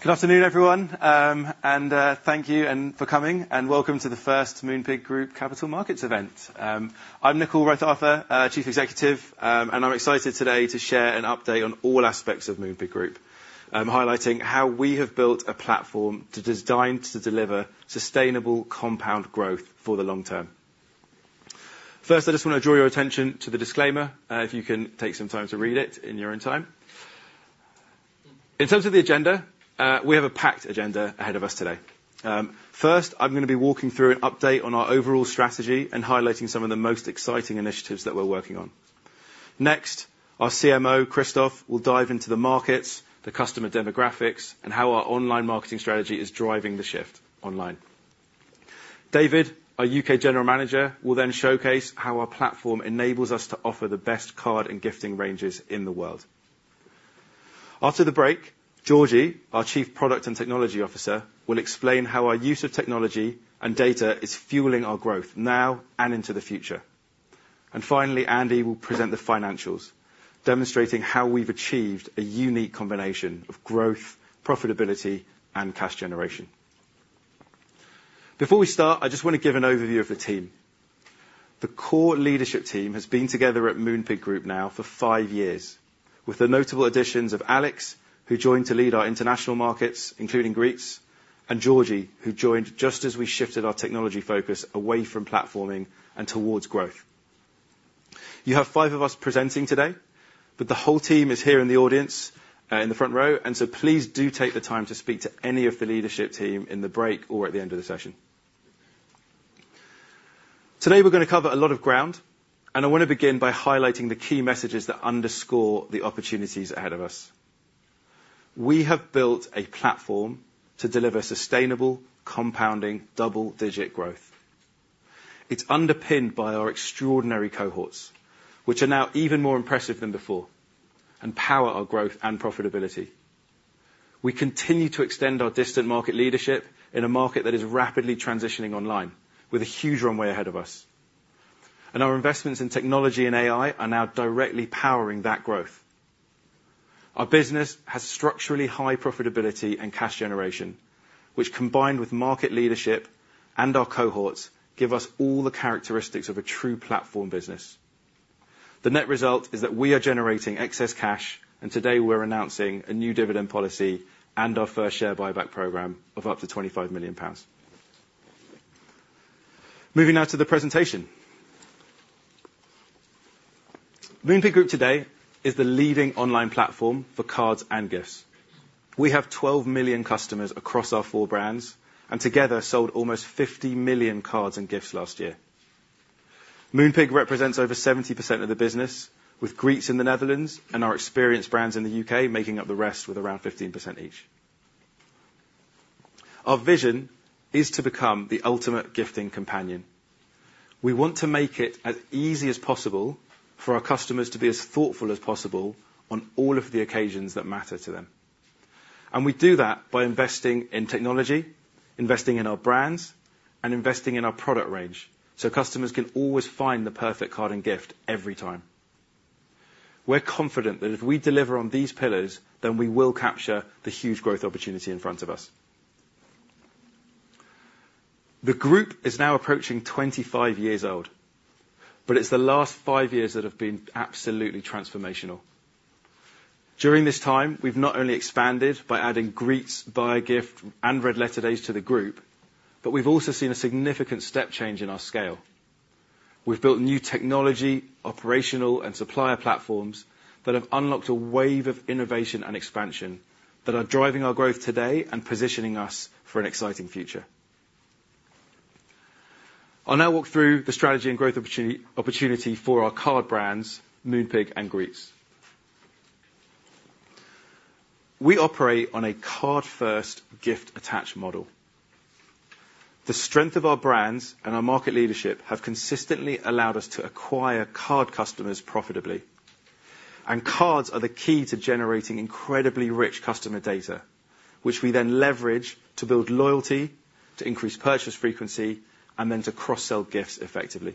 Good afternoon, everyone, and thank you for coming, and welcome to the first Moonpig Group Capital Markets event. I'm Nickyl Raithatha, Chief Executive, and I'm excited today to share an update on all aspects of Moonpig Group, highlighting how we have built a platform to design to deliver sustainable compound growth for the long term. First, I just want to draw your attention to the disclaimer. If you can take some time to read it in your own time. In terms of the agenda, we have a packed agenda ahead of us today. First, I'm going to be walking through an update on our overall strategy and highlighting some of the most exciting initiatives that we're workingxt, our CMO, Kristof, will dive into the markets, the customer demographics, and how our online marketing strategy is driving the shift online. David, our UK General Manager, will then showcase how our platform enables us to offer the best card and gifting ranges in the world. After the break, Georgie, our Chief Product and Technology Officer, will explain how our use of technology and data is fueling our growth now and into the future. And finally, Andy will present the financials, demonstrating how we've achieved a unique combination of growth, profitability, and cash generation. Before we start, I just want to give an overview of the team. The core leadership team has been together at Moonpig Group now for five years, with the notable additions of Alex, who joined to lead our international markets, including Greetz, and Georgie, who joined just as we shifted our technology focus away from platforming and towards growth. You have five of us presenting today, but the whole team is here in the audience, in the front row, and so please do take the time to speak to any of the leadership team in the break or at the end of the session. Today, we're going to cover a lot of ground, and I want to begin by highlighting the key messages that underscore the opportunities ahead of us. We have built a platform to deliver sustainable, compounding, double-digit growth. It's underpinned by our extraordinary cohorts, which are now even more impressive than before, and power our growth and profitability. We continue to extend our distant market leadership in a market that is rapidly transitioning online with a huge runway ahead of us, and our investments in technology and AI are now directly powering that growth. Our business has structurally high profitability and cash generation, which, combined with market leadership and our cohorts, give us all the characteristics of a true platform business. The net result is that we are generating excess cash, and today we're announcing a new dividend policy and our first share buyback program of up to 25 million pounds. Moving now to the presentation. Moonpig Group today is the leading online platform for cards and gifts. We have 12 million customers across our four brands, and together, sold almost 50 million cards and gifts last year. Moonpig represents over 70% of the business, with Greetz in the Netherlands and our experience brands in the U.K. making up the rest with around 15% each. Our vision is to become the ultimate gifting companion. We want to make it as easy as possible for our customers to be as thoughtful as possible on all of the occasions that matter to them. And we do that by investing in technology, investing in our brands, and investing in our product range, so customers can always find the perfect card and gift every time. We're confident that if we deliver on these pillars, then we will capture the huge growth opportunity in front of us. The group is now approaching 25 years old, but it's the last 5 years that have been absolutely transformational. During this time, we've not only expanded by adding Greetz, Buyagift, and Red Letter Days to the group, but we've also seen a significant step change in our scale. We've built new technology, operational, and supplier platforms that have unlocked a wave of innovation and expansion that are driving our growth today and positioning us for an exciting future. I'll now walk through the strategy and growth opportunity for our card brands, Moonpig and Greetz. We operate on a card-first, gift-attached model. The strength of our brands and our market leadership have consistently allowed us to acquire card customers profitably. And cards are the key to generating incredibly rich customer data, which we then leverage to build loyalty, to increase purchase frequency, and then to cross-sell gifts effectively.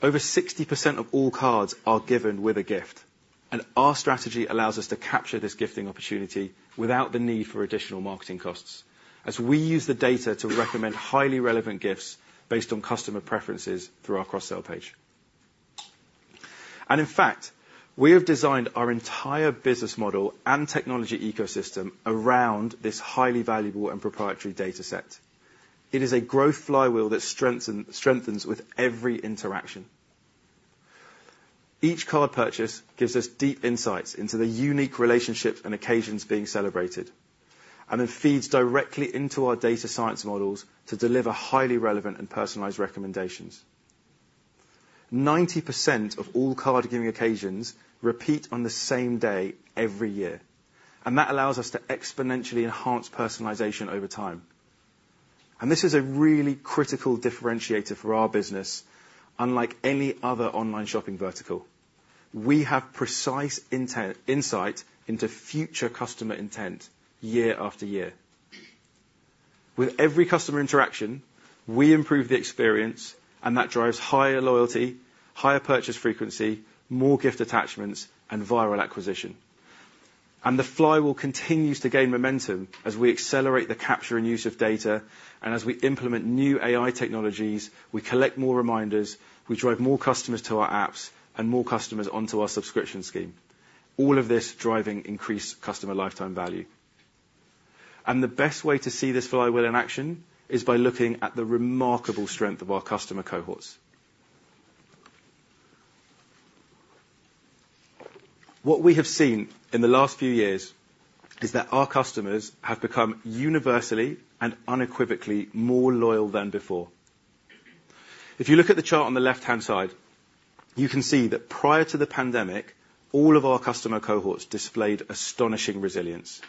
Over 60% of all cards are given with a gift, and our strategy allows us to capture this gifting opportunity without the need for additional marketing costs, as we use the data to recommend highly relevant gifts based on customer preferences through our cross-sell page, and in fact, we have designed our entire business model and technology ecosystem around this highly valuable and proprietary data set. It is a growth flywheel that strengthens with every interaction. Each card purchase gives us deep insights into the unique relationships and occasions being celebrated, and it feeds directly into our data science models to deliver highly relevant and personalized recommendations. 90% of all card-giving occasions repeat on the same day every year, and that allows us to exponentially enhance personalization over time, and this is a really critical differentiator for our business, unlike any other online shopping vertical. We have precise intent insight into future customer intent year after year... With every customer interaction, we improve the experience, and that drives higher loyalty, higher purchase frequency, more gift attachments, and viral acquisition. And the flywheel continues to gain momentum as we accelerate the capture and use of data, and as we implement new AI technologies, we collect more reminders, we drive more customers to our apps, and more customers onto our subscription scheme, all of this driving increased customer lifetime value. And the best way to see this flywheel in action is by looking at the remarkable strength of our customer cohorts. What we have seen in the last few years is that our customers have become universally and unequivocally more loyal than before. If you look at the chart on the left-hand side, you can see that prior to the pandemic, all of our customer cohorts displayed astonishing resilience.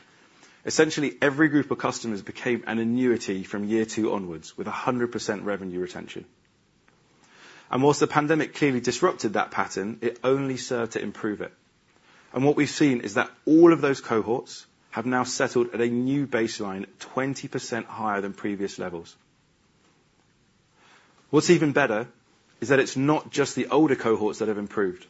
Essentially, every group of customers became an annuity from year two onwards, with 100% revenue retention. And while the pandemic clearly disrupted that pattern, it only served to improve it. And what we've seen is that all of those cohorts have now settled at a new baseline, 20% higher than previous levels. What's even better is that it's not just the older cohorts that have improved.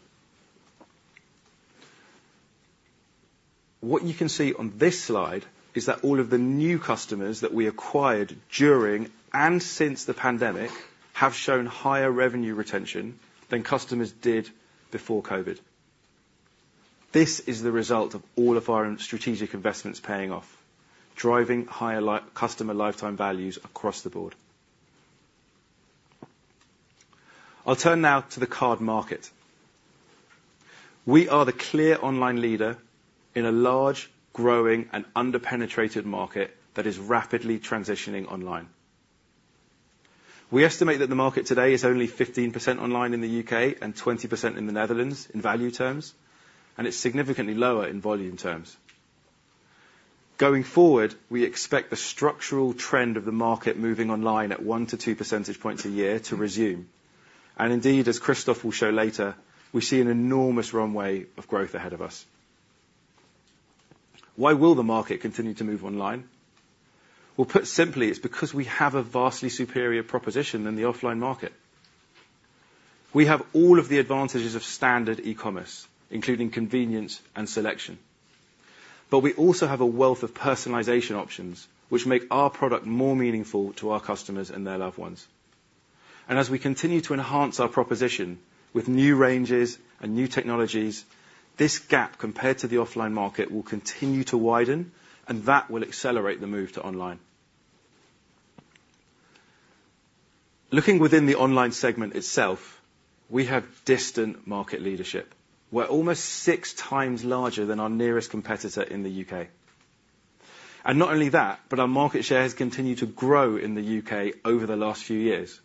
What you can see on this slide is that all of the new customers that we acquired during and since the pandemic, have shown higher revenue retention than customers did before COVID. This is the result of all of our strategic investments paying off, driving higher customer lifetime values across the board. I'll turn now to the card market. We are the clear online leader in a large, growing, and under-penetrated market that is rapidly transitioning online. We estimate that the market today is only 15% online in the UK, and 20% in the Netherlands in value terms, and it's significantly lower in volume terms. Going forward, we expect the structural trend of the market moving online at one to two percentage points a year to resume. And indeed, as Kristof will show later, we see an enormous runway of growth ahead of us. Why will the market continue to move online? Well, put simply, it's because we have a vastly superior proposition than the offline market. We have all of the advantages of standard e-commerce, including convenience and selection. But we also have a wealth of personalization options, which make our product more meaningful to our customers and their loved ones. And as we continue to enhance our proposition with new ranges and new technologies, this gap, compared to the offline market, will continue to widen, and that will accelerate the move to online. Looking within the online segment itself, we have dominant market leadership. We're almost six times larger than our nearest competitor in the U.K. And not only that, but our market share has continued to grow in the U.K. over the last few years,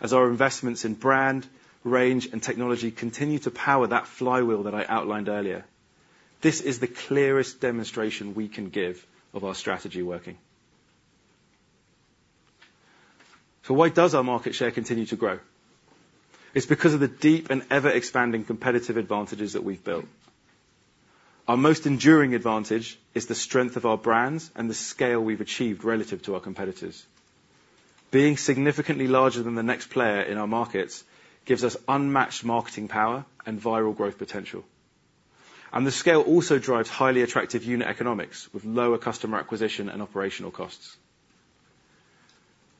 as our investments in brand, range, and technology continue to power that flywheel that I outlined earlier. This is the clearest demonstration we can give of our strategy working. So why does our market share continue to grow? It's because of the deep and ever-expanding competitive advantages that we've built. Our most enduring advantage is the strength of our brands and the scale we've achieved relative to our competitors. Being significantly larger than the next player in our markets gives us unmatched marketing power and viral growth potential. And the scale also drives highly attractive unit economics, with lower customer acquisition and operational costs.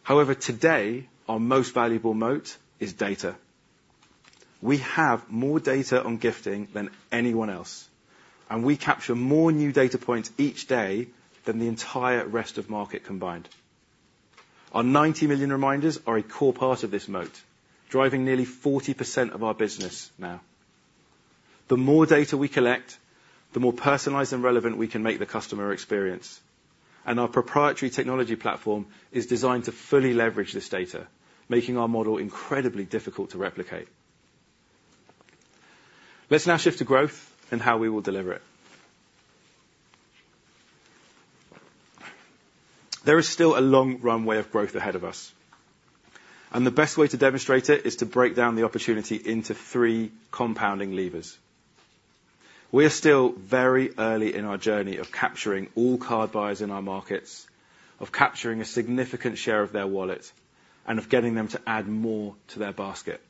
However, today, our most valuable moat is data. We have more data on gifting than anyone else, and we capture more new data points each day than the entire rest of market combined. Our ninety million reminders are a core part of this moat, driving nearly 40% of our business now. The more data we collect, the more personalized and relevant we can make the customer experience, and our proprietary technology platform is designed to fully leverage this data, making our model incredibly difficult to replicate. Let's now shift to growth and how we will deliver it. There is still a long runway of growth ahead of us, and the best way to demonstrate it is to break down the opportunity into three compounding levers. We are still very early in our journey of capturing all card buyers in our markets, of capturing a significant share of their wallet, and of getting them to add more to their basket.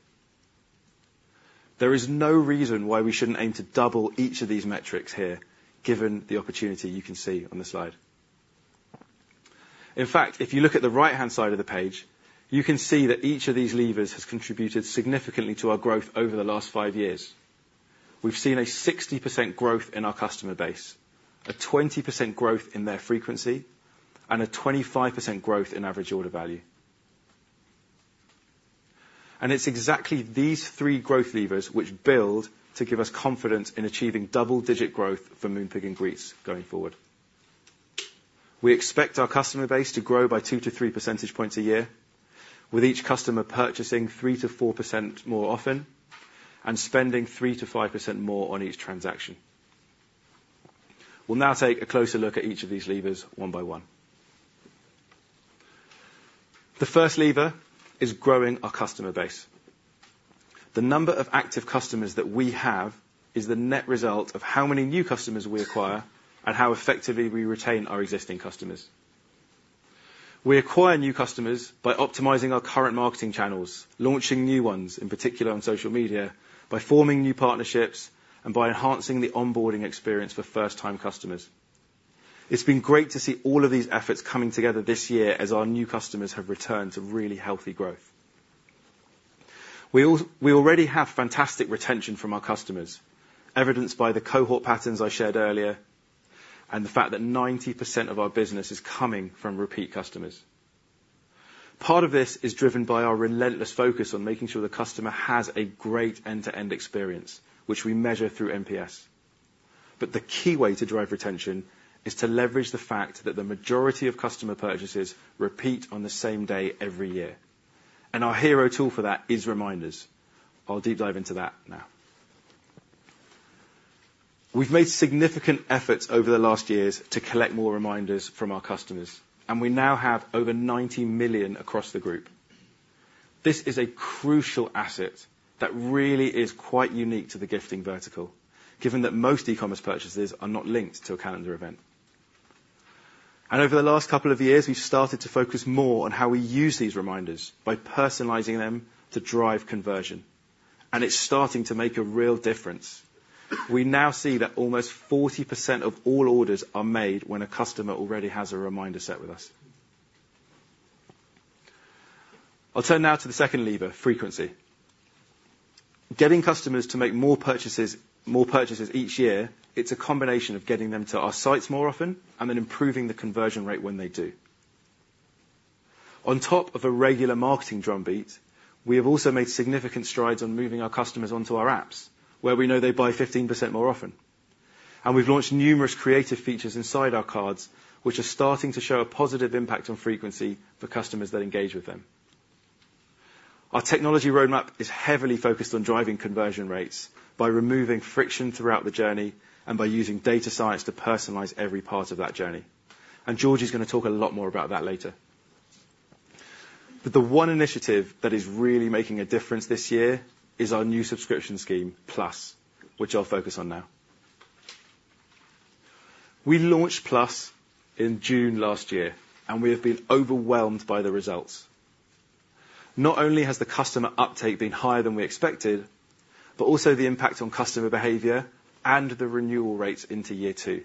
There is no reason why we shouldn't aim to double each of these metrics here, given the opportunity you can see on the slide. In fact, if you look at the right-hand side of the page, you can see that each of these levers has contributed significantly to our growth over the last five years. We've seen a 60% growth in our customer base, a 20% growth in their frequency, and a 25% growth in average order value. And it's exactly these three growth levers which build to give us confidence in achieving double-digit growth for Moonpig and Greetz going forward. We expect our customer base to grow by two to three percentage points a year, with each customer purchasing 3%-4% more often and spending 3%-5% more on each transaction. We'll now take a closer look at each of these levers one by one. The first lever is growing our customer base…. The number of active customers that we have is the net result of how many new customers we acquire and how effectively we retain our existing customers. We acquire new customers by optimizing our current marketing channels, launching new ones, in particular on social media, by forming new partnerships, and by enhancing the onboarding experience for first-time customers. It's been great to see all of these efforts coming together this year as our new customers have returned to really healthy growth. We already have fantastic retention from our customers, evidenced by the cohort patterns I shared earlier, and the fact that 90% of our business is coming from repeat customers. Part of this is driven by our relentless focus on making sure the customer has a great end-to-end experience, which we measure through NPS. But the key way to drive retention is to leverage the fact that the majority of customer purchases repeat on the same day every year, and our hero tool for that is reminders. I'll deep dive into that now. We've made significant efforts over the last years to collect more reminders from our customers, and we now have over 90 million across the group. This is a crucial asset that really is quite unique to the gifting vertical, given that most e-commerce purchases are not linked to a calendar event, and over the last couple of years, we've started to focus more on how we use these reminders by personalizing them to drive conversion, and it's starting to make a real difference. We now see that almost 40% of all orders are made when a customer already has a reminder set with us. I'll turn now to the second lever, frequency. Getting customers to make more purchases, more purchases each year, it's a combination of getting them to our sites more often and then improving the conversion rate when they do. On top of a regular marketing drumbeat, we have also made significant strides on moving our customers onto our apps, where we know they buy 15% more often. And we've launched numerous creative features inside our cards, which are starting to show a positive impact on frequency for customers that engage with them. Our technology roadmap is heavily focused on driving conversion rates by removing friction throughout the journey and by using data science to personalize every part of that journey, and Georgie is gonna talk a lot more about that later. But the one initiative that is really making a difference this year is our new subscription scheme, Plus, which I'll focus on now. We launched Plus in June last year, and we have been overwhelmed by the results. Not only has the customer uptake been higher than we expected, but also the impact on customer behavior and the renewal rates into year two.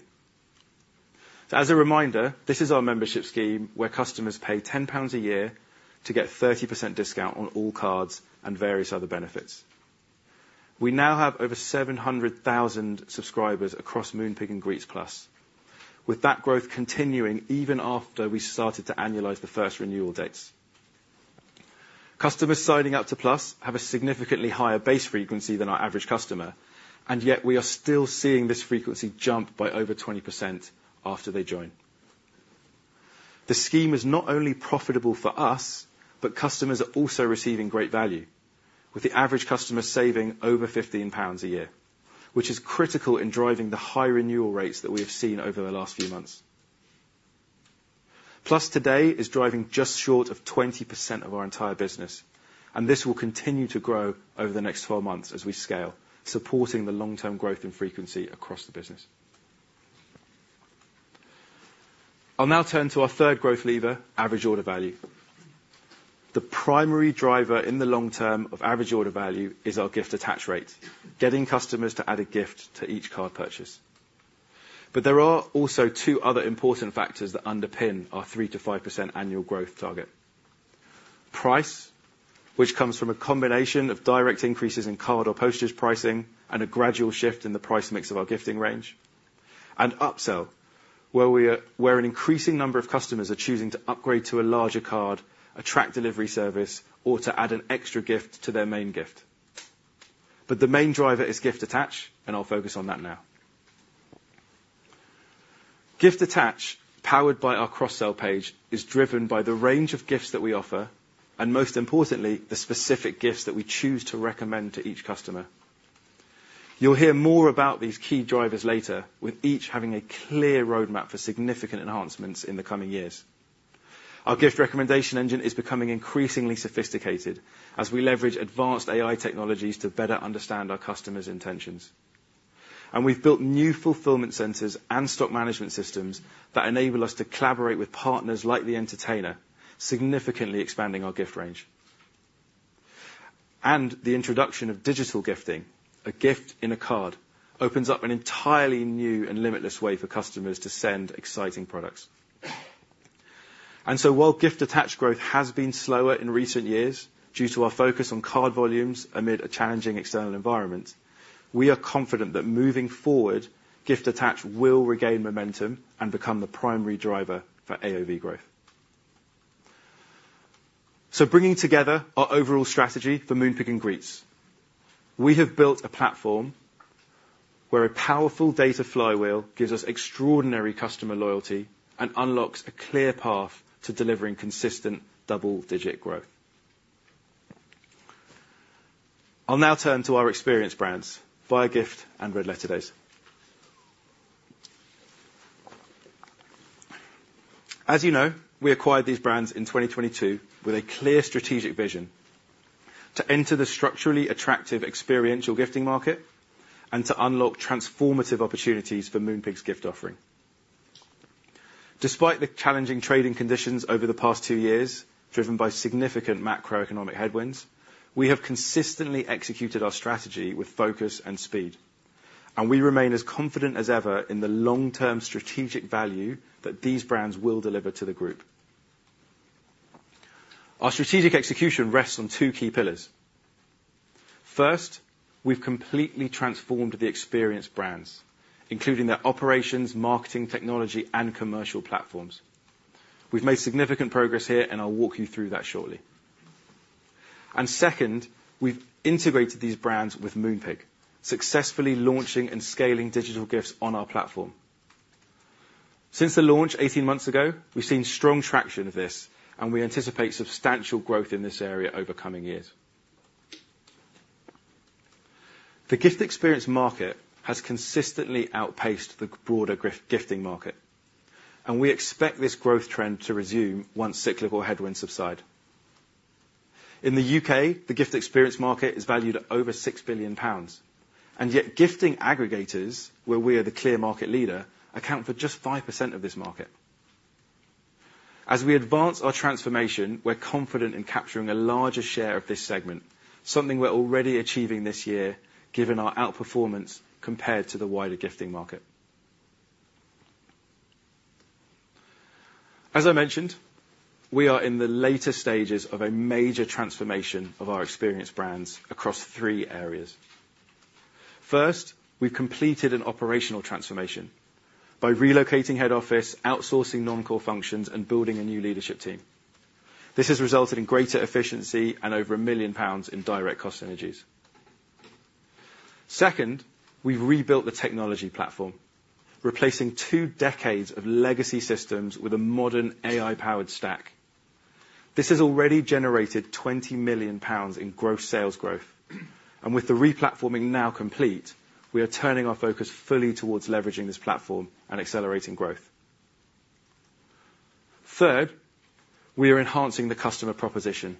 So as a reminder, this is our membership scheme, where customers pay 10 pounds a year to get 30% discount on all cards and various other benefits. We now have over 700,000 subscribers across Moonpig and Greetz Plus, with that growth continuing even after we started to annualize the first renewal dates. Customers signing up to Plus have a significantly higher base frequency than our average customer, and yet we are still seeing this frequency jump by over 20% after they join. The scheme is not only profitable for us, but customers are also receiving great value, with the average customer saving over 15 pounds a year, which is critical in driving the high renewal rates that we have seen over the last few months. Plus, today, is driving just short of 20% of our entire business, and this will continue to grow over the next twelve months as we scale, supporting the long-term growth and frequency across the business. I'll now turn to our third growth lever, average order value. The primary driver in the long term of average order value is our gift attach rate, getting customers to add a gift to each card purchase. But there are also two other important factors that underpin our 3%-5% annual growth target. Price, which comes from a combination of direct increases in card or postage pricing and a gradual shift in the price mix of our gifting range, and upsell, where an increasing number of customers are choosing to upgrade to a larger card, a tracked delivery service, or to add an extra gift to their main gift. But the main driver is gift attach, and I'll focus on that now. Gift attach, powered by our cross-sell page, is driven by the range of gifts that we offer, and most importantly, the specific gifts that we choose to recommend to each customer. You'll hear more about these key drivers later, with each having a clear roadmap for significant enhancements in the coming years. Our gift recommendation engine is becoming increasingly sophisticated as we leverage advanced AI technologies to better understand our customers' intentions. We've built new fulfillment centers and stock management systems that enable us to collaborate with partners like The Entertainer, significantly expanding our gift range. The introduction of digital gifting, a Gift in a Card, opens up an entirely new and limitless way for customers to send exciting products. So while gift attach growth has been slower in recent years due to our focus on card volumes amid a challenging external environment, we are confident that moving forward, gift attach will regain momentum and become the primary driver for AOV growth. Bringing together our overall strategy for Moonpig and Greetz, we have built a platform where a powerful data flywheel gives us extraordinary customer loyalty and unlocks a clear path to delivering consistent double-digit growth. I'll now turn to our experience brands, Buyagift and Red Letter Days. As you know, we acquired these brands in 2022 with a clear strategic vision: to enter the structurally attractive experiential gifting market, and to unlock transformative opportunities for Moonpig's gift offering. Despite the challenging trading conditions over the past two years, driven by significant macroeconomic headwinds, we have consistently executed our strategy with focus and speed, and we remain as confident as ever in the long-term strategic value that these brands will deliver to the group. Our strategic execution rests on two key pillars. First, we've completely transformed the experience brands, including their operations, marketing, technology, and commercial platforms. We've made significant progress here, and I'll walk you through that shortly. And second, we've integrated these brands with Moonpig, successfully launching and scaling digital gifts on our platform. Since the launch eighteen months ago, we've seen strong traction of this, and we anticipate substantial growth in this area over coming years. The gift experience market has consistently outpaced the broader gifting market, and we expect this growth trend to resume once cyclical headwinds subside. In the U.K., the gift experience market is valued at over 6 billion pounds, and yet gifting aggregators, where we are the clear market leader, account for just 5% of this market. As we advance our transformation, we're confident in capturing a larger share of this segment, something we're already achieving this year, given our outperformance compared to the wider gifting market. As I mentioned, we are in the later stages of a major transformation of our experience brands across three areas. First, we've completed an operational transformation by relocating head office, outsourcing non-core functions, and building a new leadership team. This has resulted in greater efficiency and over 1 million pounds in direct cost synergies. Second, we've rebuilt the technology platform, replacing two decades of legacy systems with a modern AI-powered stack. This has already generated 20 million pounds in gross sales growth, and with the replatforming now complete, we are turning our focus fully towards leveraging this platform and accelerating growth. Third, we are enhancing the customer proposition.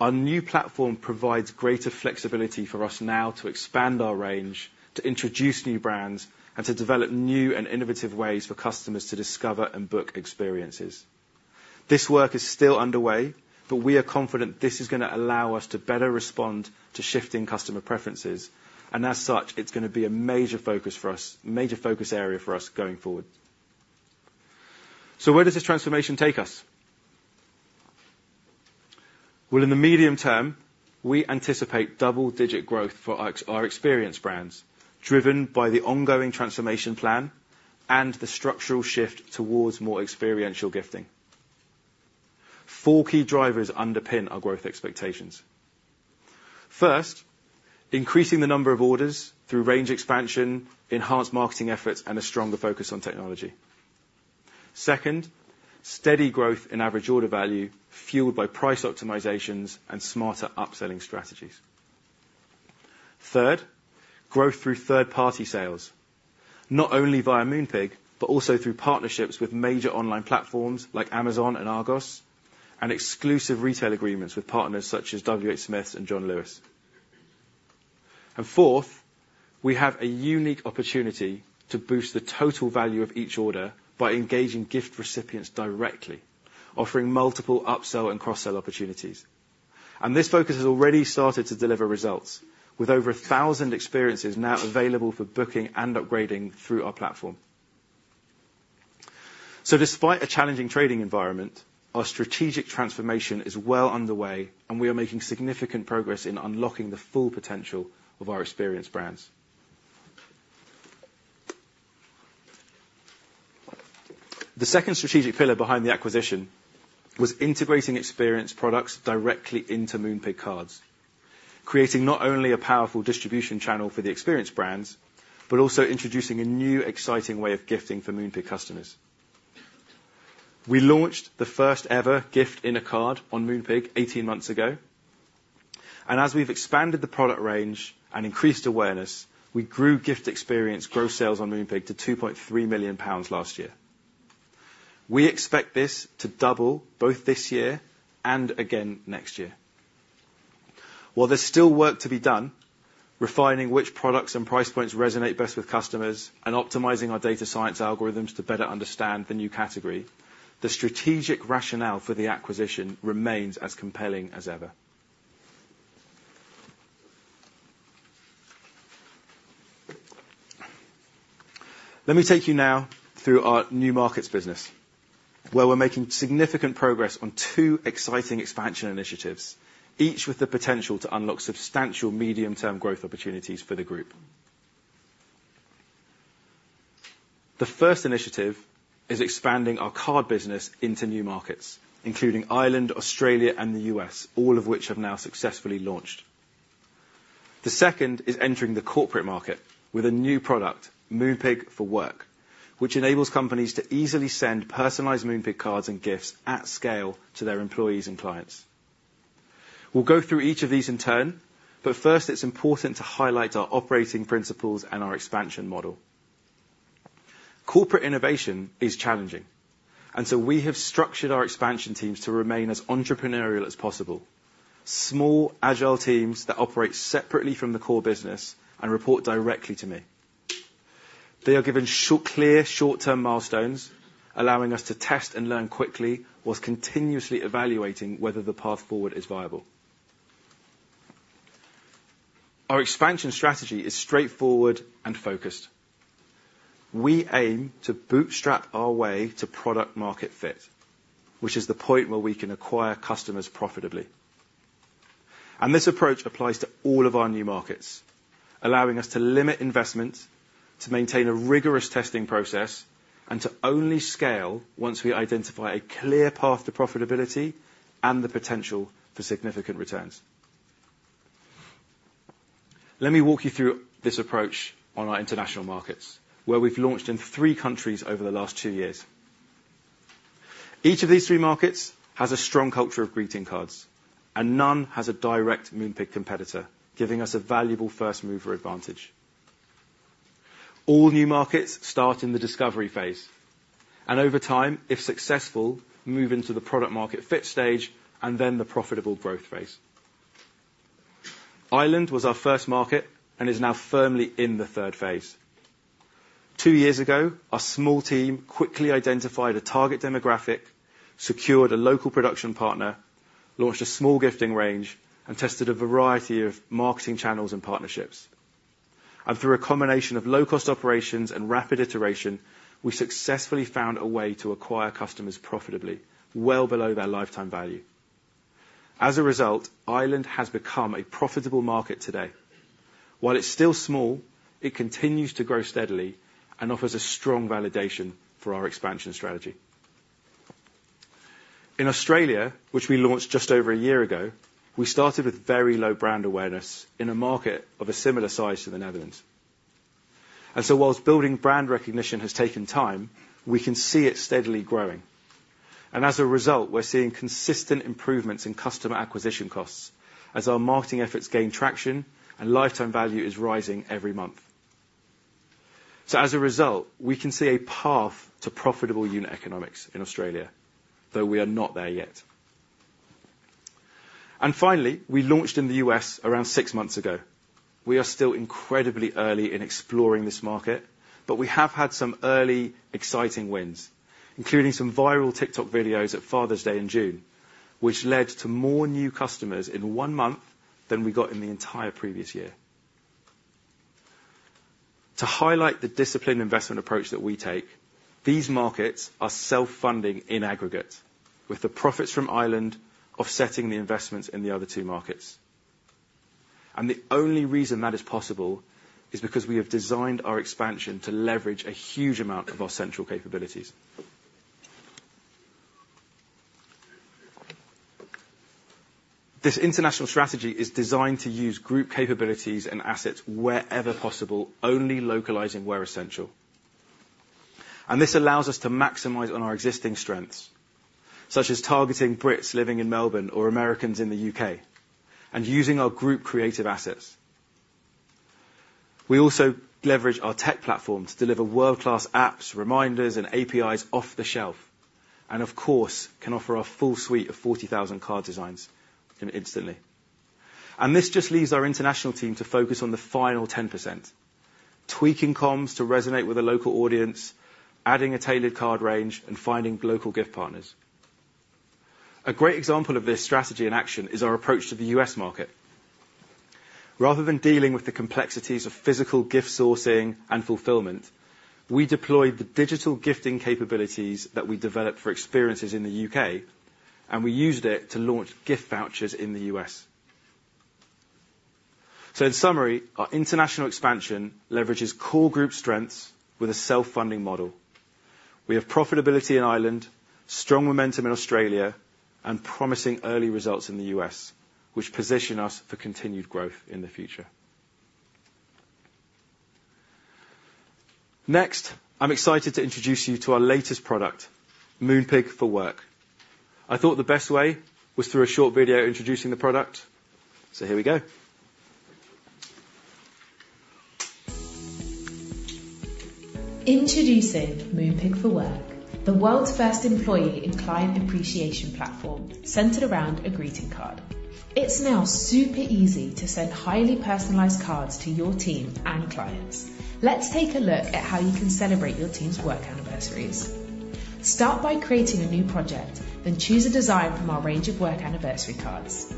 Our new platform provides greater flexibility for us now to expand our range, to introduce new brands, and to develop new and innovative ways for customers to discover and book experiences. This work is still underway, but we are confident this is gonna allow us to better respond to shifting customer preferences, and as such, it's gonna be a major focus for us, major focus area for us going forward. So where does this transformation take us? In the medium term, we anticipate double-digit growth for our experience brands, driven by the ongoing transformation plan and the structural shift towards more experiential gifting. Four key drivers underpin our growth expectations. First, increasing the number of orders through range expansion, enhanced marketing efforts, and a stronger focus on technology. Second, steady growth in average order value, fueled by price optimizations and smarter upselling strategies. Third, growth through third-party sales, not only via Moonpig, but also through partnerships with major online platforms like Amazon and Argos, and exclusive retail agreements with partners such as WHSmith and John Lewis. Fourth, we have a unique opportunity to boost the total value of each order by engaging gift recipients directly, offering multiple upsell and cross-sell opportunities. This focus has already started to deliver results, with over 1,000 experiences now available for booking and upgrading through our platform. Despite a challenging trading environment, our strategic transformation is well underway, and we are making significant progress in unlocking the full potential of our experience brands. The second strategic pillar behind the acquisition was integrating experience products directly into Moonpig cards, creating not only a powerful distribution channel for the experience brands, but also introducing a new, exciting way of gifting for Moonpig customers. We launched the first-ever gift in a card on Moonpig eighteen months ago, and as we've expanded the product range and increased awareness, we grew gift experience gross sales on Moonpig to 2.3 million pounds last year. We expect this to double both this year and again next year. While there's still work to be done, refining which products and price points resonate best with customers and optimizing our data science algorithms to better understand the new category, the strategic rationale for the acquisition remains as compelling as ever. Let me take you now through our new markets business, where we're making significant progress on two exciting expansion initiatives, each with the potential to unlock substantial medium-term growth opportunities for the group. The first initiative is expanding our card business into new markets, including Ireland, Australia, and the U.S., all of which have now successfully launched. The second is entering the corporate market with a new product, Moonpig for Work, which enables companies to easily send personalized Moonpig cards and gifts at scale to their employees and clients. We'll go through each of these in turn, but first, it's important to highlight our operating principles and our expansion model. Corporate innovation is challenging, and so we have structured our expansion teams to remain as entrepreneurial as possible. Small, agile teams that operate separately from the core business and report directly to me. They are given short, clear, short-term milestones, allowing us to test and learn quickly, while continuously evaluating whether the path forward is viable. Our expansion strategy is straightforward and focused. We aim to bootstrap our way to product-market fit, which is the point where we can acquire customers profitably, and this approach applies to all of our new markets, allowing us to limit investment, to maintain a rigorous testing process, and to only scale once we identify a clear path to profitability and the potential for significant returns. Let me walk you through this approach on our international markets, where we've launched in three countries over the last two years. Each of these three markets has a strong culture of greeting cards, and none has a direct Moonpig competitor, giving us a valuable first-mover advantage. All new markets start in the discovery phase, and over time, if successful, move into the Product-Market Fit stage and then the profitable growth phase. Ireland was our first market and is now firmly in the third phase. Two years ago, our small team quickly identified a target demographic, secured a local production partner, launched a small gifting range, and tested a variety of marketing channels and partnerships. And through a combination of low-cost operations and rapid iteration, we successfully found a way to acquire customers profitably, well below their Lifetime Value. As a result, Ireland has become a profitable market today. While it's still small, it continues to grow steadily and offers a strong validation for our expansion strategy. In Australia, which we launched just over a year ago, we started with very low brand awareness in a market of a similar size to the Netherlands, and so whilst building brand recognition has taken time, we can see it steadily growing, and as a result, we're seeing consistent improvements in customer acquisition costs as our marketing efforts gain traction and lifetime value is rising every month, so as a result, we can see a path to profitable unit economics in Australia, though we are not there yet, and finally, we launched in the US around six months ago. We are still incredibly early in exploring this market, but we have had some early exciting wins, including some viral TikTok videos at Father's Day in June, which led to more new customers in one month than we got in the entire previous year. To highlight the disciplined investment approach that we take, these markets are self-funding in aggregate, with the profits from Ireland offsetting the investments in the other two markets. And the only reason that is possible is because we have designed our expansion to leverage a huge amount of our central capabilities. This international strategy is designed to use group capabilities and assets wherever possible, only localizing where essential. And this allows us to maximize on our existing strengths, such as targeting Brits living in Melbourne or Americans in the U.K., and using our group creative assets. We also leverage our tech platform to deliver world-class apps, reminders, and APIs off the shelf, and of course, can offer a full suite of 40,000 card designs in an instant. This just leaves our international team to focus on the final 10%, tweaking comms to resonate with a local audience, adding a tailored card range, and finding local gift partners. A great example of this strategy in action is our approach to the U.S. market. Rather than dealing with the complexities of physical gift sourcing and fulfillment, we deployed the digital gifting capabilities that we developed for experiences in the U.K., and we used it to launch gift vouchers in the U.S. In summary, our international expansion leverages core group strengths with a self-funding model. We have profitability in Ireland, strong momentum in Australia, and promising early results in the U.S., which position us for continued growth in the future. Next, I'm excited to introduce you to our latest product, Moonpig for Work. I thought the best way was through a short video introducing the product. Here we go. Introducing Moonpig for Work, the world's first employee and client appreciation platform centered around a greeting card. It's now super easy to send highly personalized cards to your team and clients. Let's take a look at how you can celebrate your team's work anniversaries. Start by creating a new project, then choose a design from our range of work anniversary cards.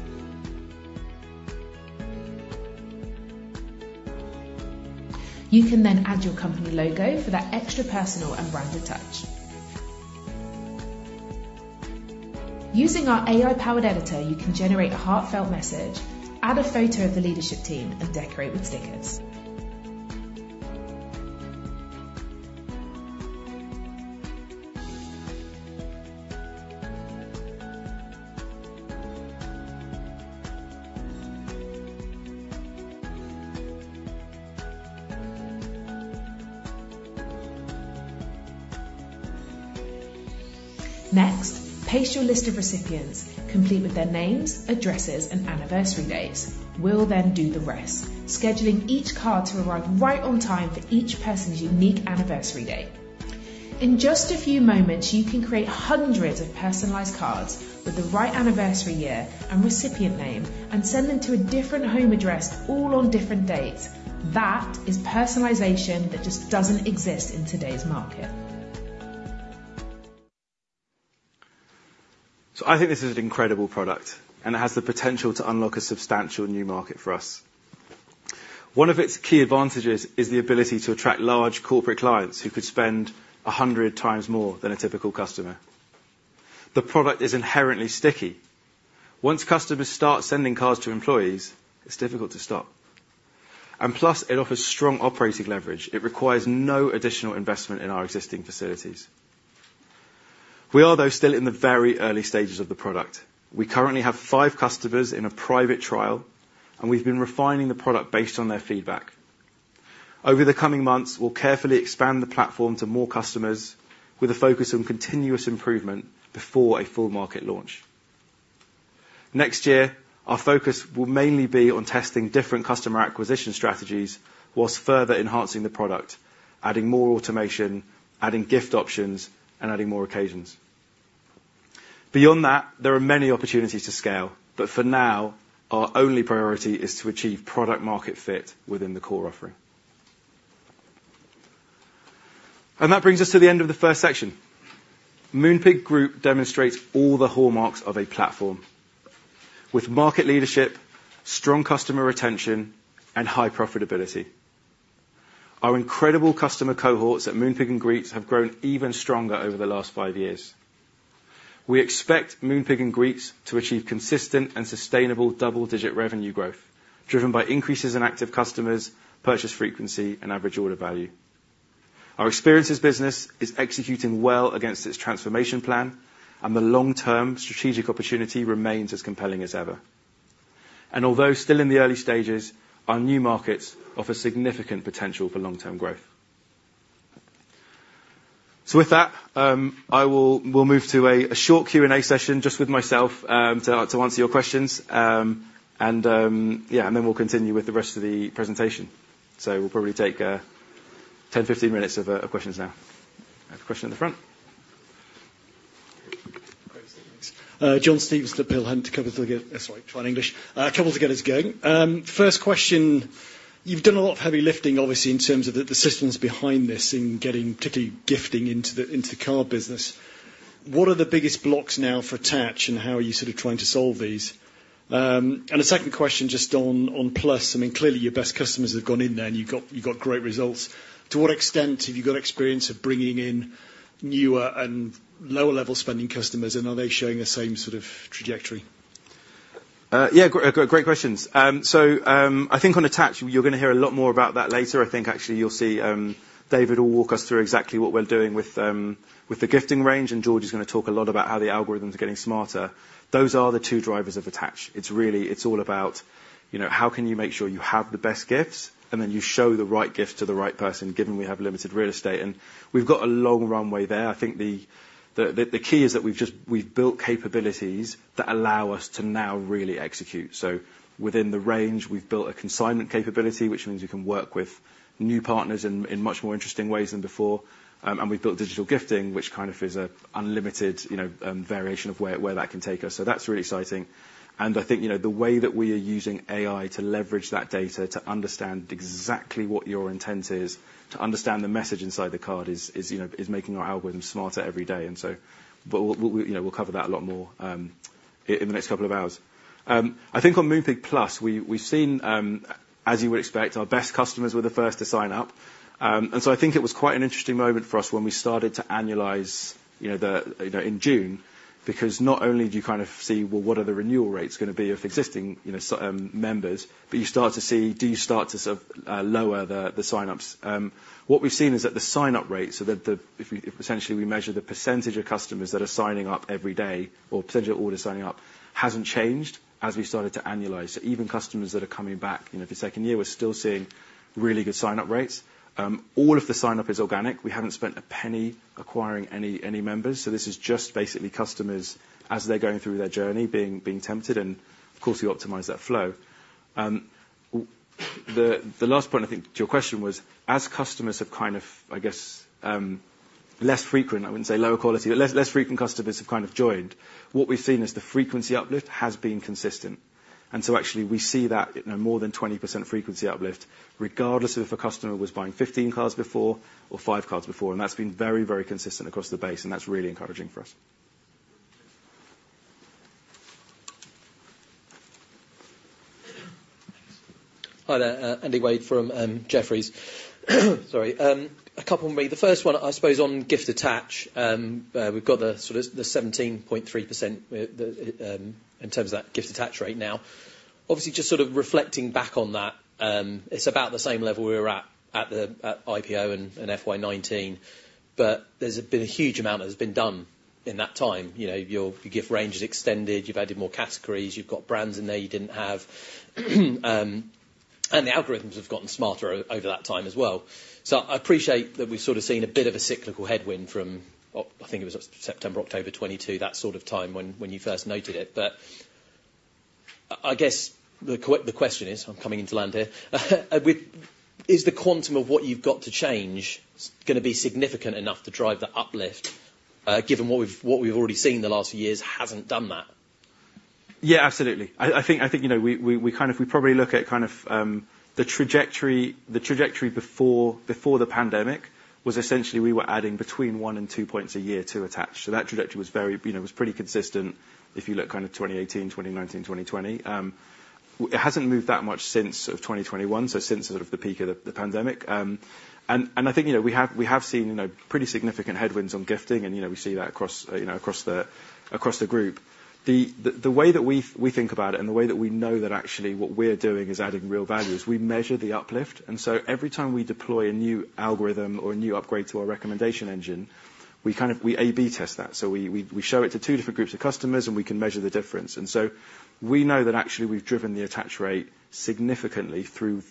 You can then add your company logo for that extra personal and branded touch. Using our AI-powered editor, you can generate a heartfelt message, add a photo of the leadership team, and decorate with stickers. Thank you.... Next, paste your list of recipients, complete with their names, addresses, and anniversary dates. We'll then do the rest, scheduling each card to arrive right on time for each person's unique anniversary date. In just a few moments, you can create hundreds of personalized cards with the right anniversary year and recipient name, and send them to a different home address, all on different dates. That is personalization that just doesn't exist in today's market. I think this is an incredible product, and it has the potential to unlock a substantial new market for us. One of its key advantages is the ability to attract large corporate clients who could spend a hundred times more than a typical customer. The product is inherently sticky. Once customers start sending cards to employees, it's difficult to stop. And plus, it offers strong operating leverage. It requires no additional investment in our existing facilities. We are, though, still in the very early stages of the product. We currently have five customers in a private trial, and we've been refining the product based on their feedback. Over the coming months, we'll carefully expand the platform to more customers with a focus on continuous improvement before a full market launch. Next year, our focus will mainly be on testing different customer acquisition strategies while further enhancing the product, adding more automation, adding gift options, and adding more occasions. Beyond that, there are many opportunities to scale, but for now, our only priority is to achieve product-market fit within the core offering, and that brings us to the end of the first section. Moonpig Group demonstrates all the hallmarks of a platform, with market leadership, strong customer retention, and high profitability. Our incredible customer cohorts at Moonpig and Greetz have grown even stronger over the last five years. We expect Moonpig and Greetz to achieve consistent and sustainable double-digit revenue growth, driven by increases in active customers, purchase frequency, and average order value. Our experiences business is executing well against its transformation plan, and the long-term strategic opportunity remains as compelling as ever. Although still in the early stages, our new markets offer significant potential for long-term growth. With that, we'll move to a short Q&A session just with myself to answer your questions. Yeah, and then we'll continue with the rest of the presentation. We'll probably take 10, 15 minutes of questions now. I have a question at the front. John Stevenson, Peel Hunt covers the... A couple to get us going. First question: You've done a lot of heavy lifting, obviously, in terms of the systems behind this in getting, particularly gifting into the card business. What are the biggest blocks now for attach, and how are you sort of trying to solve these? And a second question just on Plus. I mean, clearly, your best customers have gone in there, and you've got great results. To what extent have you got experience of bringing in newer and lower-level spending customers, and are they showing the same sort of trajectory? Yeah, great questions. So, I think on Attach, you're going to hear a lot more about that later. I think actually you'll see David will walk us through exactly what we're doing with the gifting range, and Georgie is going to talk a lot about how the algorithm is getting smarter. Those are the two drivers of Attach. It's really, it's all about, you know, how can you make sure you have the best gifts, and then you show the right gift to the right person, given we have limited real estate, and we've got a long runway there. I think the key is that we've just built capabilities that allow us to now really execute. So within the range, we've built a consignment capability, which means we can work with new partners in much more interesting ways than before. And we've built digital gifting, which kind of is an unlimited variation of where that can take us. So that's really exciting. And I think, you know, the way that we are using AI to leverage that data, to understand exactly what your intent is, to understand the message inside the card is making our algorithm smarter every day, and so. But we, you know, we'll cover that a lot more in the next couple of hours. I think on Moonpig Plus, we've seen, as you would expect, our best customers were the first to sign up. I think it was quite an interesting moment for us when we started to annualize, you know, in June, because not only do you kind of see, well, what are the renewal rates going to be of existing, you know, members, but you start to see, do you start to sort of lower the sign-ups? What we've seen is that the sign-up rate, so if we essentially measure the percentage of customers that are signing up every day or percentage of orders signing up, hasn't changed as we started to annualize. Even customers that are coming back, you know, the second year, we're still seeing really good sign-up rates. All of the sign-up is organic. We haven't spent a penny acquiring any members, so this is just basically customers, as they're going through their journey, being tempted, and of course, we optimize that flow. The last point, I think, to your question was, as customers have kind of, I guess, less frequent, I wouldn't say lower quality, but less frequent customers have kind of joined, what we've seen is the frequency uplift has been consistent. So actually, we see that, you know, more than 20% frequency uplift, regardless of if a customer was buying 15 cards before or five cards before, and that's been very consistent across the base, and that's really encouraging for us. Hi there, Andy Wade from Jefferies. Sorry. A couple for me. The first one, I suppose, on gift attach. We've got the sort of 17.3%, in terms of that gift attach rate now. Obviously, just sort of reflecting back on that, it's about the same level we were at, at the IPO and FY 2019, but there's been a huge amount that has been done in that time. You know, your gift range has extended, you've added more categories, you've got brands in there you didn't have. And the algorithms have gotten smarter over that time as well. So I appreciate that we've sort of seen a bit of a cyclical headwind from, I think it was September, October 2022, that sort of time when you first noted it. But I guess the question is, I'm coming into land here. Is the quantum of what you've got to change is gonna be significant enough to drive the uplift, given what we've already seen in the last few years hasn't done that? Yeah, absolutely. I think, you know, we kind of look at kind of the trajectory before the pandemic, was essentially we were adding between one and two points a year to attach. So that trajectory was very, you know, pretty consistent if you look kind of 2018, 2019, 2020. It hasn't moved that much since 2021, so since sort of the peak of the pandemic, and I think, you know, we have seen, you know, pretty significant headwinds on gifting, and, you know, we see that across the group. The way that we think about it, and the way that we know that actually what we're doing is adding real value, is we measure the uplift. Every time we deploy a new algorithm or a new upgrade to our recommendation engine, we kind of A/B test that. So we show it to two different groups of customers, and we can measure the difference. We know that actually we've driven the attach rate significantly through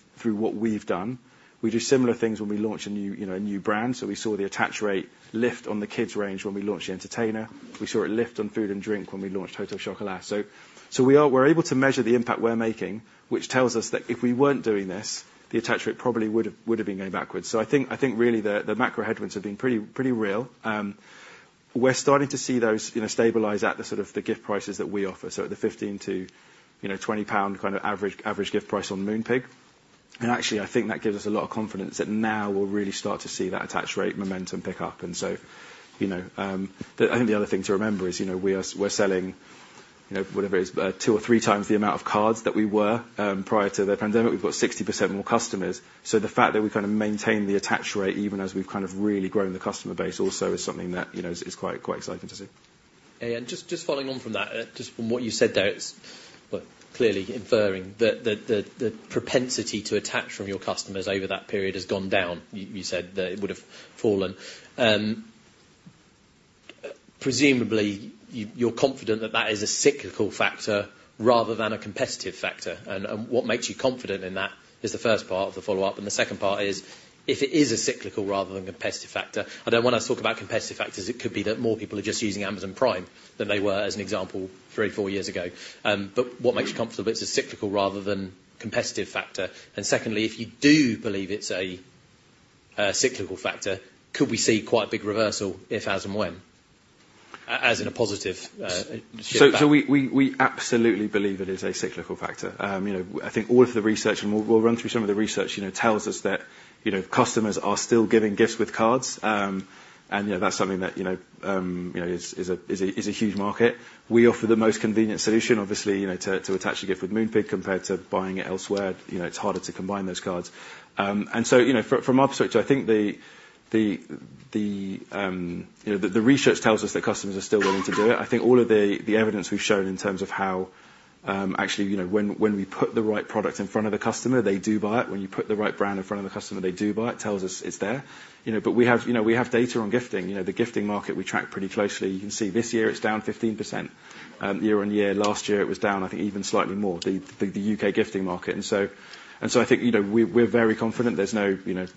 what we've done. We do similar things when we launch a new, you know, a new brand. We saw the attach rate lift on the kids' range when we launched The Entertainer. We saw it lift on food and drink when we launched Hotel Chocolat. We are able to measure the impact we're making, which tells us that if we weren't doing this, the attach rate probably would have been going backwards. I think really the macro headwinds have been pretty real. We're starting to see those, you know, stabilize at the sort of gift prices that we offer, so at the 15 to, you know, 20 pound kind of average gift price on Moonpig. And actually, I think that gives us a lot of confidence that now we'll really start to see that attach rate momentum pick up. And so, you know, I think the other thing to remember is, you know, we're selling, you know, whatever it is, two or three times the amount of cards that we were prior to the pandemic. We've got 60% more customers. So the fact that we've kind of maintained the attach rate, even as we've kind of really grown the customer base also is something that, you know, is quite exciting to see. And just following on from that, just from what you said there, it's well, clearly inferring that the propensity to attach from your customers over that period has gone down. You said that it would have fallen. Presumably, you're confident that that is a cyclical factor rather than a competitive factor. And what makes you confident in that? That is the first part of the follow-up. The second part is, if it is a cyclical rather than competitive factor, I don't wanna talk about competitive factors. It could be that more people are just using Amazon Prime than they were, as an example, three or four years ago. But what makes you confident it's a cyclical rather than competitive factor? And secondly, if you do believe it's a cyclical factor, could we see quite a big reversal if, as, and when, as in a positive So we absolutely believe it is a cyclical factor. You know, I think all of the research, and we'll run through some of the research, you know, tells us that, you know, customers are still giving gifts with cards. And, you know, that's something that, you know, you know, is a huge market. We offer the most convenient solution, obviously, you know, to attach a gift with Moonpig, compared to buying it elsewhere. You know, it's harder to combine those cards. And so, you know, from our perspective, I think the research tells us that customers are still willing to do it. I think all of the evidence we've shown in terms of how, actually, you know, when we put the right product in front of the customer, they do buy it. When you put the right brand in front of the customer, they do buy it, tells us it's there. You know, but we have, you know, we have data on gifting. You know, the gifting market, we track pretty closely. You can see this year it's down 15%, year-on-year. Last year, it was down, I think, even slightly more, the UK gifting market. And so I think, you know, we, we're very confident there's no, you know,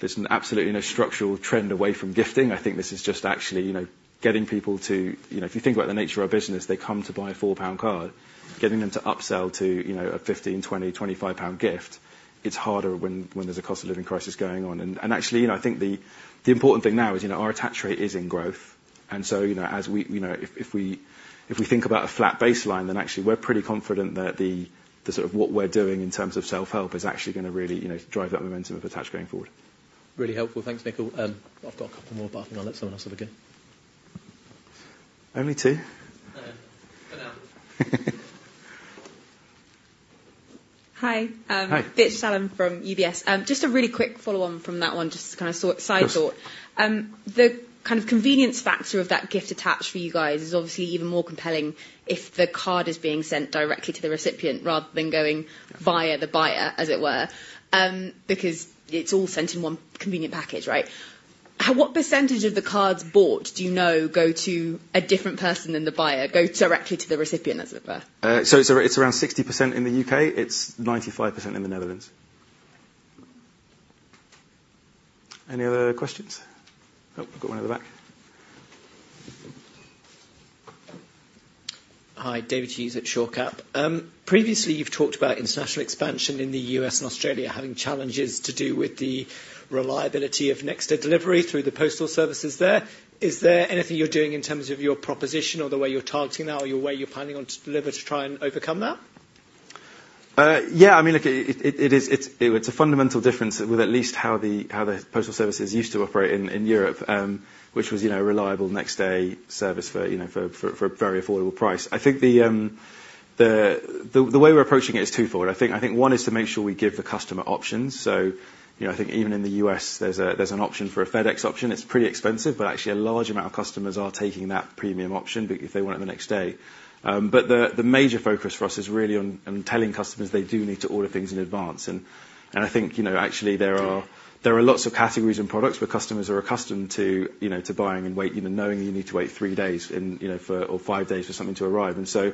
there's absolutely no structural trend away from gifting. I think this is just actually, you know, getting people to... You know, if you think about the nature of our business, they come to buy a £4 card. Getting them to upsell to, you know, a 15, 20, 25-pound gift, it's harder when there's a cost of living crisis going on. And actually, you know, I think the important thing now is, you know, our attach rate is in growth. And so, you know, as we... You know, if we think about a flat baseline, then actually we're pretty confident that the sort of what we're doing in terms of self-help is actually gonna really, you know, drive that momentum of attach going forward. Really helpful. Thanks, Nickyl. I've got a couple more, but I'm gonna let someone else have a go. Only two? I know. For now. Hi. Hi. Vish Salem from UBS. Just a really quick follow on from that one, just to kind of sort- Yes. -side thought. The kind of convenience factor of that gift attach for you guys is obviously even more compelling if the card is being sent directly to the recipient rather than going via the buyer, as it were, because it's all sent in one convenient package, right? What percentage of the cards bought, do you know, go to a different person than the buyer, go directly to the recipient, as it were? So it's around 60% in the UK, it's 95% in the Netherlands. Any other questions? Oh, got one at the back. Hi, David Hughes at Shore Capital. Previously, you've talked about international expansion in the US and Australia having challenges to do with the reliability of next-day delivery through the postal services there. Is there anything you're doing in terms of your proposition or the way you're targeting that or your way you're planning on to deliver to try and overcome that? Yeah, I mean, look, it is, it's a fundamental difference with at least how the postal services used to operate in Europe, which was, you know, a reliable next-day service for, you know, a very affordable price. I think the way we're approaching it is two-fold. I think one is to make sure we give the customer options. So, you know, I think even in the U.S., there's an option for a FedEx option. It's pretty expensive, but actually a large amount of customers are taking that premium option if they want it the next day. But the major focus for us is really on telling customers they do need to order things in advance, and... I think, you know, actually, there are lots of categories and products where customers are accustomed to, you know, to buying and waiting, even knowing you need to wait three days and, you know, four or five days for something to arrive. So,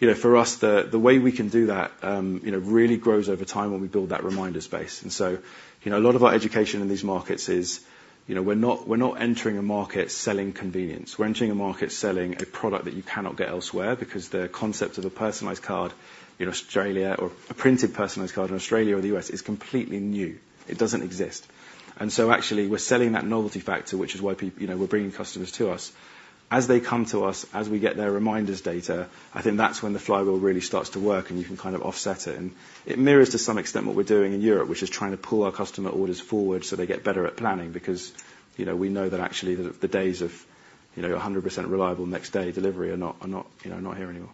you know, the way we can do that, you know, really grows over time when we build that reminder space. So, you know, a lot of our education in these markets is, you know, we're not entering a market selling convenience. We're entering a market selling a product that you cannot get elsewhere, because the concept of a personalized card in Australia, or a printed personalized card in Australia or the U.S. is completely new. It doesn't exist. And so actually, we're selling that novelty factor, which is why you know, we're bringing customers to us. As they come to us, as we get their reminders data, I think that's when the flywheel really starts to work, and you can kind of offset it. And it mirrors, to some extent, what we're doing in Europe, which is trying to pull our customer orders forward so they get better at planning, because, you know, we know that actually the days of, you know, 100% reliable next-day delivery are not, you know, not here anymore.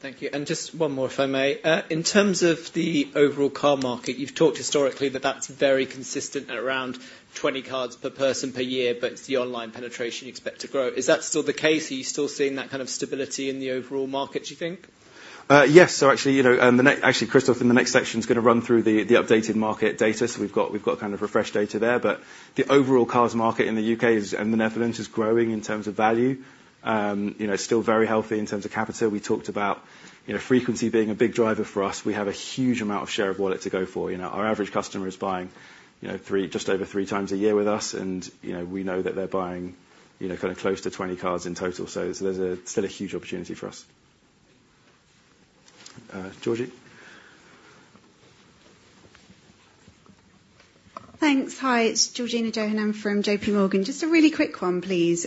Thank you. And just one more, if I may. In terms of the overall card market, you've talked historically that that's very consistent at around twenty cards per person per year, but it's the online penetration you expect to grow. Is that still the case? Are you still seeing that kind of stability in the overall market, do you think? Yes. So actually, you know, Kristof, in the next section, is going to run through the updated market data. So we've got kind of refreshed data there, but the overall cards market in the UK and the Netherlands is growing in terms of value. You know, still very healthy in terms of per capita. We talked about, you know, frequency being a big driver for us. We have a huge amount of share of wallet to go for. You know, our average customer is buying, you know, three, just over three times a year with us, and, you know, we know that they're buying, you know, kind of close to 20 cards in total. So there's still a huge opportunity for us. Georgie? Thanks. Hi, it's Georgina Johanan from JP Morgan. Just a really quick one, please.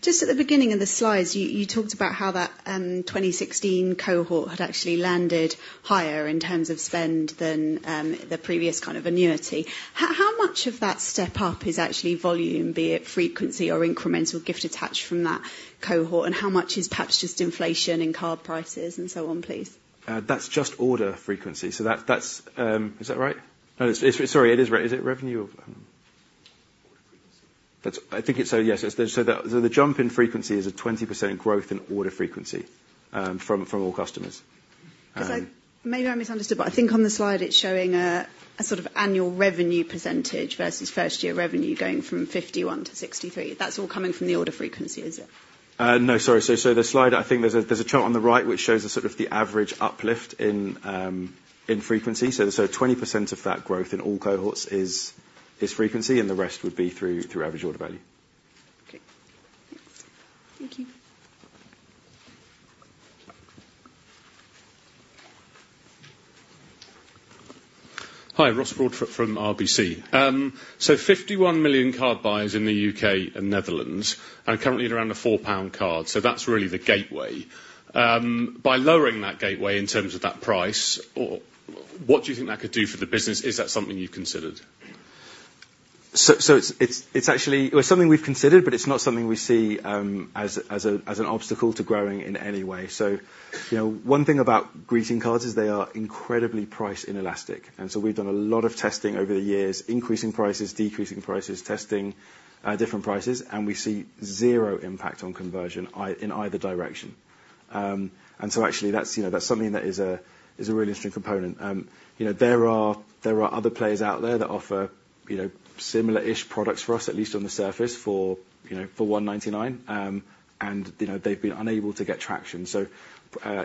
Just at the beginning of the slides, you talked about how that 2016 cohort had actually landed higher in terms of spend than the previous kind of cohort. How much of that step up is actually volume, be it frequency or incremental gift attached from that year, and how much is perhaps just infla\tion and card prices and so on, please? That's just order frequency. So that's... Is that right? No, it's, sorry, it is right. Is it revenue of- Order frequency. That's. I think it's so yes, so the jump in frequency is a 20% growth in order frequency from all customers. Maybe I misunderstood, but I think on the slide, it's showing a sort of annual revenue percentage versus first-year revenue going from 51%-63%. That's all coming from the order frequency, is it? No, sorry, so the slide, I think there's a chart on the right which shows the sort of the average uplift in frequency. So 20% of that growth in all cohorts is frequency, and the rest would be through average order value. Okay. Thanks. Thank you. Hi, Ross Broadfoot from RBC. So 51 million card buyers in the UK and Netherlands are currently at around the 4 pound card. So that's really the gateway. By lowering that gateway in terms of that price, what do you think that could do for the business? Is that something you've considered? It's actually. Well, it's something we've considered, but it's not something we see as an obstacle to growing in any way. You know, one thing about greeting cards is they are incredibly price inelastic, and so we've done a lot of testing over the years, increasing prices, decreasing prices, testing different prices, and we see zero impact on conversion in either direction. Actually, that's, you know, that's something that is a really interesting component. You know, there are other players out there that offer, you know, similar-ish products for us, at least on the surface, for, you know, for 1.99, and you know, they've been unable to get traction. So,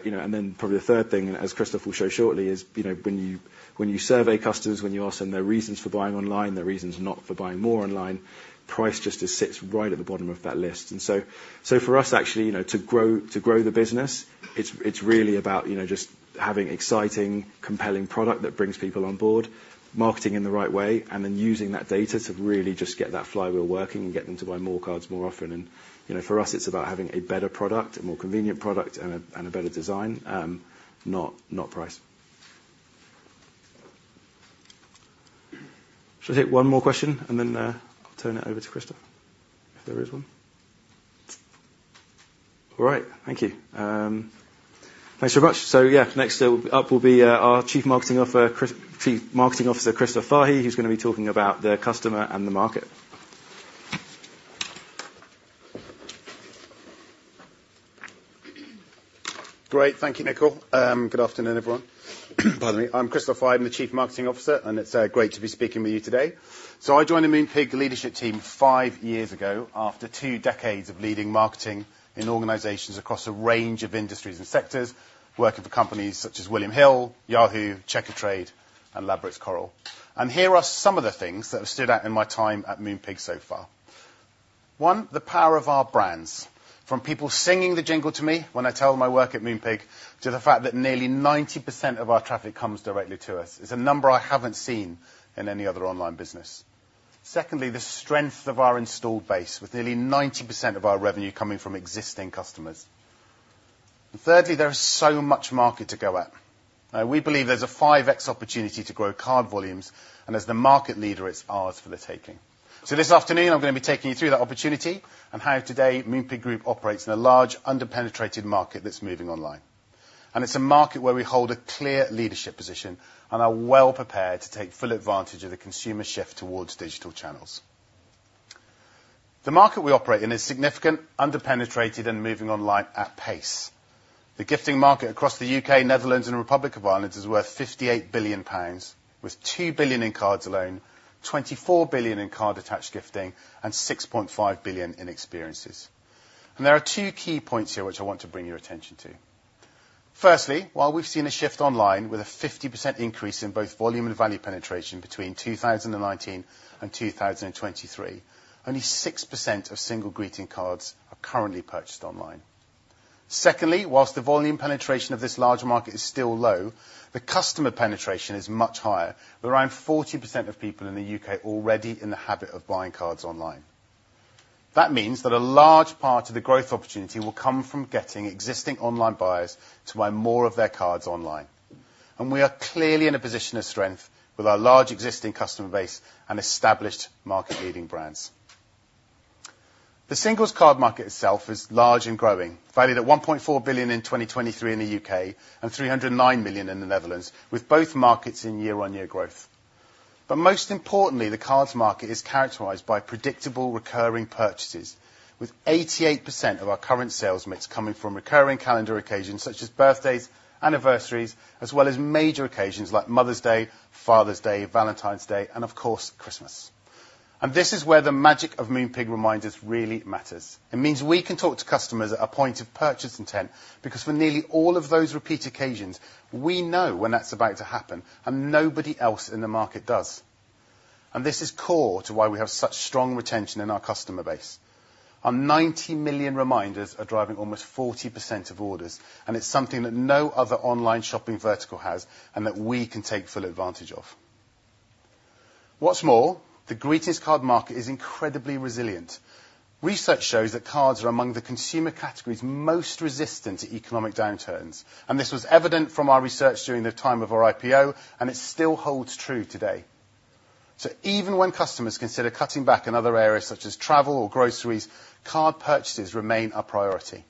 you know, and then probably the third thing, as Kristof will show shortly, is, you know, when you survey customers, when you ask them their reasons for buying online, their reasons not for buying more online, price just sits right at the bottom of that list. And so for us, actually, you know, to grow the business, it's really about, you know, just having exciting, compelling product that brings people on board, marketing in the right way, and then using that data to really just get that flywheel working and get them to buy more cards more often. And, you know, for us, it's about having a better product, a more convenient product, and a better design, not price. Should I take one more question, and then, I'll turn it over to Kristof, if there is one? All right. Thank you. Thanks very much. So yeah, next up will be our Chief Marketing Officer, Kristof Farhi, who's going to be talking about the customer and the market. Great. Thank you, Nickyl. Good afternoon, everyone. Pardon me. I'm Kristof Farhi. I'm the Chief Marketing Officer, and it's great to be speaking with you today. So I joined the Moonpig leadership team five years ago, after two decades of leading marketing in organizations across a range of industries and sectors, working for companies such as William Hill, Yahoo, Checkatrade, and Ladbrokes Coral. And here are some of the things that have stood out in my time at Moonpig so far. One, the power of our brands, from people singing the jingle to me when I tell them I work at Moonpig, to the fact that nearly 90% of our traffic comes directly to us. It's a number I haven't seen in any other online business. Secondly, the strength of our installed base, with nearly 90% of our revenue coming from existing customers. Thirdly, there is so much market to go at. We believe there's a 5X opportunity to grow card volumes, and as the market leader, it's ours for the taking. This afternoon, I'm going to be taking you through that opportunity and how today, Moonpig Group operates in a large, underpenetrated market that's moving online. It's a market where we hold a clear leadership position and are well prepared to take full advantage of the consumer shift towards digital channels. The market we operate in is significant, under-penetrated, and moving online at pace. The gifting market across the UK, Netherlands, and Republic of Ireland is worth 58 billion pounds, with 2 billion in cards alone, 24 billion in card-attached gifting, and 6.5 billion in experiences. There are two key points here, which I want to bring your attention to. Firstly, while we've seen a shift online, with a 50% increase in both volume and value penetration between 2019 and 2023, only 6% of single greeting cards are currently purchased online. Secondly, while the volume penetration of this large market is still low, the customer penetration is much higher, with around 40% of people in the U.K. already in the habit of buying cards online. That means that a large part of the growth opportunity will come from getting existing online buyers to buy more of their cards online, and we are clearly in a position of strength with our large existing customer base and established market-leading brands. The singles card market itself is large and growing, valued at 1.4 billion in 2023 in the UK, and 309 million in the Netherlands, with both markets in year-on-year growth. But most importantly, the cards market is characterized by predictable, recurring purchases, with 88% of our current sales mix coming from recurring calendar occasions such as birthdays, anniversaries, as well as major occasions like Mother's Day, Father's Day, Valentine's Day, and of course, Christmas. And this is where the magic of Moonpig Reminders really matters. It means we can talk to customers at a point of purchase intent, because for nearly all of those repeat occasions, we know when that's about to happen, and nobody else in the market does. And this is core to why we have such strong retention in our customer base. Our 90 million reminders are driving almost 40% of orders, and it's something that no other online shopping vertical has, and that we can take full advantage of. What's more, the greetings card market is incredibly resilient. Research shows that cards are among the consumer categories most resistant to economic downturns, and this was evident from our research during the time of our IPO, and it still holds true today. So even when customers consider cutting back in other areas, such as travel or groceries, card purchases remain a priority.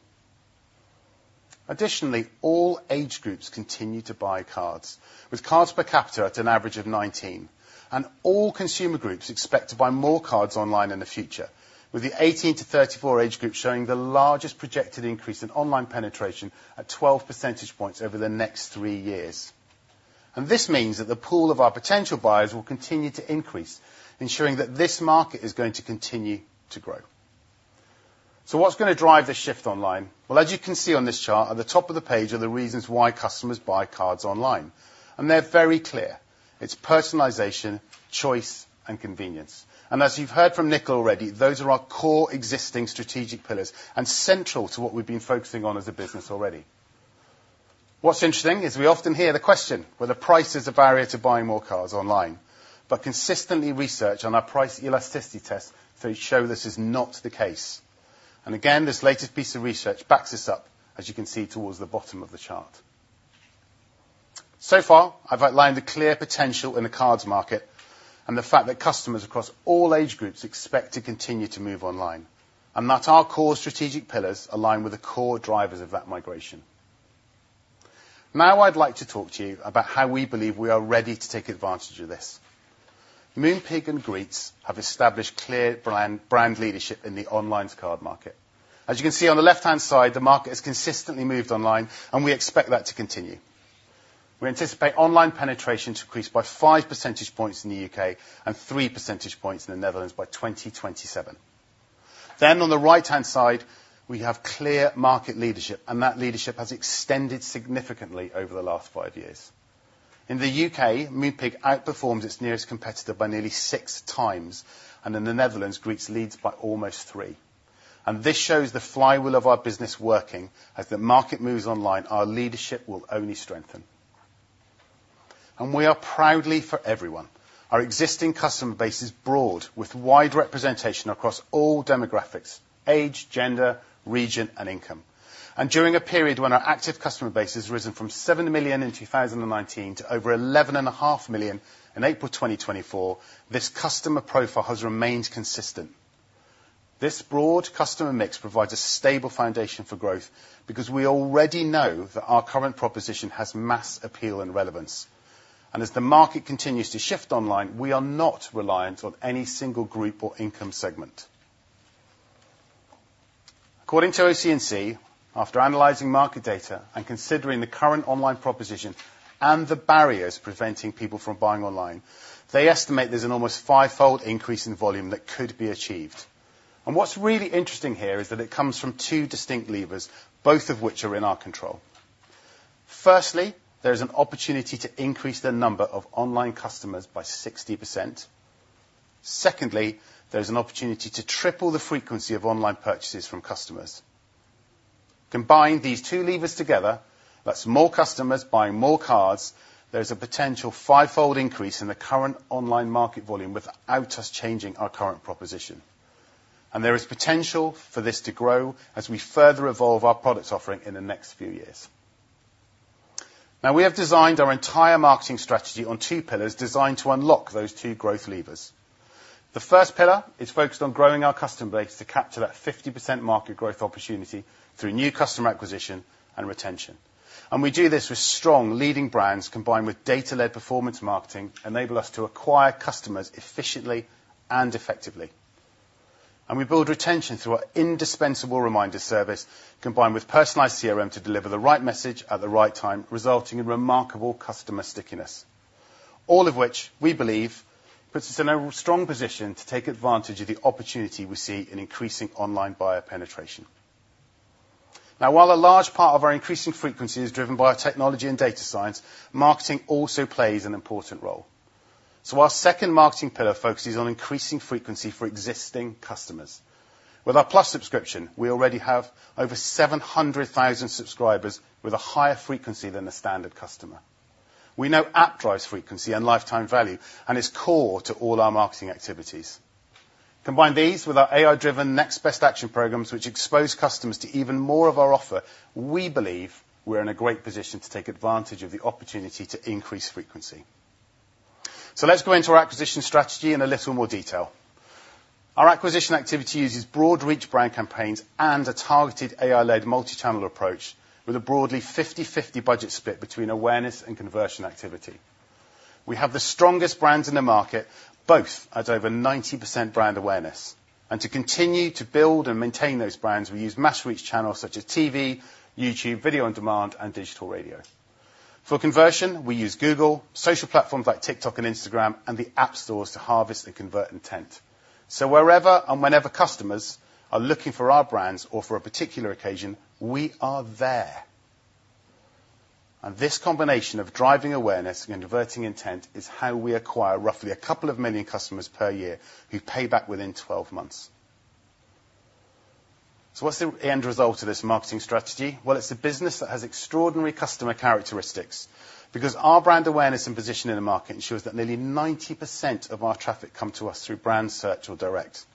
Additionally, all age groups continue to buy cards, with cards per capita at an average of 19, and all consumer groups expect to buy more cards online in the future, with the 18-34 age group showing the largest projected increase in online penetration at 12 percentage points over the next three years. This means that the pool of our potential buyers will continue to increase, ensuring that this market is going to continue to grow. What's going to drive this shift online? As you can see on this chart, at the top of the page are the reasons why customers buy cards online, and they're very clear. It's personalization, choice, and convenience. As you've heard from Nick already, those are our core existing strategic pillars, and central to what we've been focusing on as a business already. What's interesting is we often hear the question, whether price is a barrier to buying more cards online, but consistently, research on our price elasticity test, they show this is not the case. Again, this latest piece of research backs us up, as you can see towards the bottom of the chart. So far, I've outlined the clear potential in the cards market and the fact that customers across all age groups expect to continue to move online, and that our core strategic pillars align with the core drivers of that migration. Now, I'd like to talk to you about how we believe we are ready to take advantage of this. Moonpig and Greetz have established clear brand leadership in the online card market. As you can see on the left-hand side, the market has consistently moved online, and we expect that to continue. We anticipate online penetration to increase by five percentage points in the U.K., and three percentage points in the Netherlands by 2027. Then on the right-hand side, we have clear market leadership, and that leadership has extended significantly over the last five years. In the UK, Moonpig outperforms its nearest competitor by nearly six times, and in the Netherlands, Greetz leads by almost three. This shows the flywheel of our business working. As the market moves online, our leadership will only strengthen. We are proudly for everyone. Our existing customer base is broad, with wide representation across all demographics, age, gender, region, and income. During a period when our active customer base has risen from seven million in 2019 to over 11 and a half million in April 2024, this customer profile has remained consistent. This broad customer mix provides a stable foundation for growth because we already know that our current proposition has mass appeal and relevance. As the market continues to shift online, we are not reliant on any single group or income segment. According to OC&C, after analyzing market data and considering the current online proposition and the barriers preventing people from buying online, they estimate there's an almost fivefold increase in volume that could be achieved, and what's really interesting here is that it comes from two distinct levers, both of which are in our control. Firstly, there is an opportunity to increase the number of online customers by 60%. Secondly, there is an opportunity to triple the frequency of online purchases from customers. Combine these two levers together, that's more customers buying more cards, there's a potential fivefold increase in the current online market volume without us changing our current proposition, and there is potential for this to grow as we further evolve our product offering in the next few years. Now, we have designed our entire marketing strategy on two pillars designed to unlock those two growth levers. The first pillar is focused on growing our customer base to capture that 50% market growth opportunity through new customer acquisition and retention, and we do this with strong leading brands, combined with data-led performance marketing, enable us to acquire customers efficiently and effectively, and we build retention through our indispensable reminder service, combined with personalized CRM to deliver the right message at the right time, resulting in remarkable customer stickiness. All of which, we believe, puts us in a strong position to take advantage of the opportunity we see in increasing online buyer penetration. Now, while a large part of our increasing frequency is driven by our technology and data science, marketing also plays an important role, so our second marketing pillar focuses on increasing frequency for existing customers. With our Plus subscription, we already have over 700,000 subscribers with a higher frequency than the standard customer. We know app drives frequency and lifetime value, and it's core to all our marketing activities. Combine these with our AI-driven next best action programs, which expose customers to even more of our offer. We believe we're in a great position to take advantage of the opportunity to increase frequency. So let's go into our acquisition strategy in a little more detail. Our acquisition activity uses broad reach brand campaigns and a targeted AI-led multi-channel approach, with a broadly 50-50 budget split between awareness and conversion activity. We have the strongest brands in the market, both at over 90% brand awareness, and to continue to build and maintain those brands, we use mass reach channels such as TV, YouTube, video on demand, and digital radio. For conversion, we use Google, social platforms like TikTok and Instagram, and the app stores to harvest and convert intent. So wherever and whenever customers are looking for our brands or for a particular occasion, we are there. And this combination of driving awareness and converting intent is how we acquire roughly a couple of million customers per year who pay back within twelve months. So what's the end result of this marketing strategy? Well, it's a business that has extraordinary customer characteristics, because our brand awareness and position in the market ensures that nearly 90% of our traffic come to us through brand search or direct.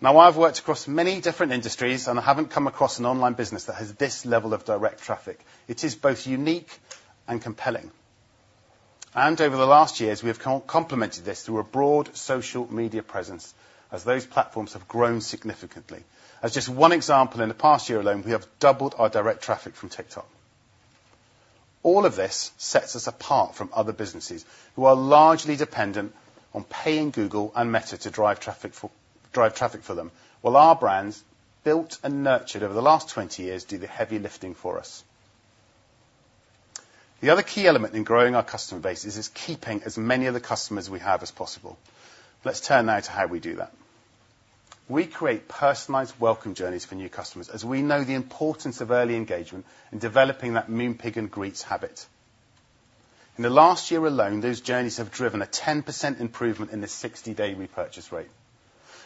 Now, I've worked across many different industries, and I haven't come across an online business that has this level of direct traffic. It is both unique and compelling. Over the last years, we have complemented this through a broad social media presence as those platforms have grown significantly. As just one example, in the past year alone, we have doubled our direct traffic from TikTok. All of this sets us apart from other businesses who are largely dependent on paying Google and Meta to drive traffic for them, while our brands, built and nurtured over the last twenty years, do the heavy lifting for us. The other key element in growing our customer base is keeping as many of the customers we have as possible. Let's turn now to how we do that. We create personalized welcome journeys for new customers, as we know the importance of early engagement in developing that Moonpig and Greetz habit. In the last year alone, those journeys have driven a 10% improvement in the 60-day repurchase rate.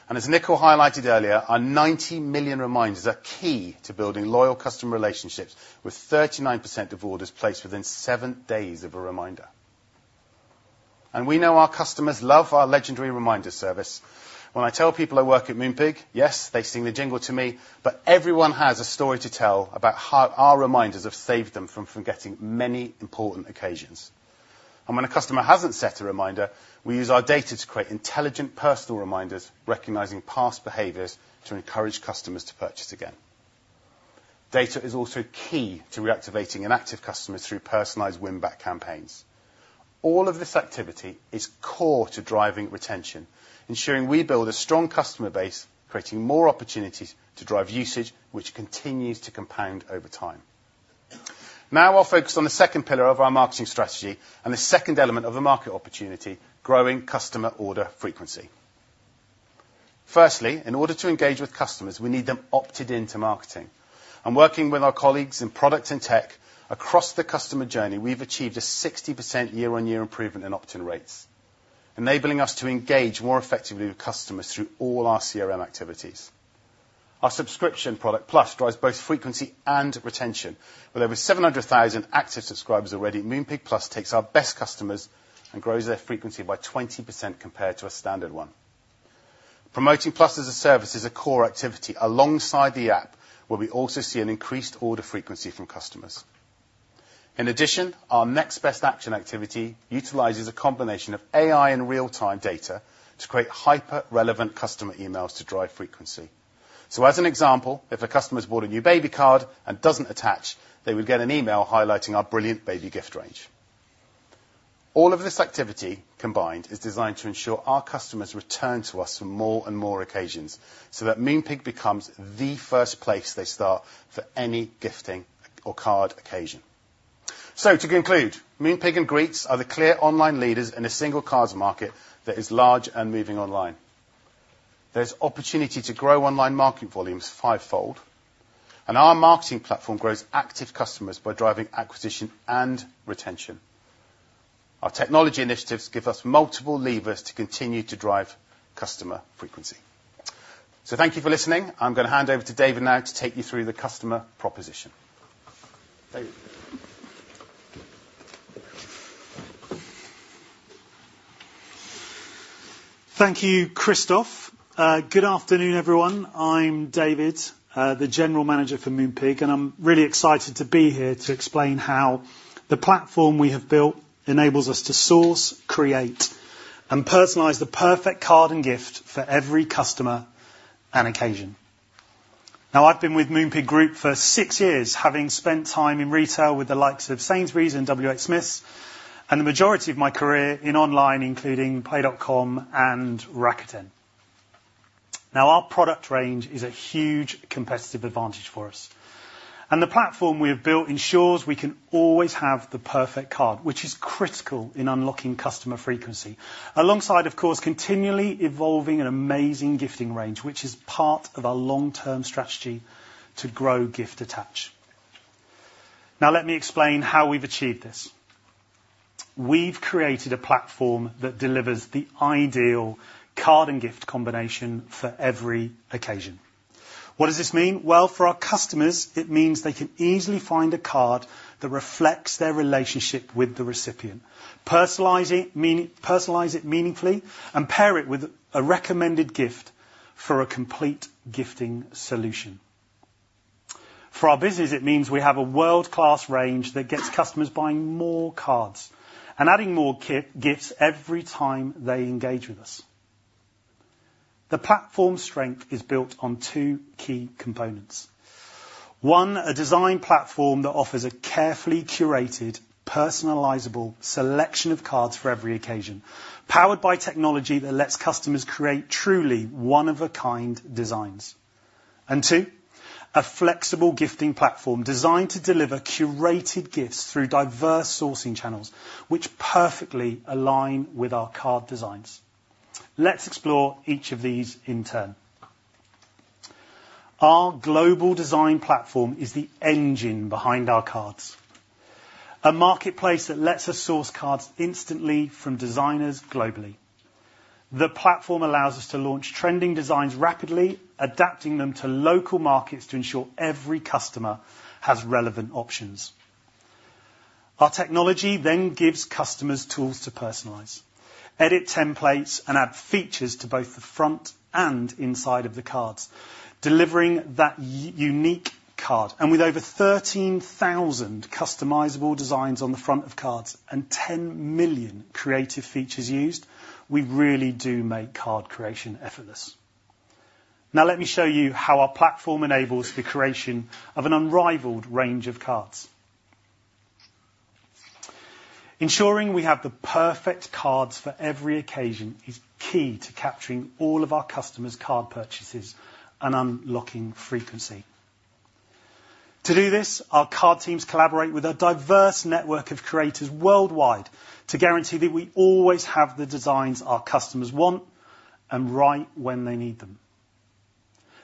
And as Nickyl highlighted earlier, our 90 million reminders are key to building loyal customer relationships, with 39% of orders placed within 7 days of a reminder. And we know our customers love our legendary reminder service. When I tell people I work at Moonpig, yes, they sing the jingle to me, but everyone has a story to tell about how our reminders have saved them from forgetting many important occasions. And when a customer hasn't set a reminder, we use our data to create intelligent, personal reminders, recognizing past behaviors to encourage customers to purchase again. Data is also key to reactivating inactive customers through personalized win-back campaigns. All of this activity is core to driving retention, ensuring we build a strong customer base, creating more opportunities to drive usage, which continues to compound over time. Now, I'll focus on the second pillar of our marketing strategy and the second element of the market opportunity, growing customer order frequency. Firstly, in order to engage with customers, we need them opted into marketing, and working with our colleagues in product and tech across the customer journey, we've achieved a 60% year-on-year improvement in opt-in rates, enabling us to engage more effectively with customers through all our CRM activities. Our subscription product, Plus, drives both frequency and retention. With over 700,000 active subscribers already, Moonpig Plus takes our best customers and grows their frequency by 20% compared to a standard one. Promoting Plus as a service is a core activity alongside the app, where we also see an increased order frequency from customers. In addition, our next best action activity utilizes a combination of AI and real-time data to create hyper-relevant customer emails to drive frequency. So as an example, if a customer's bought a new baby card and doesn't attach, they would get an email highlighting our brilliant baby gift range. All of this activity combined is designed to ensure our customers return to us for more and more occasions, so that Moonpig becomes the first place they start for any gifting or card occasion. So to conclude, Moonpig and Greetz are the clear online leaders in a single cards market that is large and moving online. There's opportunity to grow online market volumes fivefold, and our marketing platform grows active customers by driving acquisition and retention. Our technology initiatives give us multiple levers to continue to drive customer frequency. So thank you for listening. I'm going to hand over to David now to take you through the customer proposition. David? Thank you, Kristof. Good afternoon, everyone. I'm David, the general manager for Moonpig, and I'm really excited to be here to explain how the platform we have built enables us to source, create, and personalize the perfect card and gift for every customer and occasion. Now, I've been with Moonpig Group for six years, having spent time in retail with the likes of Sainsbury's and WHSmith, and the majority of my career in online, including Play.com and Rakuten. Now, our product range is a huge competitive advantage for us, and the platform we have built ensures we can always have the perfect card, which is critical in unlocking customer frequency. Alongside, of course, continually evolving an amazing gifting range, which is part of our long-term strategy to grow gift attach. Now, let me explain how we've achieved this. We've created a platform that delivers the ideal card and gift combination for every occasion. What does this mean? For our customers, it means they can easily find a card that reflects their relationship with the recipient, personalize it meaningfully, and pair it with a recommended gift for a complete gifting solution. For our business, it means we have a world-class range that gets customers buying more cards and adding more gifts every time they engage with us. The platform's strength is built on two key components: one, a design platform that offers a carefully curated, personalizable selection of cards for every occasion, powered by technology that lets customers create truly one-of-a-kind designs. Two, a flexible gifting platform designed to deliver curated gifts through diverse sourcing channels, which perfectly align with our card designs. Let's explore each of these in turn. Our global design platform is the engine behind our cards, a marketplace that lets us source cards instantly from designers globally. The platform allows us to launch trending designs rapidly, adapting them to local markets to ensure every customer has relevant options. Our technology then gives customers tools to personalize, edit templates, and add features to both the front and inside of the cards, delivering that unique card. And with over thirteen thousand customizable designs on the front of cards and ten million creative features used, we really do make card creation effortless. Now, let me show you how our platform enables the creation of an unrivaled range of cards. Ensuring we have the perfect cards for every occasion is key to capturing all of our customers' card purchases and unlocking frequency. To do this, our card teams collaborate with a diverse network of creators worldwide to guarantee that we always have the designs our customers want and right when they need them.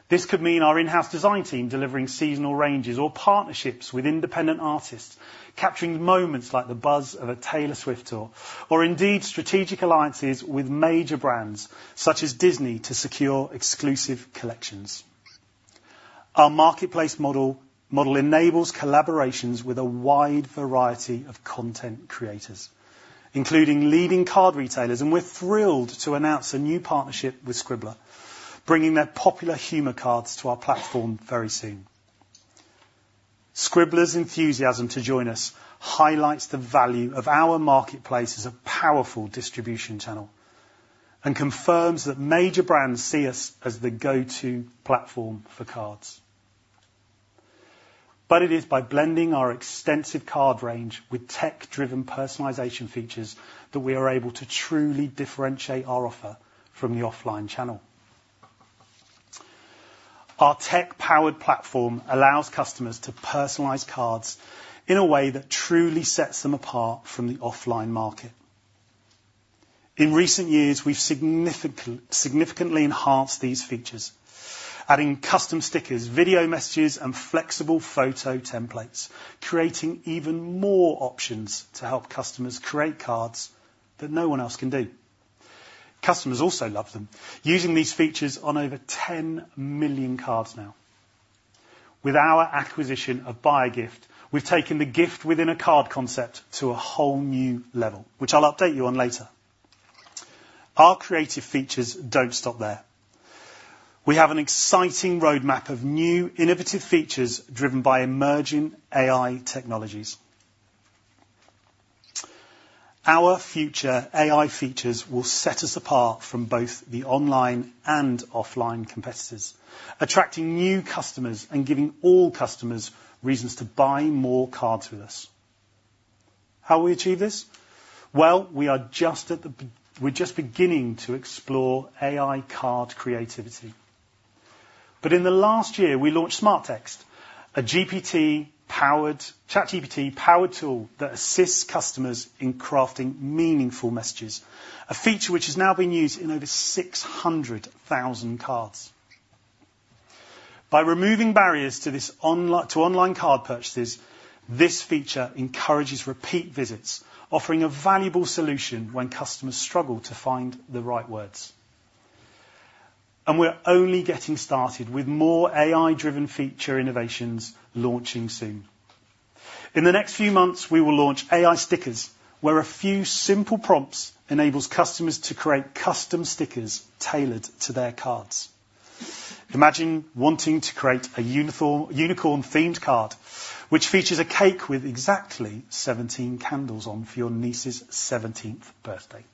This could mean our in-house design team delivering seasonal ranges or partnerships with independent artists, capturing moments like the buzz of a Taylor Swift tour, or indeed, strategic alliances with major brands such as Disney, to secure exclusive collections. Our marketplace model enables collaborations with a wide variety of content creators, including leading card retailers, and we're thrilled to announce a new partnership with Scribbler, bringing their popular humor cards to our platform very soon. Scribbler's enthusiasm to join us highlights the value of our marketplace as a powerful distribution channel and confirms that major brands see us as the go-to platform for cards. But it is by blending our extensive card range with tech-driven personalization features, that we are able to truly differentiate our offer from the offline channel.-Our tech-powered platform allows customers to personalize cards in a way that truly sets them apart from the offline market. In recent years, we've significantly enhanced these features, adding custom stickers, video messages, and flexible photo templates, creating even more options to help customers create cards that no one else can do. Customers also love them, using these features on over 10 million cards now. With our acquisition of Buyagift, we've taken the gift-within-a-card concept to a whole new level, which I'll update you on later. Our creative features don't stop there. We have an exciting roadmap of new innovative features driven by emerging AI technologies. Our future AI features will set us apart from both the online and offline competitors, attracting new customers and giving all customers reasons to buy more cards with us. How will we achieve this? We're just beginning to explore AI card creativity. In the last year, we launched Smart Text, a ChatGPT-powered tool that assists customers in crafting meaningful messages, a feature which has now been used in over six hundred thousand cards. By removing barriers to online card purchases, this feature encourages repeat visits, offering a valuable solution when customers struggle to find the right words. We're only getting started with more AI-driven feature innovations launching soon. In the next few months, we will launch AI stickers, where a few simple prompts enables customers to create custom stickers tailored to their cards. Imagine wanting to create a unicorn-themed card, which features a cake with exactly seventeen candles on for your niece's seventeenth birthday.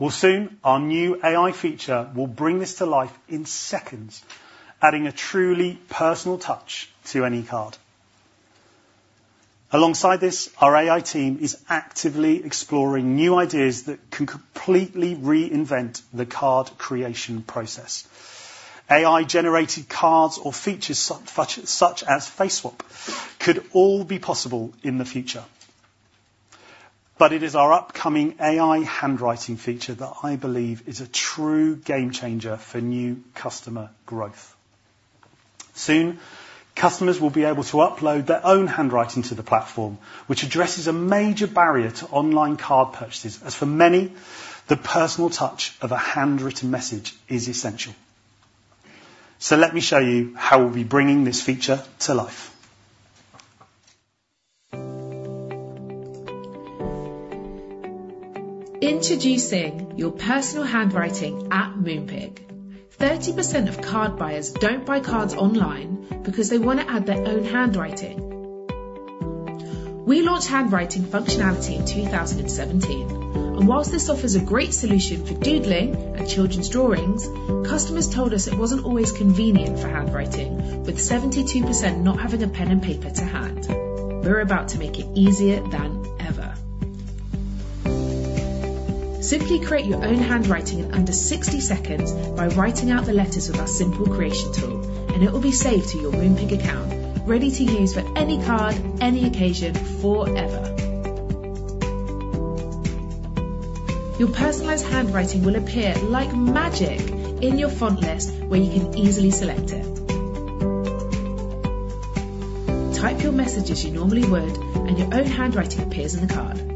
Well, soon, our new AI feature will bring this to life in seconds, adding a truly personal touch to any card. Alongside this, our AI team is actively exploring new ideas that can completely reinvent the card creation process. AI-generated cards or features such as face swap could all be possible in the future. But it is our upcoming AI handwriting feature that I believe is a true game changer for new customer growth. Soon, customers will be able to upload their own handwriting to the platform, which addresses a major barrier to online card purchases, as for many, the personal touch of a handwritten message is essential. So let me show you how we'll be bringing this feature to life. Introducing your personal handwriting at Moonpig. 30% of card buyers don't buy cards online because they want to add their own handwriting. We launched handwriting functionality in 2017, and while this offers a great solution for doodling and children's drawings, customers told us it wasn't always convenient for handwriting, with 72% not having a pen and paper to hand. We're about to make it easier than ever. Simply create your own handwriting in under 60 seconds by writing out the letters with our simple creation tool, and it will be saved to your Moonpig account, ready to use for any card, any occasion, forever. Your personalized handwriting will appear like magic in your font list, where you can easily select it. Type your message as you normally would, and your own handwriting appears in the card.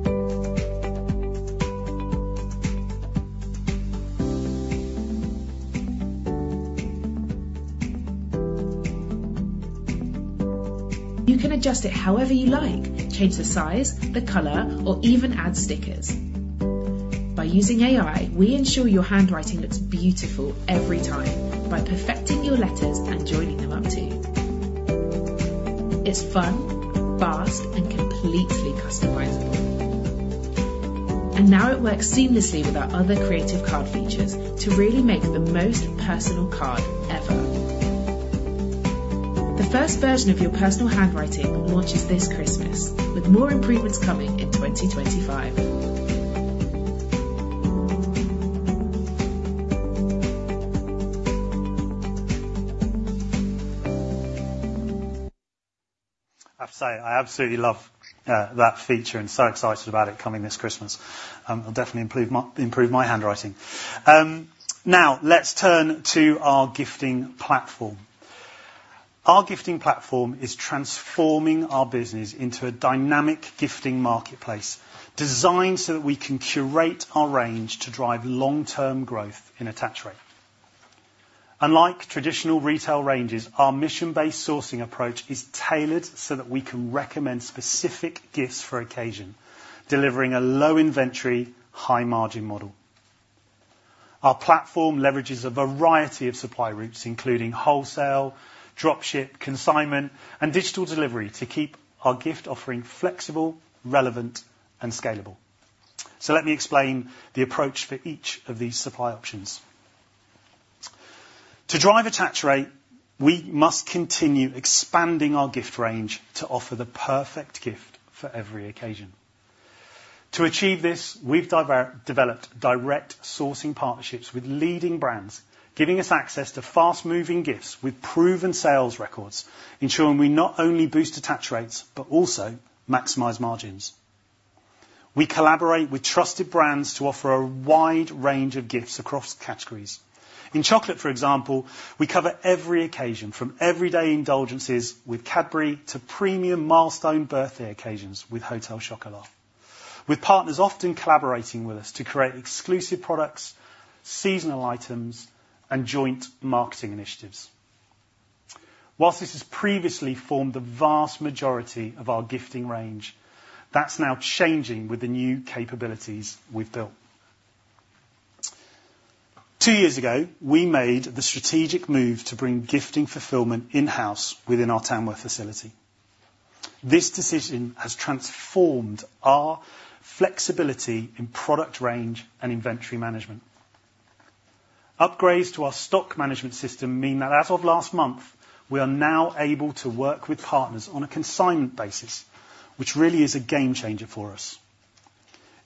You can adjust it however you like, change the size, the color, or even add stickers. By using AI, we ensure your handwriting looks beautiful every time by perfecting your letters and joining them up, too. It's fun, fast, and completely customizable. And now it works seamlessly with our other creative card features to really make the most personal card ever. The first version of your personal handwriting launches this Christmas, with more improvements coming in twenty twenty-five. I have to say, I absolutely love that feature and so excited about it coming this Christmas. It'll definitely improve my handwriting. Now let's turn to our gifting platform. Our gifting platform is transforming our business into a dynamic gifting marketplace, designed so that we can curate our range to drive long-term growth in attach rate. Unlike traditional retail ranges, our mission-based sourcing approach is tailored so that we can recommend specific gifts for occasion, delivering a low inventory, high margin model. Our platform leverages a variety of supply routes, including wholesale, dropship, consignment, and digital delivery, to keep our gift offering flexible, relevant, and scalable. So let me explain the approach for each of these supply options. To drive attach rate, we must continue expanding our gift range to offer the perfect gift for every occasion. To achieve this, we've developed direct sourcing partnerships with leading brands, giving us access to fast-moving gifts with proven sales records, ensuring we not only boost attach rates, but also maximize margins. We collaborate with trusted brands to offer a wide range of gifts across categories. In chocolate, for example, we cover every occasion, from everyday indulgences with Cadbury to premium milestone birthday occasions with Hotel Chocolat, with partners often collaborating with us to create exclusive products, seasonal items, and joint marketing initiatives. While this has previously formed the vast majority of our gifting range, that's now changing with the new capabilities we've built. Two years ago, we made the strategic move to bring gifting fulfillment in-house within our Tamworth facility. This decision has transformed our flexibility in product range and inventory management. Upgrades to our stock management system mean that as of last month, we are now able to work with partners on a consignment basis, which really is a game changer for us.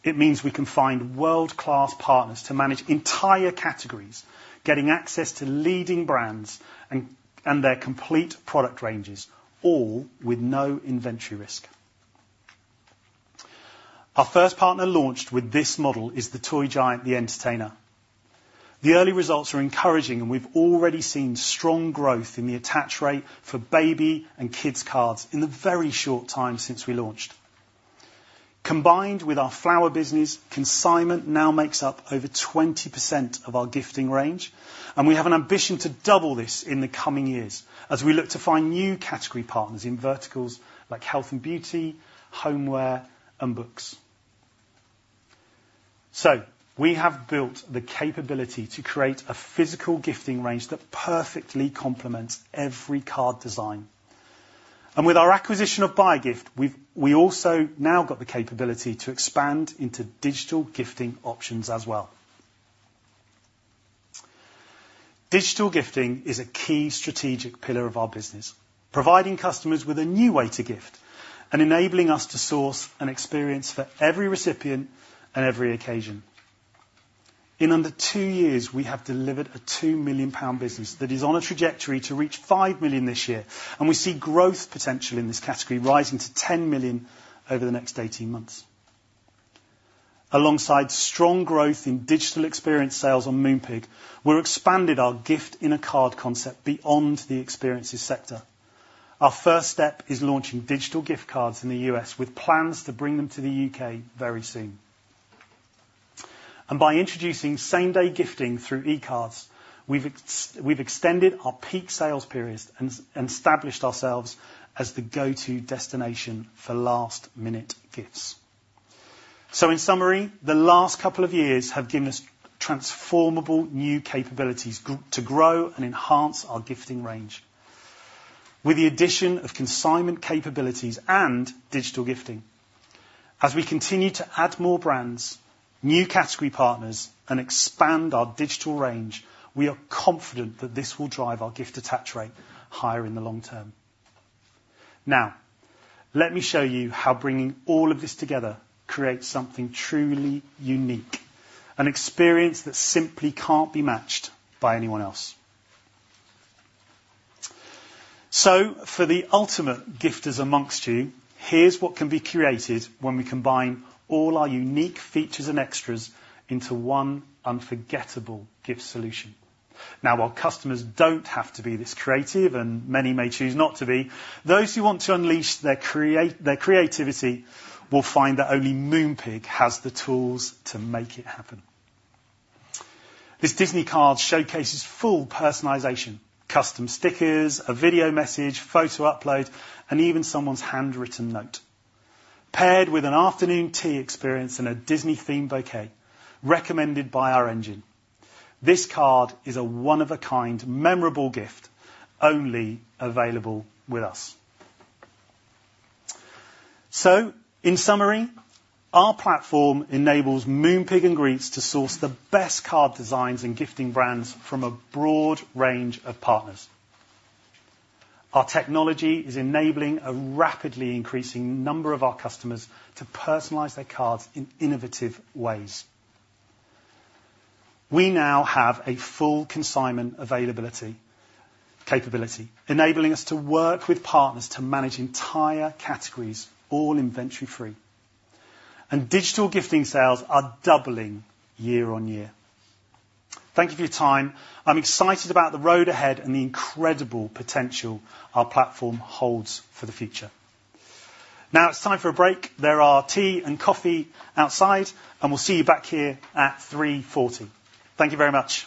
It means we can find world-class partners to manage entire categories, getting access to leading brands and their complete product ranges, all with no inventory risk. Our first partner launched with this model is the toy giant, The Entertainer. The early results are encouraging, and we've already seen strong growth in the attach rate for baby and kids cards in the very short time since we launched. Combined with our flower business, consignment now makes up over 20% of our gifting range, and we have an ambition to double this in the coming years as we look to find new category partners in verticals like health and beauty, homeware, and books. We have built the capability to create a physical gifting range that perfectly complements every card design. With our acquisition of Buyagift, we've also now got the capability to expand into digital gifting options as well. Digital gifting is a key strategic pillar of our business, providing customers with a new way to gift, and enabling us to source an experience for every recipient and every occasion. In under two years, we have delivered a 2 million pound business that is on a trajectory to reach 5 million this year, and we see growth potential in this category rising to 10 million over the next eighteen months. Alongside strong growth in digital experience sales on Moonpig, we've expanded our gift in a card concept beyond the experiences sector. Our first step is launching digital gift cards in the US, with plans to bring them to the UK very soon, and by introducing same-day gifting through e-cards, we've extended our peak sales periods and established ourselves as the go-to destination for last-minute gifts, so in summary, the last couple of years have given us transformable new capabilities to grow and enhance our gifting range. With the addition of consignment capabilities and digital gifting, as we continue to add more brands, new category partners, and expand our digital range, we are confident that this will drive our gift attach rate higher in the long term. Now, let me show you how bringing all of this together creates something truly unique, an experience that simply can't be matched by anyone else. So for the ultimate gifters among you, here's what can be created when we combine all our unique features and extras into one unforgettable gift solution. Now, while customers don't have to be this creative, and many may choose not to be, those who want to unleash their creativity, will find that only Moonpig has the tools to make it happen. This Disney card showcases full personalization, custom stickers, a video message, photo upload, and even someone's handwritten note. Paired with an afternoon tea experience and a Disney-themed bouquet, recommended by our engine, this card is a one-of-a-kind memorable gift only available with us. So in summary, our platform enables Moonpig and Greetz to source the best card designs and gifting brands from a broad range of partners. Our technology is enabling a rapidly increasing number of our customers to personalize their cards in innovative waysWe now have a full consignment availability, capability, enabling us to work with partners to manage entire categories, all inventory-free, and digital gifting sales are doubling year-on-year. Thank you for your time. I'm excited about the road ahead and the incredible potential our platform holds for the future. Now it's time for a break. There are tea and coffee outside, and we'll see you back here at 3:40 P.M. Thank you very much!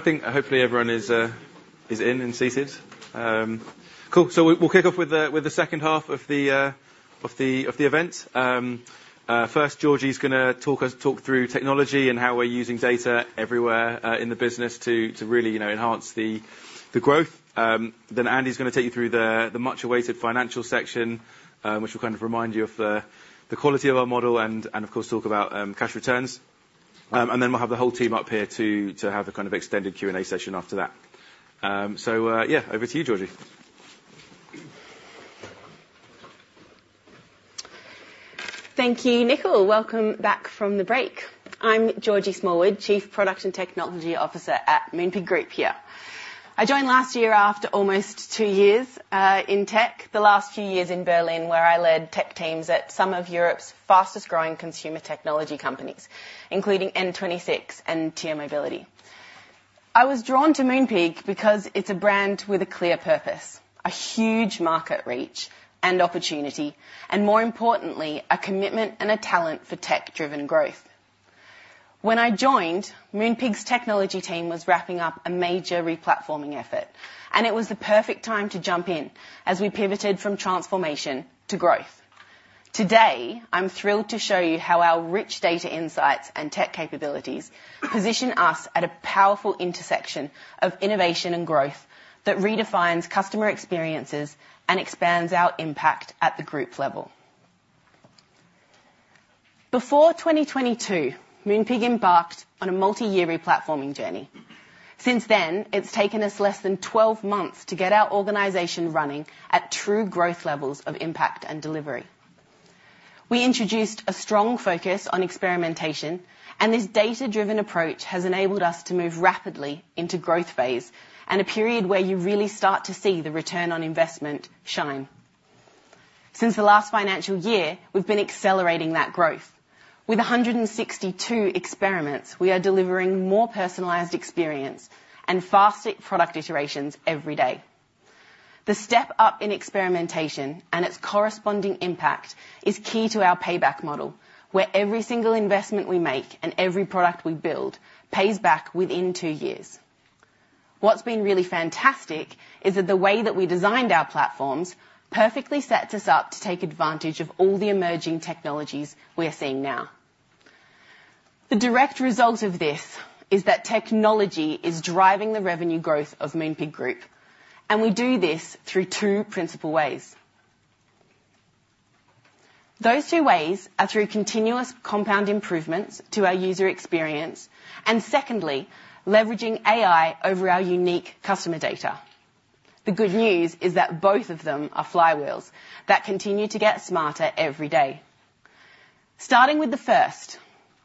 ...All right, everyone. I think, hopefully, everyone is in and seated. Cool! So we'll kick off with the second half of the event. First, Georgie's gonna talk through technology and how we're using data everywhere in the business to really, you know, enhance the growth. Then Andy's gonna take you through the much-awaited financial section, which will kind of remind you of the quality of our model and, of course, talk about cash returns. And then we'll have the whole team up here to have a kind of extended Q&A session after that. So, yeah, over to you, Georgie. Thank you, Nickyl. Welcome back from the break. I'm Georgie Smallwood, Chief Product and Technology Officer at Moonpig Group here. I joined last year after almost two years in tech, the last few years in Berlin, where I led tech teams at some of Europe's fastest-growing consumer technology companies, including N26 and TIER Mobility. I was drawn to Moonpig because it's a brand with a clear purpose, a huge market reach and opportunity, and more importantly, a commitment and a talent for tech-driven growth. When I joined, Moonpig's technology team was wrapping up a major replatforming effort, and it was the perfect time to jump in as we pivoted from transformation to growth. Today, I'm thrilled to show you how our rich data insights and tech capabilities position us at a powerful intersection of innovation and growth that redefines customer experiences and expands our impact at the group level.... Before 2022, Moonpig embarked on a multi-year re-platforming journey. Since then, it's taken us less than 12 months to get our organization running at true growth levels of impact and delivery. We introduced a strong focus on experimentation, and this data-driven approach has enabled us to move rapidly into growth phase, and a period where you really start to see the return on investment shine. Since the last financial year, we've been accelerating that growth. With 162 experiments, we are delivering more personalized experience and faster product iterations every day. The step up in experimentation, and its corresponding impact, is key to our payback model, where every single investment we make and every product we build pays back within two years. What's been really fantastic is that the way that we designed our platforms perfectly sets us up to take advantage of all the emerging technologies we are seeing now. The direct result of this is that technology is driving the revenue growth of Moonpig Group, and we do this through two principal ways. Those two ways are through continuous compound improvements to our user experience, and secondly, leveraging AI over our unique customer data. The good news is that both of them are flywheels that continue to get smarter every day. Starting with the first,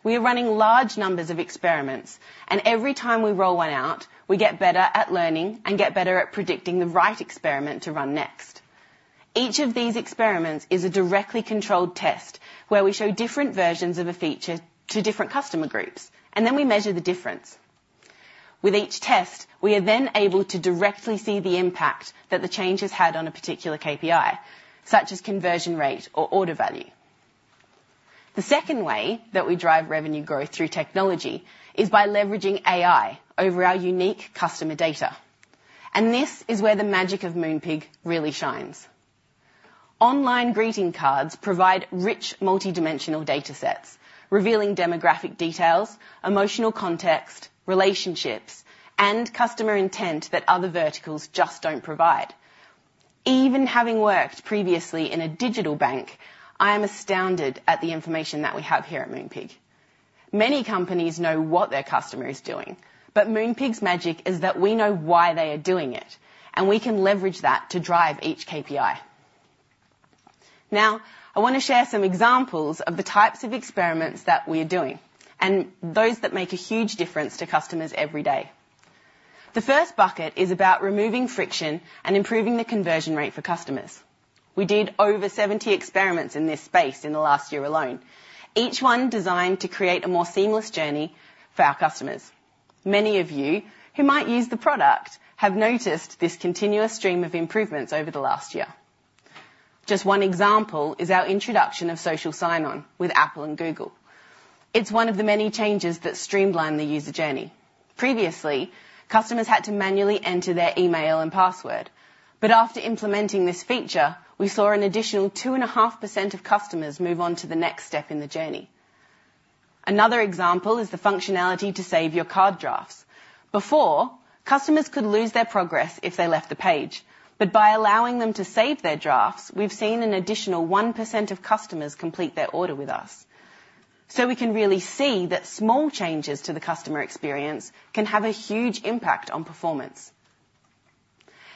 we are running large numbers of experiments, and every time we roll one out, we get better at learning and get better at predicting the right experiment to run next. Each of these experiments is a directly controlled test, where we show different versions of a feature to different customer groups, and then we measure the difference. With each test, we are then able to directly see the impact that the change has had on a particular KPI, such as conversion rate or order value. The second way that we drive revenue growth through technology is by leveraging AI over our unique customer data, and this is where the magic of Moonpig really shines. Online greeting cards provide rich, multidimensional data sets, revealing demographic details, emotional context, relationships, and customer intent that other verticals just don't provide. Even having worked previously in a digital bank, I am astounded at the information that we have here at Moonpig. Many companies know what their customer is doing, but Moonpig's magic is that we know why they are doing it, and we can leverage that to drive each KPI. Now, I wanna share some examples of the types of experiments that we are doing, and those that make a huge difference to customers every day. The first bucket is about removing friction and improving the conversion rate for customers. We did over seventy experiments in this space in the last year alone, each one designed to create a more seamless journey for our customers. Many of you who might use the product have noticed this continuous stream of improvements over the last year. Just one example is our introduction of social sign-on with Apple and Google. It's one of the many changes that streamline the user journey. Previously, customers had to manually enter their email and password, but after implementing this feature, we saw an additional 2.5% of customers move on to the next step in the journey. Another example is the functionality to save your card drafts. Before, customers could lose their progress if they left the page, but by allowing them to save their drafts, we've seen an additional 1% of customers complete their order with us, so we can really see that small changes to the customer experience can have a huge impact on performance,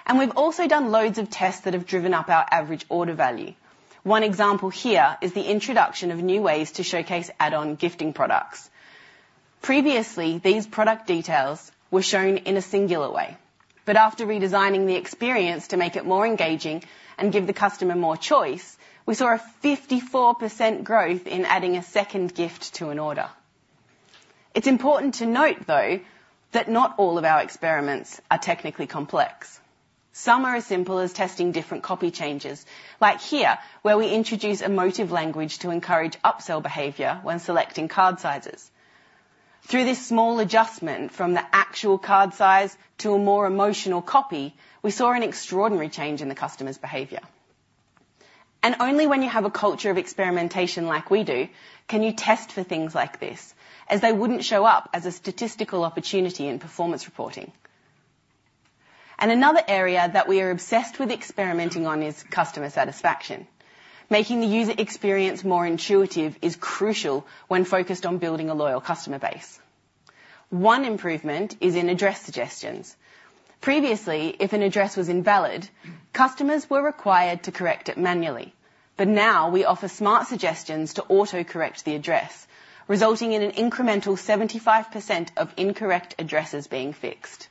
and we've also done loads of tests that have driven up our average order value. One example here is the introduction of new ways to showcase add-on gifting products. Previously, these product details were shown in a singular way, but after redesigning the experience to make it more engaging and give the customer more choice, we saw a 54% growth in adding a second gift to an order. It's important to note, though, that not all of our experiments are technically complex. Some are as simple as testing different copy changes, like here, where we introduce emotive language to encourage upsell behavior when selecting card sizes. Through this small adjustment, from the actual card size to a more emotional copy, we saw an extraordinary change in the customer's behavior, and only when you have a culture of experimentation like we do, can you test for things like this, as they wouldn't show up as a statistical opportunity in performance reporting, and another area that we are obsessed with experimenting on is customer satisfaction. Making the user experience more intuitive is crucial when focused on building a loyal customer base. One improvement is in address suggestions. Previously, if an address was invalid, customers were required to correct it manually, but now we offer smart suggestions to autocorrect the address, resulting in an incremental 75% of incorrect addresses being fixed.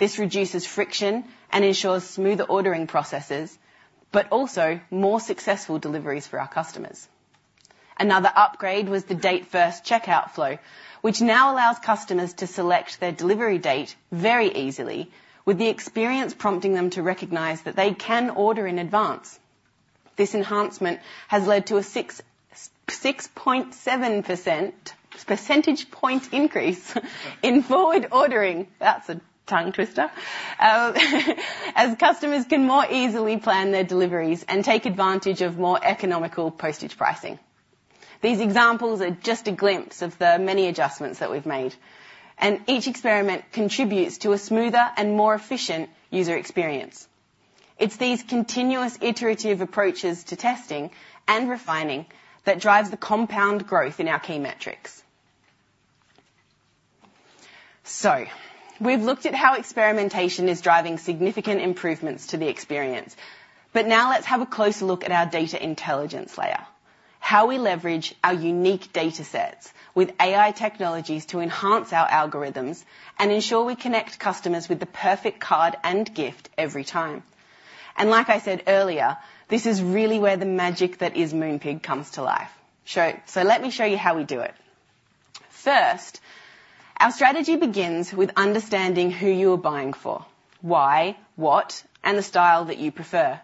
This reduces friction and ensures smoother ordering processes, but also more successful deliveries for our customers. Another upgrade was the date first checkout flow, which now allows customers to select their delivery date very easily, with the experience prompting them to recognize that they can order in advance. This enhancement has led to a 6.7 percentage point increase in forward ordering. That's a tongue twister. As customers can more easily plan their deliveries and take advantage of more economical postage pricing. These examples are just a glimpse of the many adjustments that we've made, and each experiment contributes to a smoother and more efficient user experience... It's these continuous iterative approaches to testing and refining that drives the compound growth in our key metrics, so we've looked at how experimentation is driving significant improvements to the experience, but now let's have a closer look at our data intelligence layer, how we leverage our unique data sets with AI technologies to enhance our algorithms and ensure we connect customers with the perfect card and gift every time, and like I said earlier, this is really where the magic that is Moonpig comes to life, so let me show you how we do it. First, our strategy begins with understanding who you are buying for, why, what, and the style that you prefer.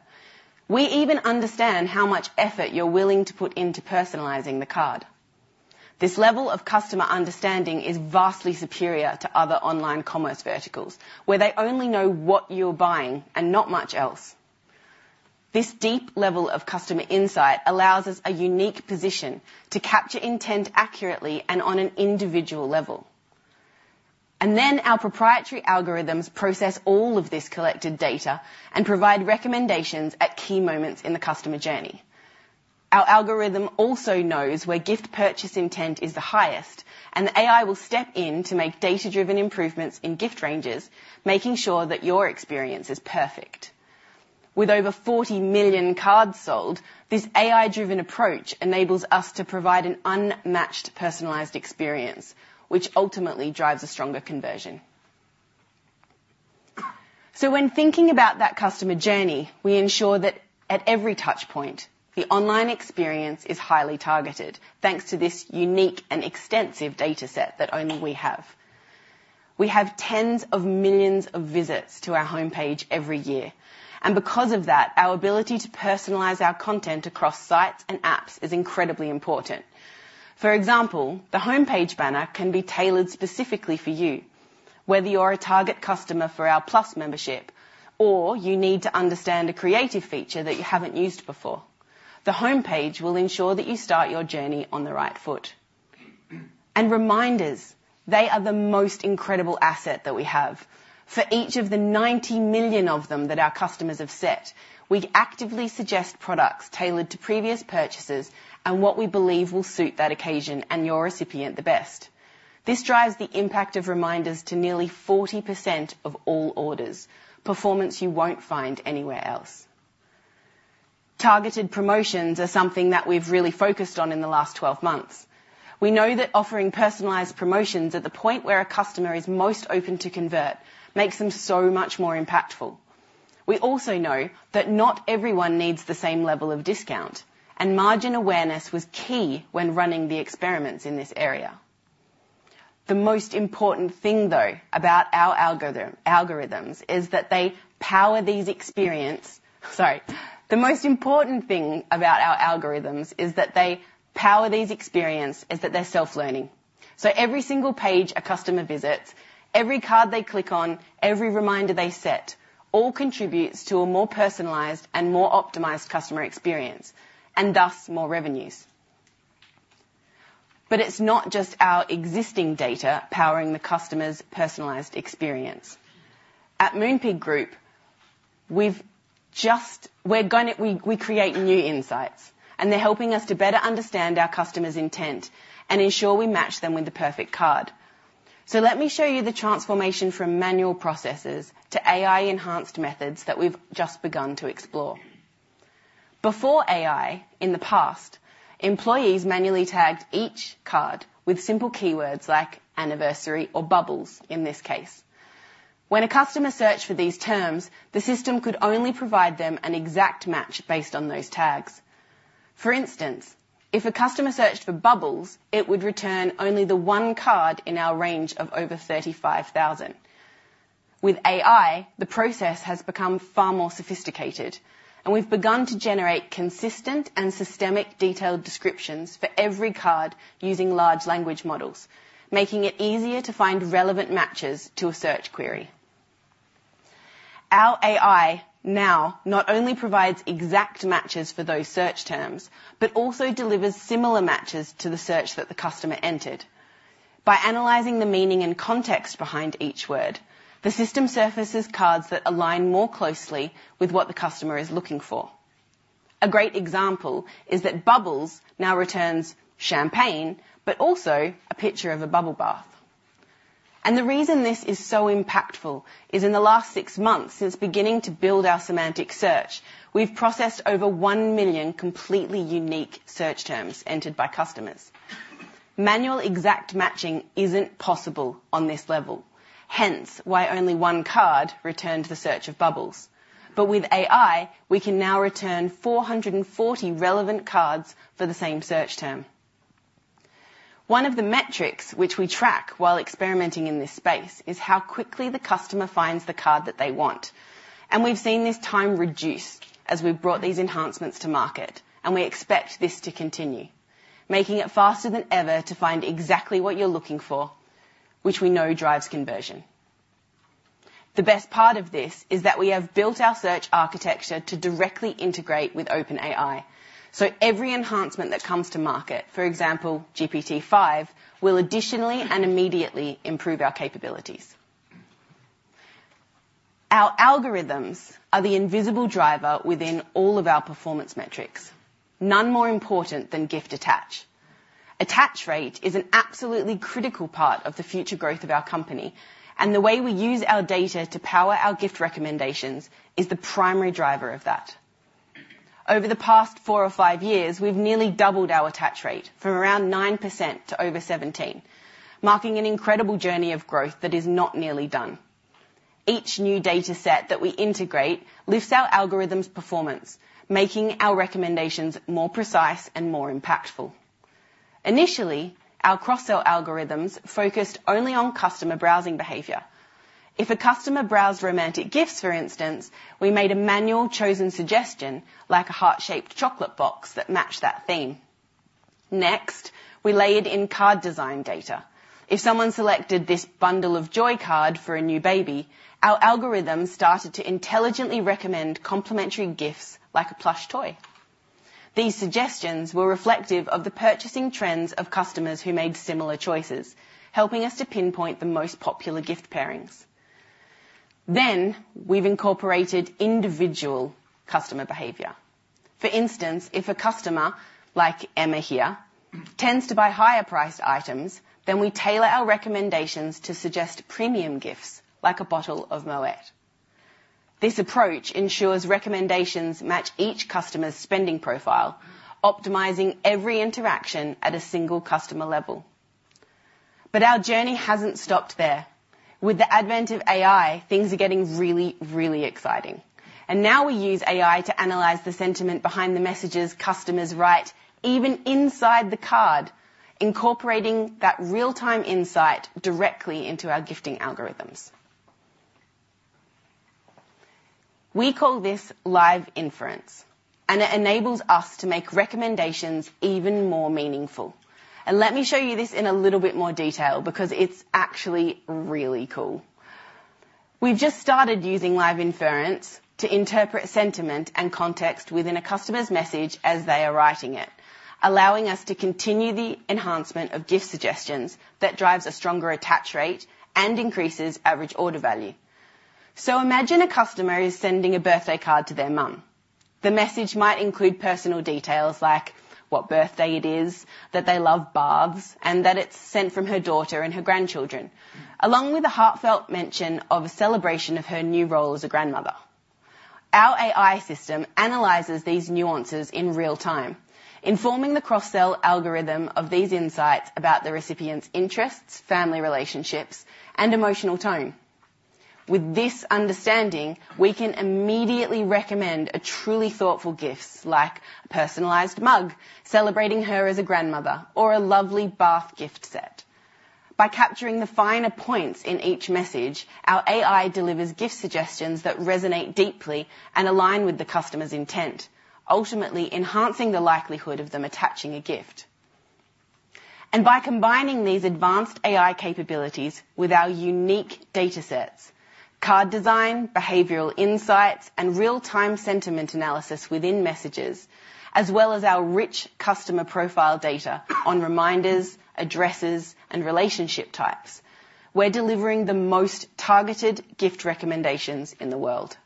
We even understand how much effort you're willing to put into personalizing the card. This level of customer understanding is vastly superior to other online commerce verticals, where they only know what you're buying and not much else. This deep level of customer insight allows us a unique position to capture intent accurately and on an individual level, and then our proprietary algorithms process all of this collected data and provide recommendations at key moments in the customer journey. Our algorithm also knows where gift purchase intent is the highest, and the AI will step in to make data-driven improvements in gift ranges, making sure that your experience is perfect. With over forty million cards sold, this AI-driven approach enables us to provide an unmatched, personalized experience, which ultimately drives a stronger conversion. When thinking about that customer journey, we ensure that at every touch point, the online experience is highly targeted, thanks to this unique and extensive data set that only we have. We have tens of millions of visits to our homepage every year, and because of that, our ability to personalize our content across sites and apps is incredibly important. For example, the homepage banner can be tailored specifically for you, whether you're a target customer for our Plus membership, or you need to understand a creative feature that you haven't used before. The homepage will ensure that you start your journey on the right foot. Reminders, they are the most incredible asset that we have. For each of the 90 million of them that our customers have set, we actively suggest products tailored to previous purchases and what we believe will suit that occasion and your recipient the best. This drives the impact of reminders to nearly 40% of all orders, performance you won't find anywhere else. Targeted promotions are something that we've really focused on in the last 12 months. We know that offering personalized promotions at the point where a customer is most open to convert makes them so much more impactful. We also know that not everyone needs the same level of discount, and margin awareness was key when running the experiments in this area. The most important thing, though, about our algorithms is that they power these experiences, and that they're self-learning. Every single page a customer visits, every card they click on, every reminder they set, all contributes to a more personalized and more optimized customer experience, and thus, more revenues. But it's not just our existing data powering the customer's personalized experience. At Moonpig Group, we create new insights, and they're helping us to better understand our customer's intent and ensure we match them with the perfect card. Let me show you the transformation from manual processes to AI-enhanced methods that we've just begun to explore. Before AI, in the past, employees manually tagged each card with simple keywords like anniversary or bubbles, in this case. When a customer searched for these terms, the system could only provide them an exact match based on those tags. For instance, if a customer searched for bubbles, it would return only the one card in our range of over thirty-five thousand. With AI, the process has become far more sophisticated, and we've begun to generate consistent and systematic detailed descriptions for every card using large language models, making it easier to find relevant matches to a search query. Our AI now not only provides exact matches for those search terms, but also delivers similar matches to the search that the customer entered. By analyzing the meaning and context behind each word, the system surfaces cards that align more closely with what the customer is looking for. A great example is that bubbles now returns champagne, but also a picture of a bubble bath. And the reason this is so impactful is in the last six months, since beginning to build our semantic search, we've processed over one million completely unique search terms entered by customers. Manual exact matching isn't possible on this level, hence, why only one card returned the search of bubbles. But with AI, we can now return 440 relevant cards for the same search term. One of the metrics which we track while experimenting in this space is how quickly the customer finds the card that they want, and we've seen this time reduced as we've brought these enhancements to market, and we expect this to continue, making it faster than ever to find exactly what you're looking for, which we know drives conversion. The best part of this is that we have built our search architecture to directly integrate with OpenAI, so every enhancement that comes to market, for example, GPT-5, will additionally and immediately improve our capabilities. Our algorithms are the invisible driver within all of our performance metrics, none more important than gift attach. Attach rate is an absolutely critical part of the future growth of our company, and the way we use our data to power our gift recommendations is the primary driver of that. Over the past four or five years, we've nearly doubled our attach rate from around 9% to over 17%, marking an incredible journey of growth that is not nearly done. Each new data set that we integrate lifts our algorithm's performance, making our recommendations more precise and more impactful. Initially, our cross-sell algorithms focused only on customer browsing behavior. If a customer browsed romantic gifts, for instance, we made a manually chosen suggestion, like a heart-shaped chocolate box, that matched that theme, next, we layered in card design data. If someone selected this Bundle of Joy card for a new baby, our algorithm started to intelligently recommend complementary gifts, like a plush toy. These suggestions were reflective of the purchasing trends of customers who made similar choices, helping us to pinpoint the most popular gift pairings, then, we've incorporated individual customer behavior. For instance, if a customer, like Emma here, tends to buy higher priced items, then we tailor our recommendations to suggest premium gifts, like a bottle of Moët. This approach ensures recommendations match each customer's spending profile, optimizing every interaction at a single customer level, but our journey hasn't stopped there. With the advent of AI, things are getting really, really exciting, and now we use AI to analyze the sentiment behind the messages customers write, even inside the card, incorporating that real-time insight directly into our gifting algorithms. We call this Live Inference, and it enables us to make recommendations even more meaningful, and let me show you this in a little bit more detail, because it's actually really cool. We've just started using Live Inference to interpret sentiment and context within a customer's message as they are writing it, allowing us to continue the enhancement of gift suggestions that drives a stronger attach rate and increases average order value, so imagine a customer is sending a birthday card to their mom. The message might include personal details, like what birthday it is, that they love baths, and that it's sent from her daughter and her grandchildren, along with a heartfelt mention of a celebration of her new role as a grandmother. Our AI system analyzes these nuances in real time, informing the cross-sell algorithm of these insights about the recipient's interests, family, relationships, and emotional tone. With this understanding, we can immediately recommend a truly thoughtful gift, like a personalized mug celebrating her as a grandmother or a lovely bath gift set. By capturing the finer points in each message, our AI delivers gift suggestions that resonate deeply and align with the customer's intent, ultimately enhancing the likelihood of them attaching a gift. And by combining these advanced AI capabilities with our unique data sets, card design, behavioral insights, and real-time sentiment analysis within messages, as well as our rich customer profile data on reminders, addresses, and relationship types, we're delivering the most targeted gift recommendations in the world.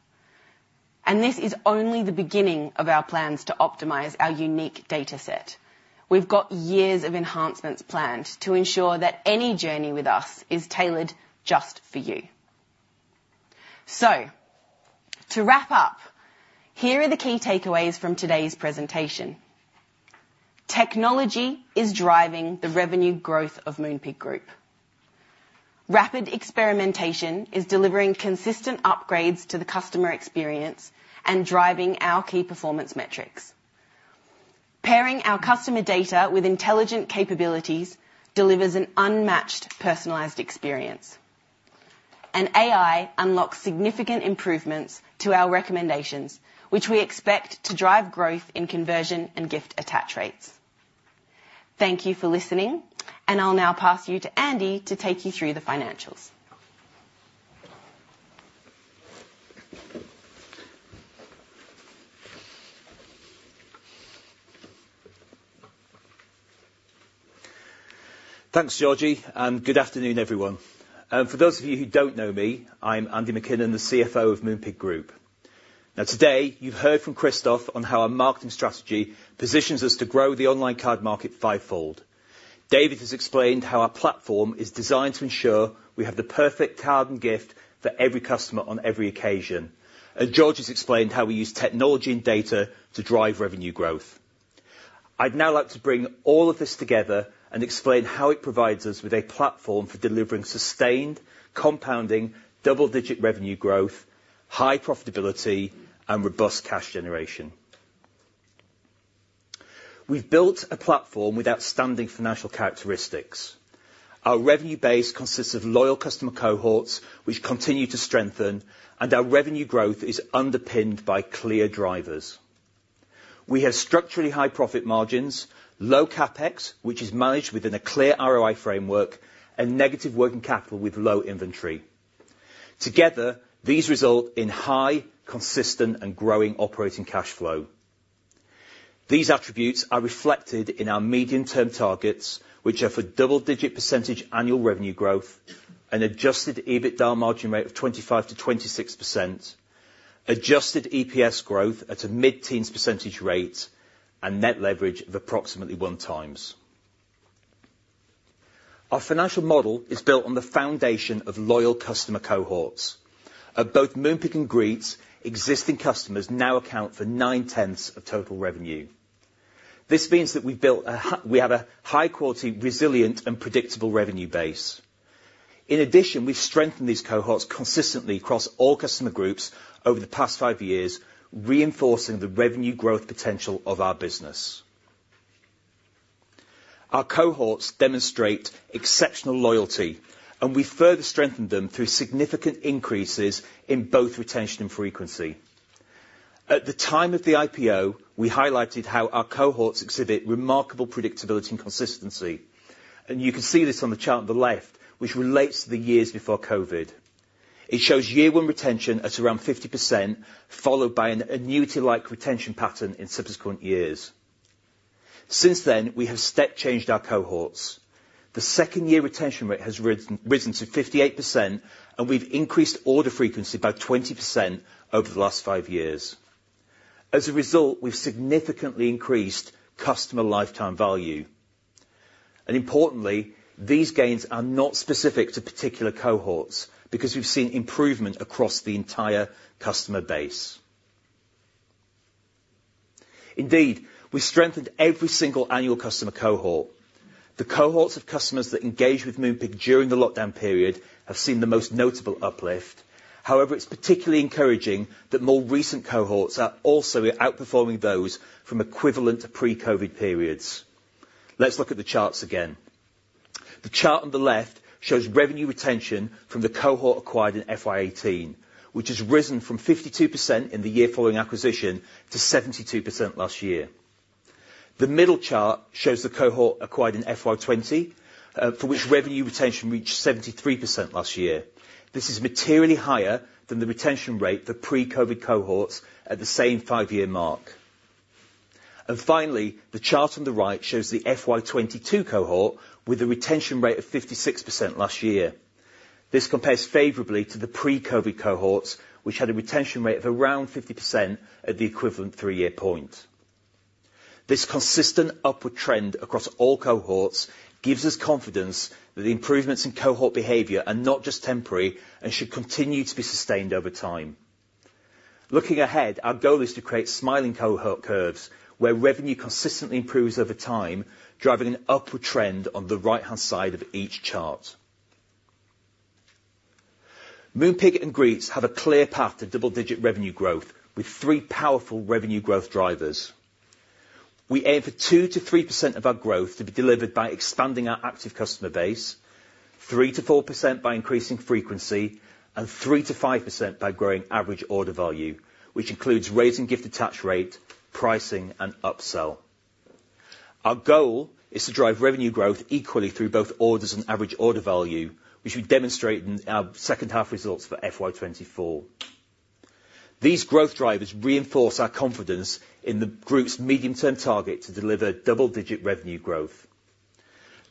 And this is only the beginning of our plans to optimize our unique data set. We've got years of enhancements planned to ensure that any journey with us is tailored just for you. So to wrap up, here are the key takeaways from today's presentation. Technology is driving the revenue growth of Moonpig Group. Rapid experimentation is delivering consistent upgrades to the customer experience and driving our key performance metrics. Pairing our customer data with intelligent capabilities delivers an unmatched, personalized experience. And AI unlocks significant improvements to our recommendations, which we expect to drive growth in conversion and gift attach rates. Thank you for listening, and I'll now pass you to Andy to take you through the financials. Thanks, Georgie, and good afternoon, everyone. For those of you who don't know me, I'm Andy MacKinnon, the CFO of Moonpig Group. Now, today, you've heard from Kristof on how our marketing strategy positions us to grow the online card market fivefold. David has explained how our platform is designed to ensure we have the perfect card and gift for every customer on every occasion. And Georgie has explained how we use technology and data to drive revenue growth. I'd now like to bring all of this together and explain how it provides us with a platform for delivering sustained, compounding, double-digit revenue growth, high profitability, and robust cash generation. We've built a platform with outstanding financial characteristics. Our revenue base consists of loyal customer cohorts, which continue to strengthen, and our revenue growth is underpinned by clear drivers. We have structurally high profit margins, low CapEx, which is managed within a clear ROI framework, and negative working capital with low inventory. Together, these result in high, consistent, and growing operating cash flow. These attributes are reflected in our medium-term targets, which are for double-digit percentage annual revenue growth, an adjusted EBITDA margin rate of 25%-26%, adjusted EPS growth at a mid-teens percentage rate, and net leverage of approximately one times. Our financial model is built on the foundation of loyal customer cohorts. At both Moonpig and Greetz, existing customers now account for nine-tenths of total revenue. This means that we've built a high-quality, resilient, and predictable revenue base. In addition, we've strengthened these cohorts consistently across all customer groups over the past five years, reinforcing the revenue growth potential of our business. Our cohorts demonstrate exceptional loyalty, and we further strengthen them through significant increases in both retention and frequency. At the time of the IPO, we highlighted how our cohorts exhibit remarkable predictability and consistency, and you can see this on the chart on the left, which relates to the years before COVID. It shows year-one retention at around 50%, followed by an annuity-like retention pattern in subsequent years. Since then, we have step-changed our cohorts. The second-year retention rate has risen to 58%, and we've increased order frequency by 20% over the last 5 years. As a result, we've significantly increased customer lifetime value, and importantly, these gains are not specific to particular cohorts, because we've seen improvement across the entire customer base. Indeed, we strengthened every single annual customer cohort. The cohorts of customers that engaged with Moonpig during the lockdown period have seen the most notable uplift. However, it's particularly encouraging that more recent cohorts are also outperforming those from equivalent pre-COVID periods. Let's look at the charts again. The chart on the left shows revenue retention from the cohort acquired in FY 2018, which has risen from 52% in the year following acquisition to 72% last year. The middle chart shows the cohort acquired in FY 2020, for which revenue retention reached 73% last year. This is materially higher than the retention rate for pre-COVID cohorts at the same five-year mark. And finally, the chart on the right shows the FY 2022 cohort with a retention rate of 56% last year. This compares favorably to the pre-COVID cohorts, which had a retention rate of around 50% at the equivalent three-year point. This consistent upward trend across all cohorts gives us confidence that the improvements in cohort behavior are not just temporary and should continue to be sustained over time. Looking ahead, our goal is to create smiling cohort curves, where revenue consistently improves over time, driving an upward trend on the right-hand side of each chart. Moonpig and Greetz have a clear path to double-digit revenue growth, with three powerful revenue growth drivers. We aim for 2%-3% of our growth to be delivered by expanding our active customer base, 3%-4% by increasing frequency, and 3%-5% by growing average order value, which includes raising gift attach rate, pricing, and upsell. Our goal is to drive revenue growth equally through both orders and average order value, which we demonstrate in our second half results for FY 2024. These growth drivers reinforce our confidence in the group's medium-term target to deliver double-digit revenue growth.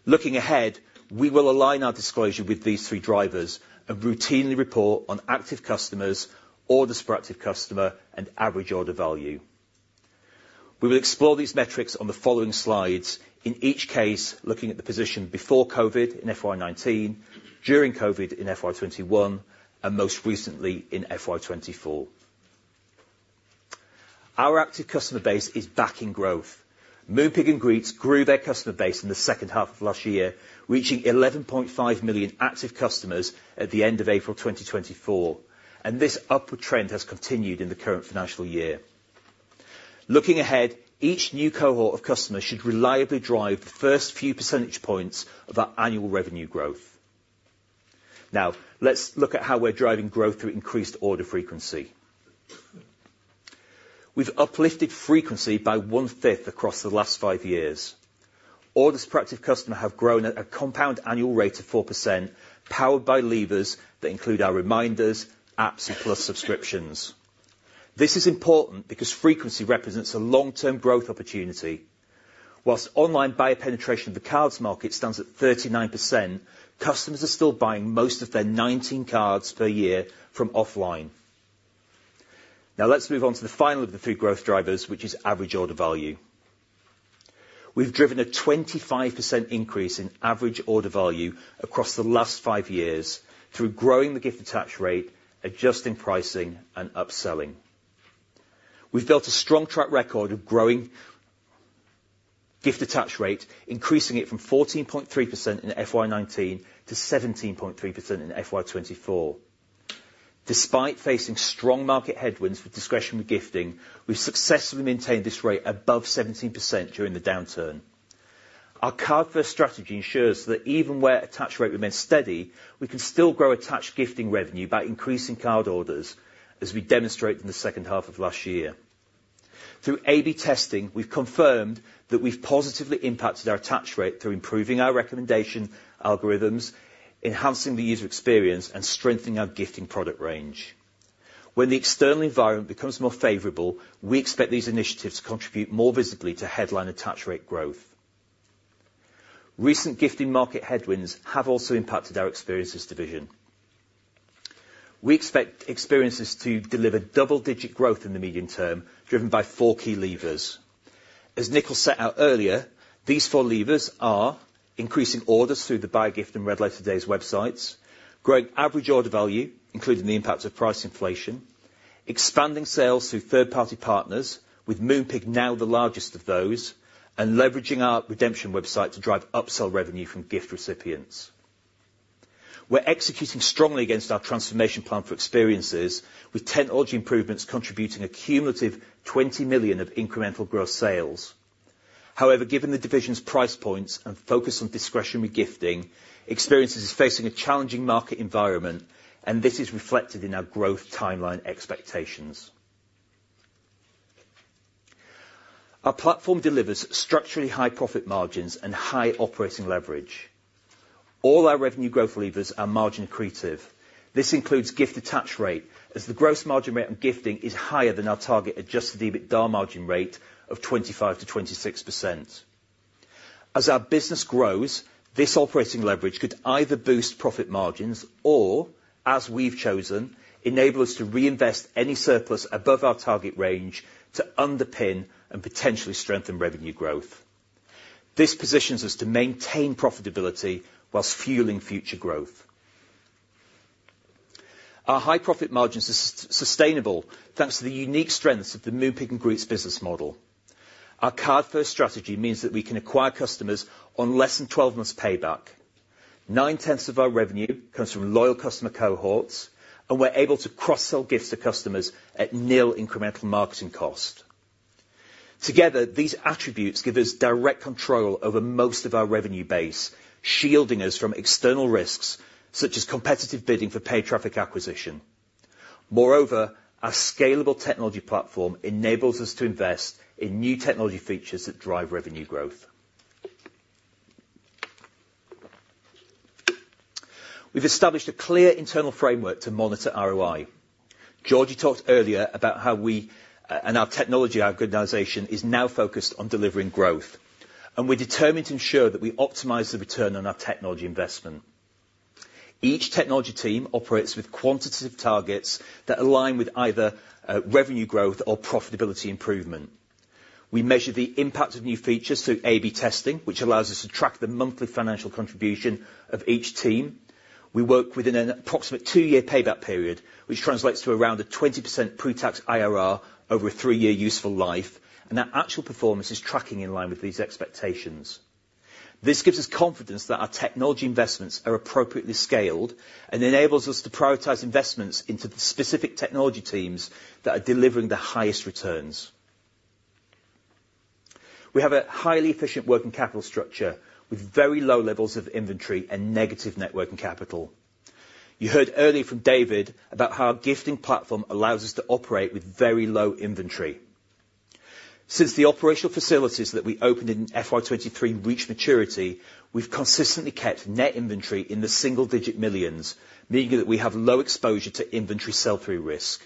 Looking ahead, we will align our disclosure with these three drivers and routinely report on active customers, orders per active customer, and average order value. We will explore these metrics on the following slides, in each case, looking at the position before COVID in FY 2019, during COVID in FY 2021, and most recently in FY 2024. Our active customer base is backing growth. Moonpig and Greetz grew their customer base in the second half of last year, reaching 11.5 million active customers at the end of April 2024, and this upward trend has continued in the current financial year. Looking ahead, each new cohort of customers should reliably drive the first few percentage points of our annual revenue growth. Now, let's look at how we're driving growth through increased order frequency. We've uplifted frequency by one-fifth across the last five years. Orders per active customer have grown at a compound annual rate of 4%, powered by levers that include our reminders, apps, and Plus subscriptions. This is important because frequency represents a long-term growth opportunity. While online buyer penetration of the cards market stands at 39%, customers are still buying most of their 19 cards per year from offline. Now, let's move on to the final of the three growth drivers, which is average order value. We've driven a 25% increase in average order value across the last five years through growing the gift attach rate, adjusting pricing, and upselling. We've built a strong track record of growing gift attach rate, increasing it from 14.3% in FY 2019 to 17.3% in FY 2024. Despite facing strong market headwinds with discretionary gifting, we've successfully maintained this rate above 17% during the downturn. Our card-first strategy ensures that even where attach rate remains steady, we can still grow attach gifting revenue by increasing card orders, as we demonstrate in the second half of last year. Through A/B testing, we've confirmed that we've positively impacted our attach rate through improving our recommendation algorithms, enhancing the user experience, and strengthening our gifting product range... When the external environment becomes more favorable, we expect these initiatives to contribute more visibly to headline attach rate growth. Recent gifting market headwinds have also impacted our experiences division. We expect experiences to deliver double-digit growth in the medium term, driven by four key levers. As Nickyl set out earlier, these four levers are increasing orders through the Buyagift and Red Letter Days websites, growing average order value, including the impact of price inflation, expanding sales through third-party partners, with Moonpig now the largest of those, and leveraging our redemption website to drive upsell revenue from gift recipients. We're executing strongly against our transformation plan for experiences, with technology improvements contributing a cumulative 20 million of incremental growth sales. However, given the division's price points and focus on discretionary gifting, experiences is facing a challenging market environment, and this is reflected in our growth timeline expectations. Our platform delivers structurally high profit margins and high operating leverage. All our revenue growth levers are margin accretive. This includes gift attach rate, as the gross margin rate on gifting is higher than our target Adjusted EBITDA margin rate of 25%-26%. As our business grows, this operating leverage could either boost profit margins or, as we've chosen, enable us to reinvest any surplus above our target range to underpin and potentially strengthen revenue growth. This positions us to maintain profitability while fueling future growth. Our high profit margin is sustainable, thanks to the unique strengths of the Moonpig Group's business model. Our card-first strategy means that we can acquire customers on less than twelve months payback. Nine-tenths of our revenue comes from loyal customer cohorts, and we're able to cross-sell gifts to customers at nil incremental marketing cost. Together, these attributes give us direct control over most of our revenue base, shielding us from external risks, such as competitive bidding for paid traffic acquisition. Moreover, our scalable technology platform enables us to invest in new technology features that drive revenue growth. We've established a clear internal framework to monitor ROI. Georgie talked earlier about how we and our technology organization is now focused on delivering growth, and we're determined to ensure that we optimize the return on our technology investment. Each technology team operates with quantitative targets that align with either revenue growth or profitability improvement. We measure the impact of new features through A/B testing, which allows us to track the monthly financial contribution of each team. We work within an approximate two-year payback period, which translates to around a 20% pretax IRR over a three-year useful life, and our actual performance is tracking in line with these expectations. This gives us confidence that our technology investments are appropriately scaled and enables us to prioritize investments into the specific technology teams that are delivering the highest returns. We have a highly efficient working capital structure with very low levels of inventory and negative net working capital. You heard earlier from David about how our gifting platform allows us to operate with very low inventory. Since the operational facilities that we opened in FY 2023 reached maturity, we've consistently kept net inventory in the single-digit millions, meaning that we have low exposure to inventory sell-through risk.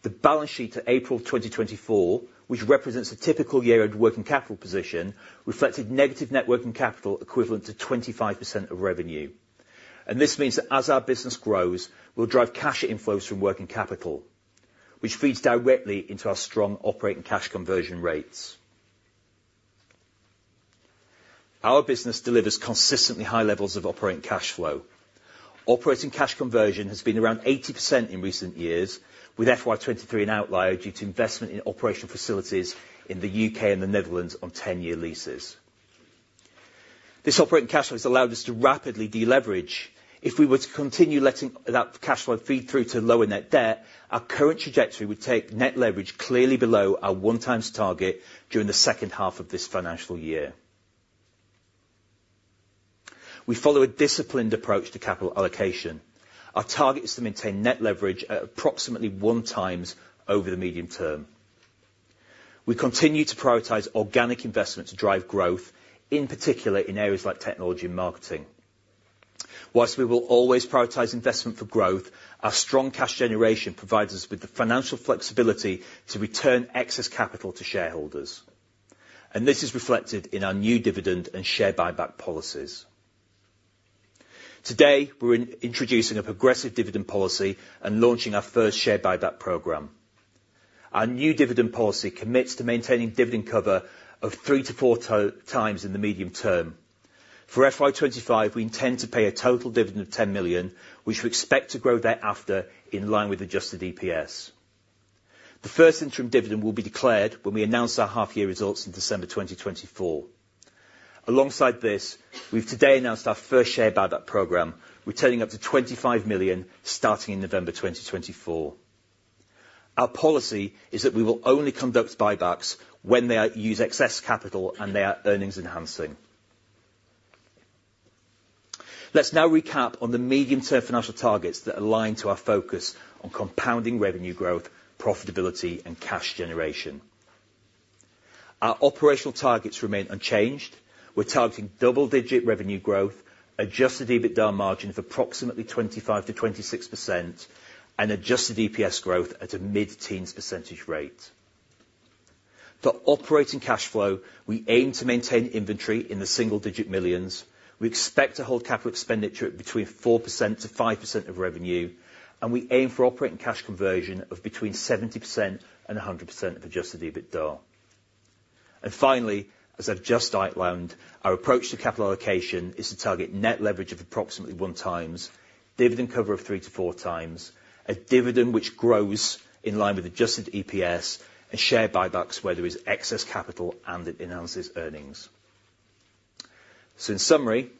The balance sheet to April 2024, which represents a typical year-end working capital position, reflected negative net working capital equivalent to 25% of revenue. This means that as our business grows, we'll drive cash inflows from working capital, which feeds directly into our strong operating cash conversion rates. Our business delivers consistently high levels of operating cash flow. Operating cash conversion has been around 80% in recent years, with FY 2023 an outlier due to investment in operational facilities in the U.K. and the Netherlands on 10-year leases. This operating cash flow has allowed us to rapidly deleverage. If we were to continue letting that cash flow feed through to lower net debt, our current trajectory would take net leverage clearly below our one times target during the second half of this financial year. We follow a disciplined approach to capital allocation. Our target is to maintain net leverage at approximately one times over the medium term. We continue to prioritize organic investment to drive growth, in particular in areas like technology and marketing. While we will always prioritize investment for growth, our strong cash generation provides us with the financial flexibility to return excess capital to shareholders, and this is reflected in our new dividend and share buyback policies. Today, we're introducing a progressive dividend policy and launching our first share buyback program. Our new dividend policy commits to maintaining dividend cover of three to four times in the medium term. For FY 2025, we intend to pay a total dividend of 10 million, which we expect to grow thereafter in line with adjusted EPS. The first interim dividend will be declared when we announce our half-year results in December 2024. Alongside this, we've today announced our first share buyback program, returning up to 25 million, starting in November 2024. Our policy is that we will only conduct buybacks when they use excess capital and they are earnings enhancing. Let's now recap on the medium-term financial targets that align to our focus on compounding revenue growth, profitability, and cash generation. Our operational targets remain unchanged. We're targeting double-digit revenue growth, adjusted EBITDA margin of approximately 25%-26%, and adjusted EPS growth at a mid-teens percentage rate. For operating cash flow, we aim to maintain inventory in the single-digit millions. We expect to hold capital expenditure at between 4%-5% of revenue, and we aim for operating cash conversion of between 70% and 100% of adjusted EBITDA. Finally, as I've just outlined, our approach to capital allocation is to target net leverage of approximately 1 times, dividend cover of 3-4 times, a dividend which grows in line with adjusted EPS, and share buybacks where there is excess capital and it enhances earnings. In summary,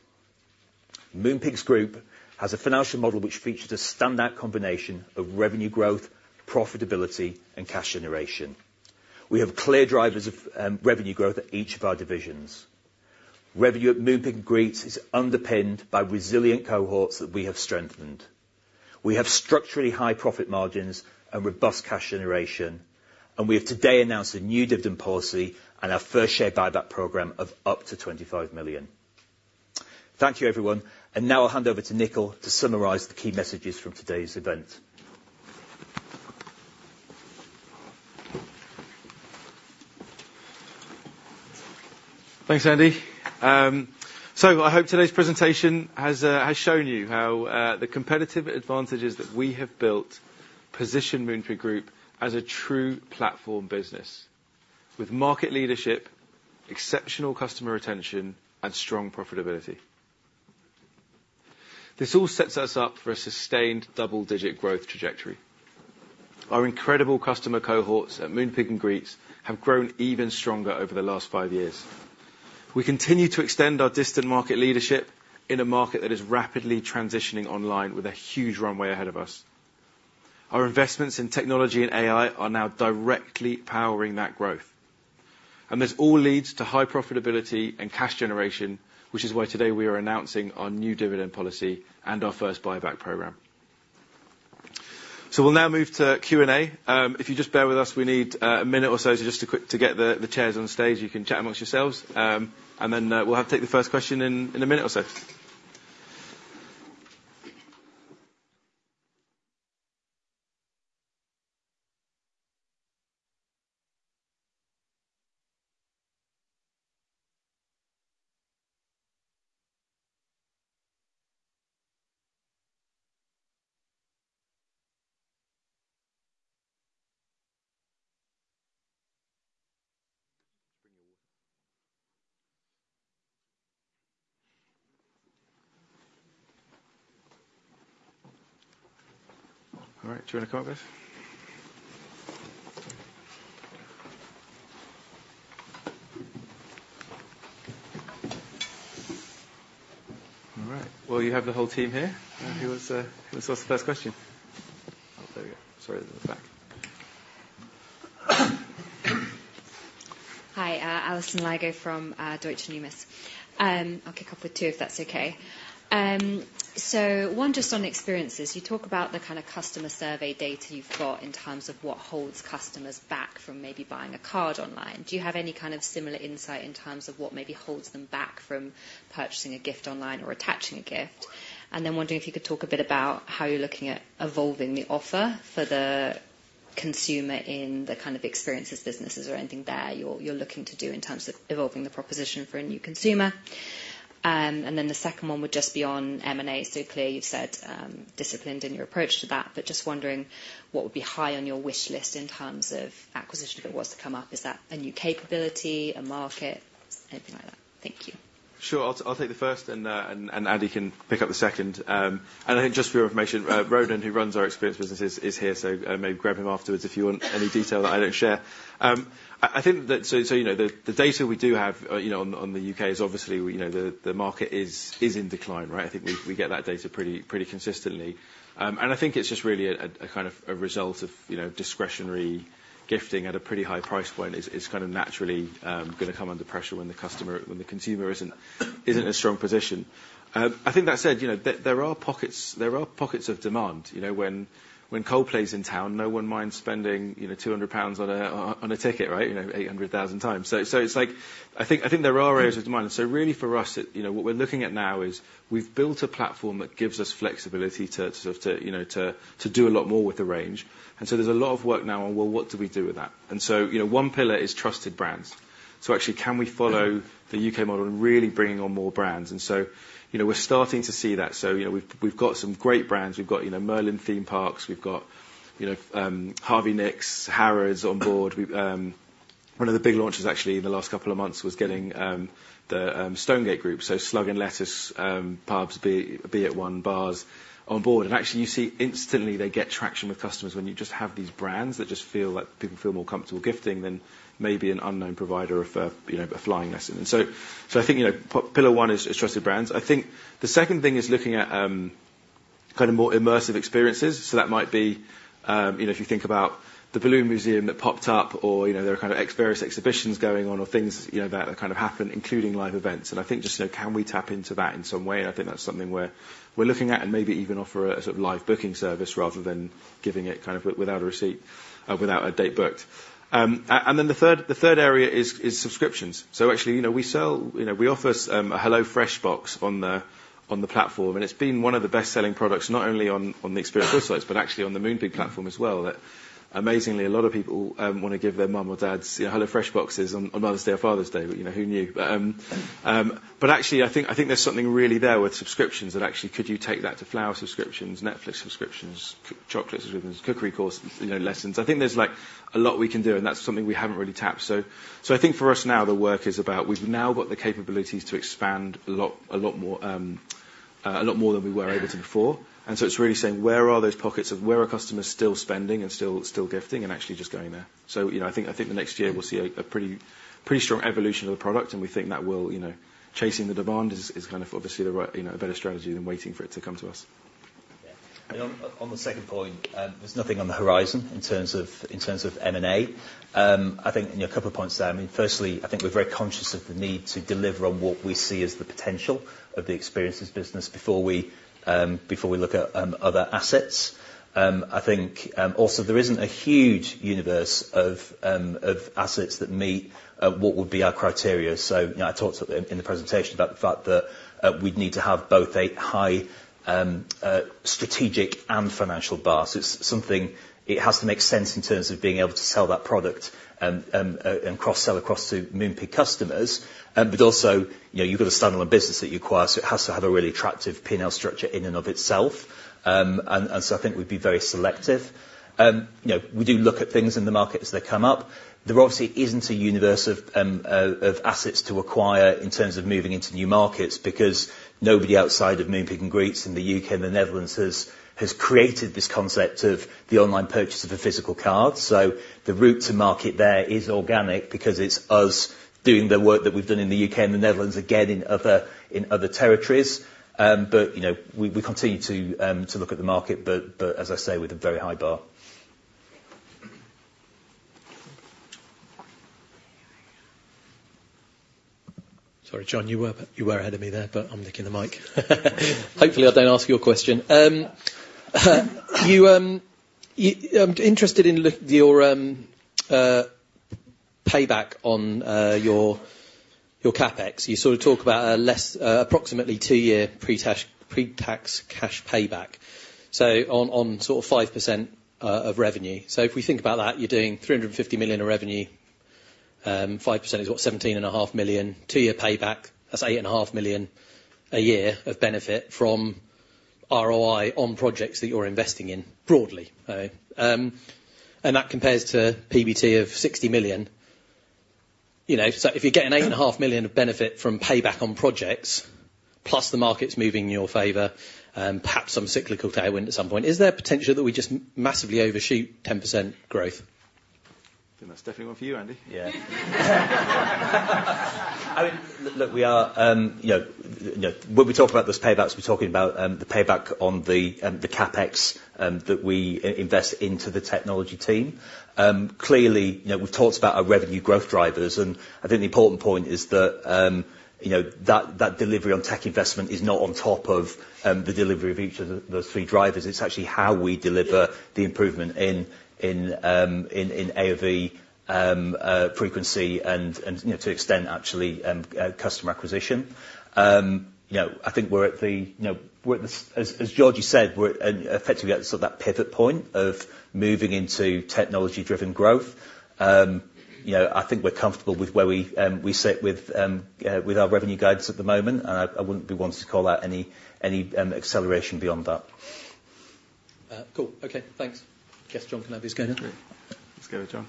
Moonpig Group has a financial model which features a standout combination of revenue growth, profitability, and cash generation. We have clear drivers of revenue growth at each of our divisions. Revenue at Moonpig and Greetz is underpinned by resilient cohorts that we have strengthened. We have structurally high profit margins and robust cash generation, and we have today announced a new dividend policy and our first share buyback program of up to 25 million. Thank you, everyone. Now I'll hand over to Nickyl to summarize the key messages from today's event. Thanks, Andy. I hope today's presentation has shown you how the competitive advantages that we have built position Moonpig Group as a true platform business, with market leadership, exceptional customer retention, and strong profitability. This all sets us up for a sustained double-digit growth trajectory. Our incredible customer cohorts at Moonpig and Greetz have grown even stronger over the last five years. We continue to extend our dominant market leadership in a market that is rapidly transitioning online with a huge runway ahead of us. Our investments in technology and AI are now directly powering that growth. This all leads to high profitability and cash generation, which is why today we are announcing our new dividend policy and our first buyback program. We'll now move to Q&A. If you just bear with us, we need a minute or so just to quickly get the chairs on stage. You can chat amongst yourselves, and then we'll have to take the first question in a minute or so. Just bring your water. All right, do you wanna come up? All right. You have the whole team here. Who wants to ask the first question? Oh, there we go. Sorry, they're in the back. Hi, Alison Lygo from Deutsche Numis. I'll kick off with two, if that's okay. So one, just on experiences, you talk about the kind of customer survey data you've got in terms of what holds customers back from maybe buying a card online. Do you have any kind of similar insight in terms of what maybe holds them back from purchasing a gift online or attaching a gift? And then wondering if you could talk a bit about how you're looking at evolving the offer for the consumer in the kind of experiences businesses, or anything there you're looking to do in terms of evolving the proposition for a new consumer. And then the second one would just be on M&A. So, clearly, you've said, disciplined in your approach to that, but just wondering what would be high on your wish list in terms of acquisition, if it was to come up? Is that a new capability, a market, anything like that? Thank you. Sure. I'll take the first, and Andy can pick up the second. And I think just for your information, Rohan, who runs our experience business, is here, so maybe grab him afterwards if you want any detail that I don't share. I think that so, you know, the data we do have, you know, on the UK is obviously, you know, the market is in decline, right? I think we get that data pretty consistently. And I think it's just really a kind of a result of, you know, discretionary gifting at a pretty high price point. It's kind of naturally gonna come under pressure when the consumer isn't in a strong position. I think that said, you know, there are pockets of demand, you know, when Coldplay's in town, no one minds spending, you know, 200 pounds on a ticket, right? You know, 800,000 times. So it's like... I think there are areas of demand. So really, for us, you know, what we're looking at now is we've built a platform that gives us flexibility to sort of to do a lot more with the range. And so there's a lot of work now on, well, what do we do with that? And so, you know, one pillar is trusted brands. So actually, can we follow the U.K. model and really bringing on more brands? And so, you know, we're starting to see that. So, you know, we've got some great brands. We've got, you know, Merlin Theme Parks, we've got, you know, Harvey Nichols, Harrods on board. We've one of the big launches actually in the last couple of months was getting the Stonegate Group, so Slug and Lettuce pubs, Be At One bars on board. And actually, you see instantly they get traction with customers when you just have these brands that just feel like people feel more comfortable gifting than maybe an unknown provider of a, you know, a flying lesson. And so, so I think, you know, pillar one is trusted brands. I think the second thing is looking at kind of more immersive experiences. So that might be, you know, if you think about the Balloon Museum that popped up or, you know, there are kind of various exhibitions going on, or things, you know, that kind of happen, including live events. And I think just, you know, can we tap into that in some way? I think that's something we're looking at, and maybe even offer a sort of live booking service, rather than giving it kind of without a receipt, without a date booked. And then the third area is subscriptions. So actually, you know, we sell... You know, we offer a HelloFresh box on the, on the platform, and it's been one of the best-selling products, not only on, on the experiences sites, but actually on the Moonpig platform as well, that amazingly a lot of people wanna give their mom or dads, you know, HelloFresh boxes on, on Mother's Day or Father's Day. But, you know, who knew? But, but actually, I think, I think there's something really there with subscriptions that actually, could you take that to flower subscriptions, Netflix subscriptions, chocolates subscriptions, cookery course, you know, lessons? I think there's, like, a lot we can do, and that's something we haven't really tapped. So, I think for us now, the work is about we've now got the capabilities to expand a lot, a lot more, a lot more than we were able to before. And so it's really saying, where are those pockets of customers still spending and still gifting, and actually just going there. So, you know, I think the next year we'll see a pretty strong evolution of the product, and we think that will, you know, chasing the demand is kind of obviously the right, you know, a better strategy than waiting for it to come to us. Yeah. And on the second point, there's nothing on the horizon in terms of M&A. I think, you know, a couple of points there. I mean, firstly, I think we're very conscious of the need to deliver on what we see as the potential of the experiences business before we look at other assets. I think also, there isn't a huge universe of assets that meet what would be our criteria. So, you know, I talked in the presentation about the fact that we'd need to have both a high strategic and financial bar. So it's something. It has to make sense in terms of being able to sell that product and cross-sell across to Moonpig customers. But also, you know, you've got to stand on a business that you acquire, so it has to have a really attractive P&L structure in and of itself. And so I think we'd be very selective. You know, we do look at things in the market as they come up. There obviously isn't a universe of assets to acquire in terms of moving into new markets, because nobody outside of Moonpig and Greetz in the UK and the Netherlands has created this concept of the online purchase of a physical card. So the route to market there is organic, because it's us doing the work that we've done in the UK and the Netherlands, again, in other territories. But, you know, we continue to look at the market, but as I say, with a very high bar. Sorry, John, you were ahead of me there, but I'm nicking the mic. Hopefully, I don't ask your question. I'm interested in your payback on your CapEx. You sort of talk about a less approximately two-year pre-tax cash payback, so on sort of 5% of revenue. So if we think about that, you're doing 350 million of revenue. 5% is what? 17.5 million. Two-year payback, that's 8.5 million a year of benefit from ROI on projects that you're investing in, broadly. And that compares to PBT of 60 million. You know, so if you're getting 8.5 million of benefit from payback on projects, plus the market's moving in your favor, perhaps some cyclical tailwind at some point, is there potential that we just massively overshoot 10% growth? That's definitely one for you, Andy. Yeah. I mean, look, we are, you know, you know, when we talk about those paybacks, we're talking about, the payback on the, the CapEx, that we invest into the technology team. Clearly, you know, we've talked about our revenue growth drivers, and I think the important point is that, you know, that, that delivery on tech investment is not on top of, the delivery of each of the, those three drivers. It's actually how we deliver the improvement in, in, in AOV, frequency and, and, you know, to extent actually, customer acquisition. You know, I think we're at the, you know, we're at the. As, as Georgie said, we're, effectively at sort of that pivot point of moving into technology-driven growth. You know, I think we're comfortable with where we sit with our revenue guidance at the moment, and I wouldn't be wanting to call out any acceleration beyond that. Cool. Okay, thanks. Guess John can have his go now. Let's go, John.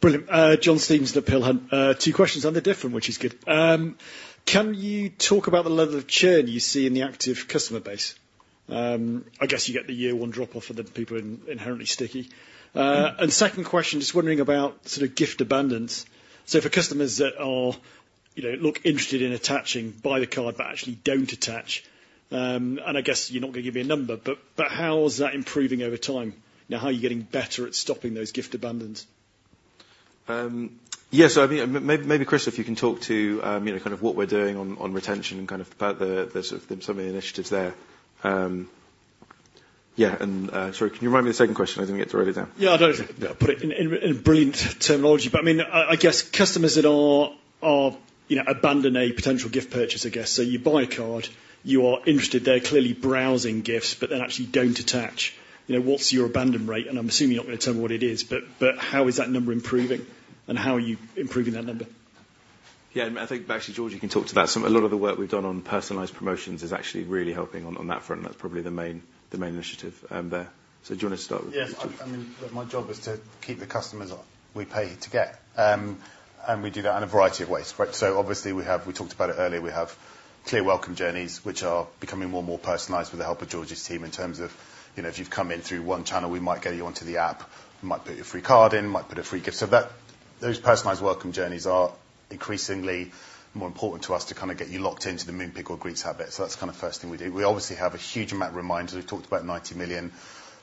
Brilliant. John Stevenson at Peel Hunt. Two questions, and they're different, which is good. Can you talk about the level of churn you see in the active customer base? I guess you get the year-one drop-off for the people inherently sticky. And second question, just wondering about sort of gift abandon. So for customers that are, you know, look interested in attaching, buy the card, but actually don't attach, and I guess you're not gonna give me a number, but, but how is that improving over time? Now, how are you getting better at stopping those gift abandons? Yeah, so I mean, maybe, maybe Chris, if you can talk to, you know, kind of what we're doing on, on retention and kind of about the, the sort of some of the initiatives there. Yeah, and, sorry, can you remind me the second question? I didn't get to write it down. Yeah, I don't think I put it in brilliant terminology, but, I mean, I guess customers that are, you know, abandon a potential gift purchase, I guess. So you buy a card, you are interested, they're clearly browsing gifts, but then actually don't attach. You know, what's your abandon rate? And I'm assuming you're not going to tell me what it is, but how is that number improving, and how are you improving that number? Yeah, I think actually, Georgie, you can talk to that. So a lot of the work we've done on personalized promotions is actually really helping on, on that front, and that's probably the main, the main initiative, there. So do you want to start with- Yes. I mean, my job is to keep the customers we pay to get, and we do that in a variety of ways, right? So obviously, we have, we talked about it earlier, we have clear welcome journeys, which are becoming more and more personalized with the help of Georgie's team, in terms of, you know, if you've come in through one channel, we might get you onto the app, we might put your free card in, might put a free gift. So that,... Those personalized welcome journeys are increasingly more important to us to kind of get you locked into the Moonpig or Greetz habit. So that's kind of the first thing we do. We obviously have a huge amount of reminders. We've talked about ninety million,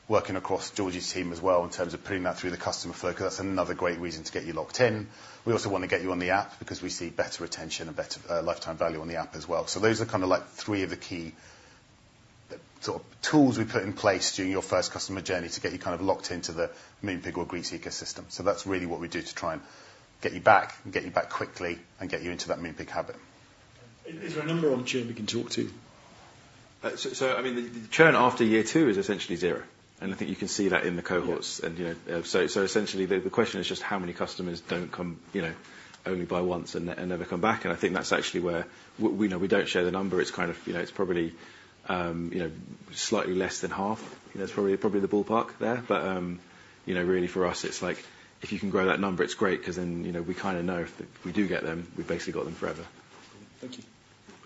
working across Georgie's team as well, in terms of putting that through the customer flow, because that's another great reason to get you locked in. We also want to get you on the app because we see better retention and better lifetime value on the app as well. So those are kind of like three of the key, sort of, tools we put in place during your first customer journey to get you kind of locked into the Moonpig or Greetz ecosystem. So that's really what we do to try and get you back, and get you back quickly, and get you into that Moonpig habit. Is there a number on churn we can talk to? So, I mean, the churn after year two is essentially zero, and I think you can see that in the cohorts. Yeah. You know, essentially, the question is just how many customers don't come, you know, only buy once and never come back. I think that's actually where... We know we don't share the number. It's kind of, you know, it's probably, you know, slightly less than half. That's probably the ballpark there. But, you know, really, for us, it's like, if you can grow that number, it's great, 'cause then, you know, we kinda know if we do get them, we've basically got them forever. Thank you.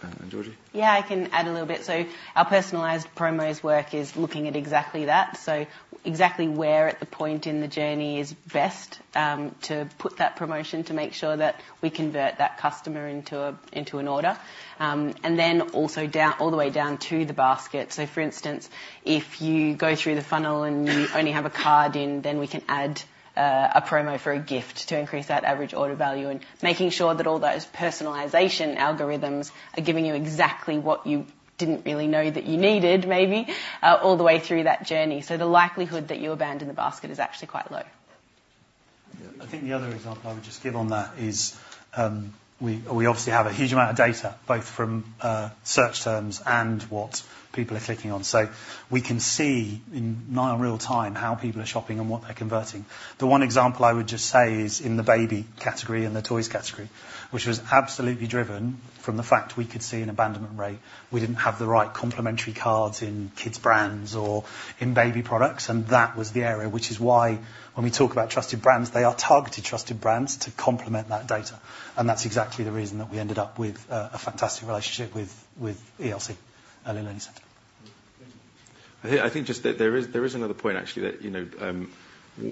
And Georgie? Yeah, I can add a little bit. So our personalized promos work is looking at exactly that. So exactly where at the point in the journey is best to put that promotion to make sure that we convert that customer into an order. And then also down, all the way down to the basket. So for instance, if you go through the funnel and you only have a card in, then we can add a promo for a gift to increase that average order value, and making sure that all those personalization algorithms are giving you exactly what you didn't really know that you needed, maybe, all the way through that journey. So the likelihood that you abandon the basket is actually quite low. Yeah. I think the other example I would just give on that is, we obviously have a huge amount of data, both from search terms and what people are clicking on. So we can see, in near real time, how people are shopping and what they're converting. The one example I would just say is in the baby category and the toys category, which was absolutely driven from the fact we could see an abandonment rate. We didn't have the right complementary cards in kids brands or in baby products, and that was the area, which is why when we talk about trusted brands, they are targeted, trusted brands to complement that data. That's exactly the reason that we ended up with a fantastic relationship with ELC, Early Learning Centre. I think just that there is another point, actually, that, you know,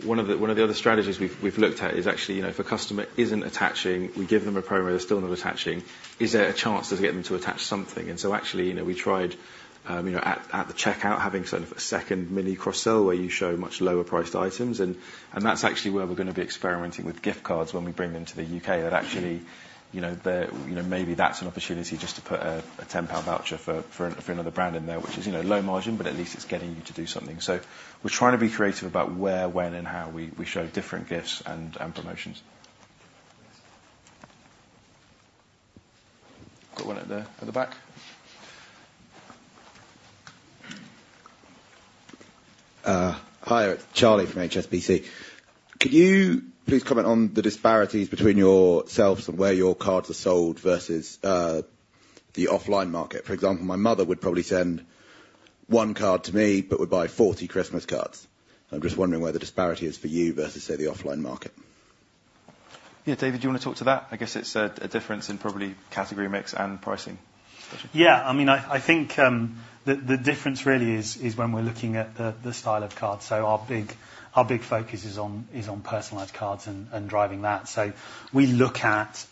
one of the other strategies we've looked at is actually, you know, if a customer isn't attaching, we give them a promo, they're still not attaching. Is there a chance to get them to attach something? And so actually, you know, we tried, you know, at the checkout, having sort of a second mini carousel, where you show much lower priced items. And that's actually where we're gonna be experimenting with gift cards when we bring them to the U.K. That actually, you know, maybe that's an opportunity just to put a 10 pound voucher for another brand in there, which is, you know, low margin, but at least it's getting you to do something. So we're trying to be creative about where, when, and how we show different gifts and promotions. Got one at the back. Hi, Charlie from HSBC. Could you please commNent on the disparities between yourselves and where your cards are sold versus the offline market? For example, my mother would probably send one card to me, but would buy forty Christmas cards. I'm just wondering where the disparity is for you versus, say, the offline market. Yeah, David, do you want to talk to that? I guess it's a difference in probably category mix and pricing. Yeah. I mean, I think the difference really is when we're looking at the style of cards. So our big focus is on personalized cards and driving that. So we look at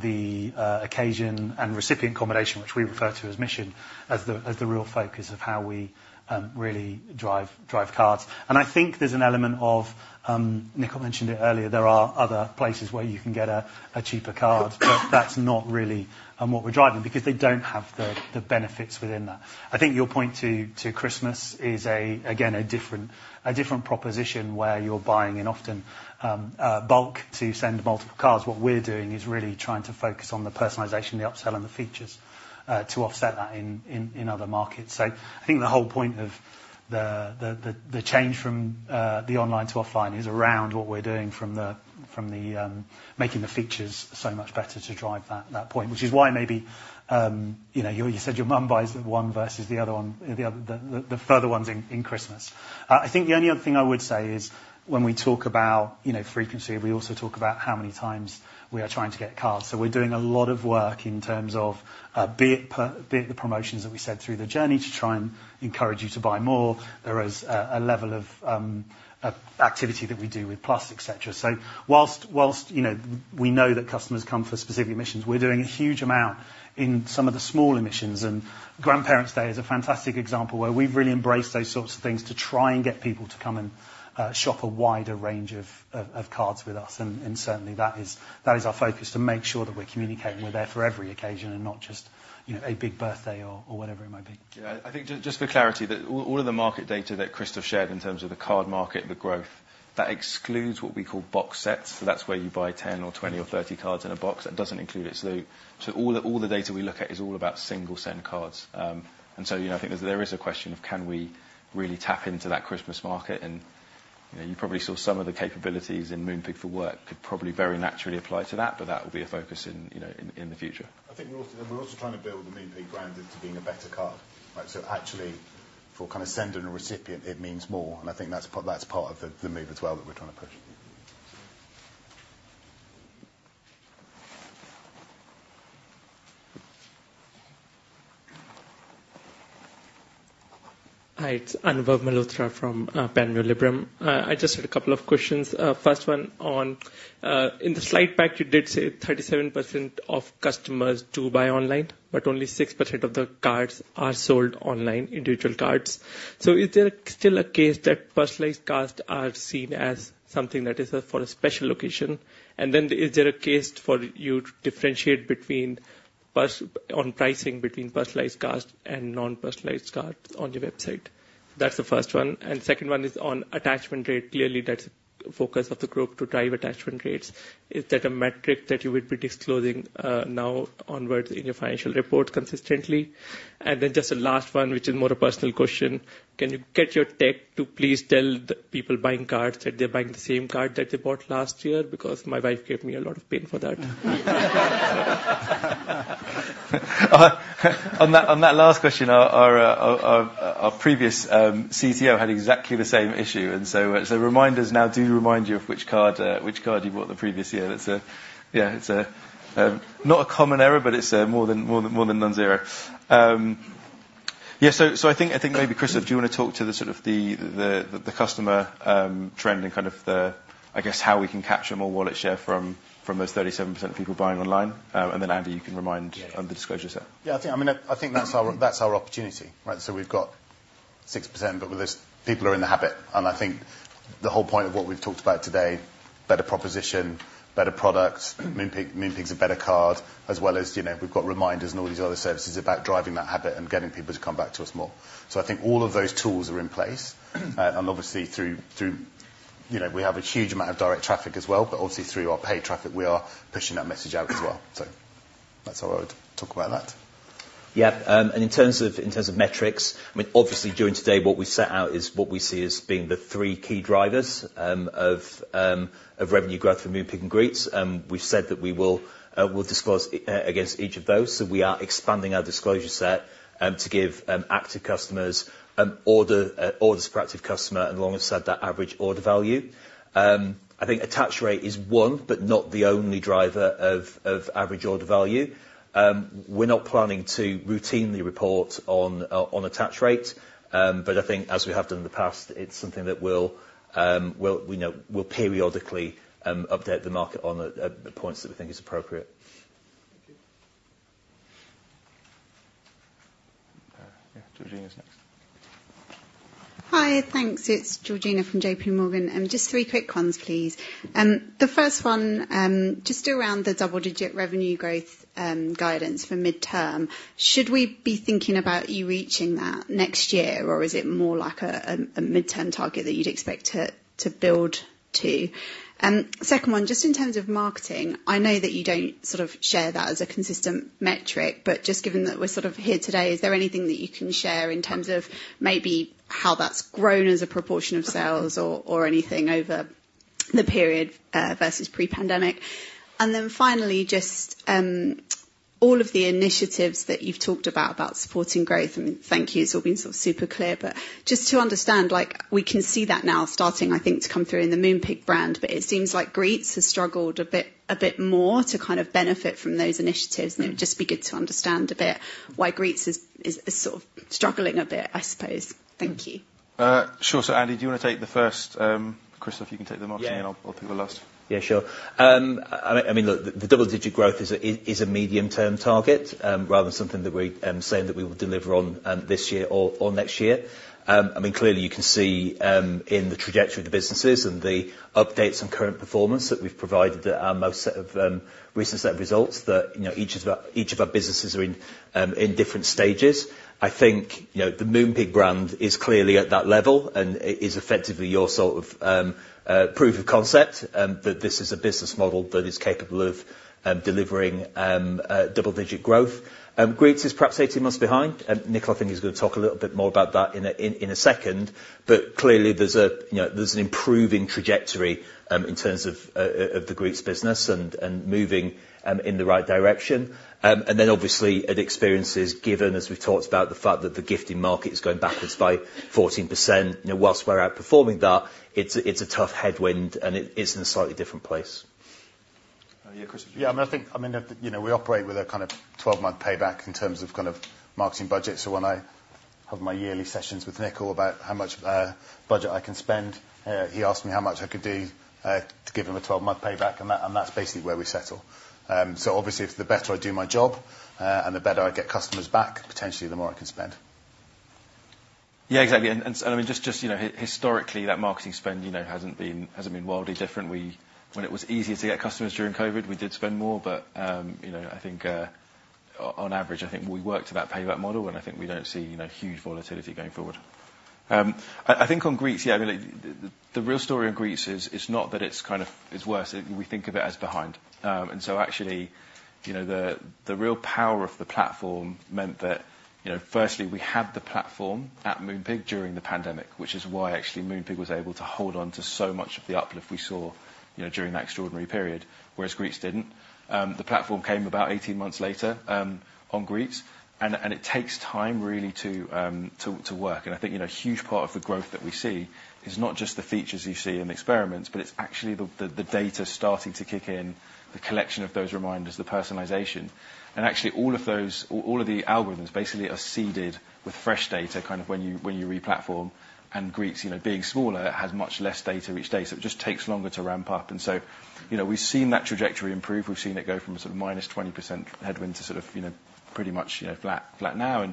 the occasion and recipient combination, which we refer to as combination, as the real focus of how we really drive cards. And I think there's an element of Nickyl mentioned it earlier, there are other places where you can get a cheaper card, but that's not really what we're driving, because they don't have the benefits within that. I think your point to Christmas is again a different proposition, where you're buying, often in bulk to send multiple cards. What we're doing is really trying to focus on the personalization, the upsell, and the features to offset that in other markets. So I think the whole point of the change from the online to offline is around what we're doing from making the features so much better to drive that point. Which is why maybe you know you said your mom buys the one versus the other one, the further ones in Christmas. I think the only other thing I would say is when we talk about you know frequency, we also talk about how many times we are trying to get cards. So we're doing a lot of work in terms of be it the promotions that we send through the journey, to try and encourage you to buy more. There is a level of activity that we do with Plus, et cetera. So while you know we know that customers come for specific missions, we're doing a huge amount in some of the smaller missions. And Grandparents Day is a fantastic example, where we've really embraced those sorts of things to try and get people to come and shop a wider range of cards with us. And certainly that is our focus, to make sure that we're communicating we're there for every occasion, and not just you know a big birthday or whatever it might be. Yeah. I think just for clarity, that all of the market data that Chris has shared in terms of the card market, the growth, that excludes what we call box sets. So that's where you buy 10 or 20 or 30 cards in a box, that doesn't include it. So all the data we look at is all about single-send cards. And so, you know, I think there is a question of can we really tap into that Christmas market? And, you know, you probably saw some of the capabilities in Moonpig for Work, could probably very naturally apply to that, but that will be a focus in, you know, in the future. I think we're also trying to build the Moonpig brand into being a better card. Right, so actually, for kind of sender and recipient, it means more, and I think that's part of the move as well, that we're trying to push. ... Hi, it's Anubhav Malhotra from Panmure Gordon. I just had a couple of questions. First one on, in the slide pack, you did say 37% of customers do buy online, but only 6% of the cards are sold online, individual cards. So is there still a case that personalized cards are seen as something that is for a special occasion? And then is there a case for you to differentiate between personalized and non-personalized cards on pricing on your website? That's the first one, and second one is on attachment rate. Clearly, that's a focus of the group to drive attachment rates. Is that a metric that you will be disclosing now onwards in your financial report consistently? Then just the last one, which is more a personal question. Can you get your tech to please tell the people buying cards that they're buying the same card that they bought last year? Because my wife gave me a lot of pain for that. On that last question, our previous CTO had exactly the same issue, and so reminders now do remind you of which card you bought the previous year. That's it. It's not a common error, but it's more than none-zero. I think maybe Kristof, do you want to talk to the sort of the customer trend and kind of the, I guess, how we can capture more wallet share from those 37% of people buying online? And then, Andy, you can remind- Yeah. on the disclosure set. Yeah, I think, I mean, I think that's our, that's our opportunity, right? So we've got 6%, but with this, people are in the habit, and I think the whole point of what we've talked about today, better proposition, better products, Moonpig, Moonpig's a better card, as well as, you know, we've got reminders and all these other services about driving that habit and getting people to come back to us more. So I think all of those tools are in place. And obviously, through you know, we have a huge amount of direct traffic as well, but obviously through our paid traffic, we are pushing that message out as well. So that's how I would talk about that. Yeah, and in terms of metrics, I mean, obviously, during today, what we set out is what we see as being the three key drivers of revenue growth for Moonpig and Greetz. We've said that we will disclose against each of those. So we are expanding our disclosure set to give active customers orders per active customer and alongside the average order value. I think attach rate is one, but not the only driver of average order value. We're not planning to routinely report on attach rate, but I think as we have done in the past, it's something that we'll periodically update the market on, at the points that we think is appropriate. Thank you. Yeah, Georgina is next. Hi, thanks. It's Georgina from JP Morgan, and just three quick ones, please. The first one, just around the double-digit revenue growth, guidance for midterm. Should we be thinking about you reaching that next year, or is it more like a midterm target that you'd expect to build to? Second one, just in terms of marketing, I know that you don't sort of share that as a consistent metric, but just given that we're sort of here today, is there anything that you can share in terms of maybe how that's grown as a proportion of sales or anything over the period, versus pre-pandemic? And then finally, just, all of the initiatives that you've talked about, about supporting growth, and thank you. It's all been sort of super clear, but just to understand, like, we can see that now starting, I think, to come through in the Moonpig brand, but it seems like Greetz has struggled a bit, a bit more to kind of benefit from those initiatives. And it would just be good to understand a bit why Greetz is sort of struggling a bit, I suppose. Thank you. Sure. So, Andy, do you want to take the first, Kristof, you can take the marketing- Yeah. And I'll take the last. Yeah, sure. I mean, look, the double-digit growth is a medium-term target, rather than something that we saying that we will deliver on, this year or next year. I mean, clearly, you can see, in the trajectory of the businesses and the updates on current performance that we've provided at our most recent set of results, that, you know, each of our businesses are in different stages. I think, you know, the Moonpig brand is clearly at that level and is effectively your sort of proof of concept, that this is a business model that is capable of delivering double-digit growth. Greetz is perhaps 18 months behind, and Nick, I think, is going to talk a little bit more about that in a second. But clearly, you know, there's an improving trajectory in terms of the Greetz business and moving in the right direction. And then obviously, at Experiences given, as we've talked about, the fact that the gifting market is going backwards by 14%, you know, while we're outperforming that, it's a tough headwind, and it is in a slightly different place. Yeah, Kristof? Yeah, I mean, I think, I mean, you know, we operate with a kind of twelve-month payback in terms of kind of marketing budget. So when I have my yearly sessions with Nick about how much budget I can spend, he asked me how much I could do to give him a twelve-month payback, and that's basically where we settle. So obviously, if the better I do my job and the better I get customers back, potentially the more I can spend. Yeah, exactly. And I mean, just, you know, historically, that marketing spend, you know, hasn't been wildly different. We. When it was easier to get customers during COVID, we did spend more, but, you know, I think on average, I think we worked to that payback model, and I think we don't see, you know, huge volatility going forward. I think on Greetz, yeah, I mean, the real story on Greetz is not that it's kind of worse, we think of it as behind. And so actually, you know, the real power of the platform meant that, you know, firstly, we had the platform at Moonpig during the pandemic, which is why actually Moonpig was able to hold on to so much of the uplift we saw, you know, during that extraordinary period, whereas Greetz didn't. The platform came about 18 months later, on Greetz, and it takes time really to work. And I think, you know, a huge part of the growth that we see is not just the features you see in the experiments, but it's actually the data starting to kick in, the collection of those reminders, the personalization. Actually, all of those, all of the algorithms basically are seeded with fresh data, kind of when you re-platform, and Greetz, you know, being smaller, has much less data each day, so it just takes longer to ramp up. And so, you know, we have seen that trajectory improve. We have seen it go from sort of minus 20% headwind to sort of, you know, pretty much flat now.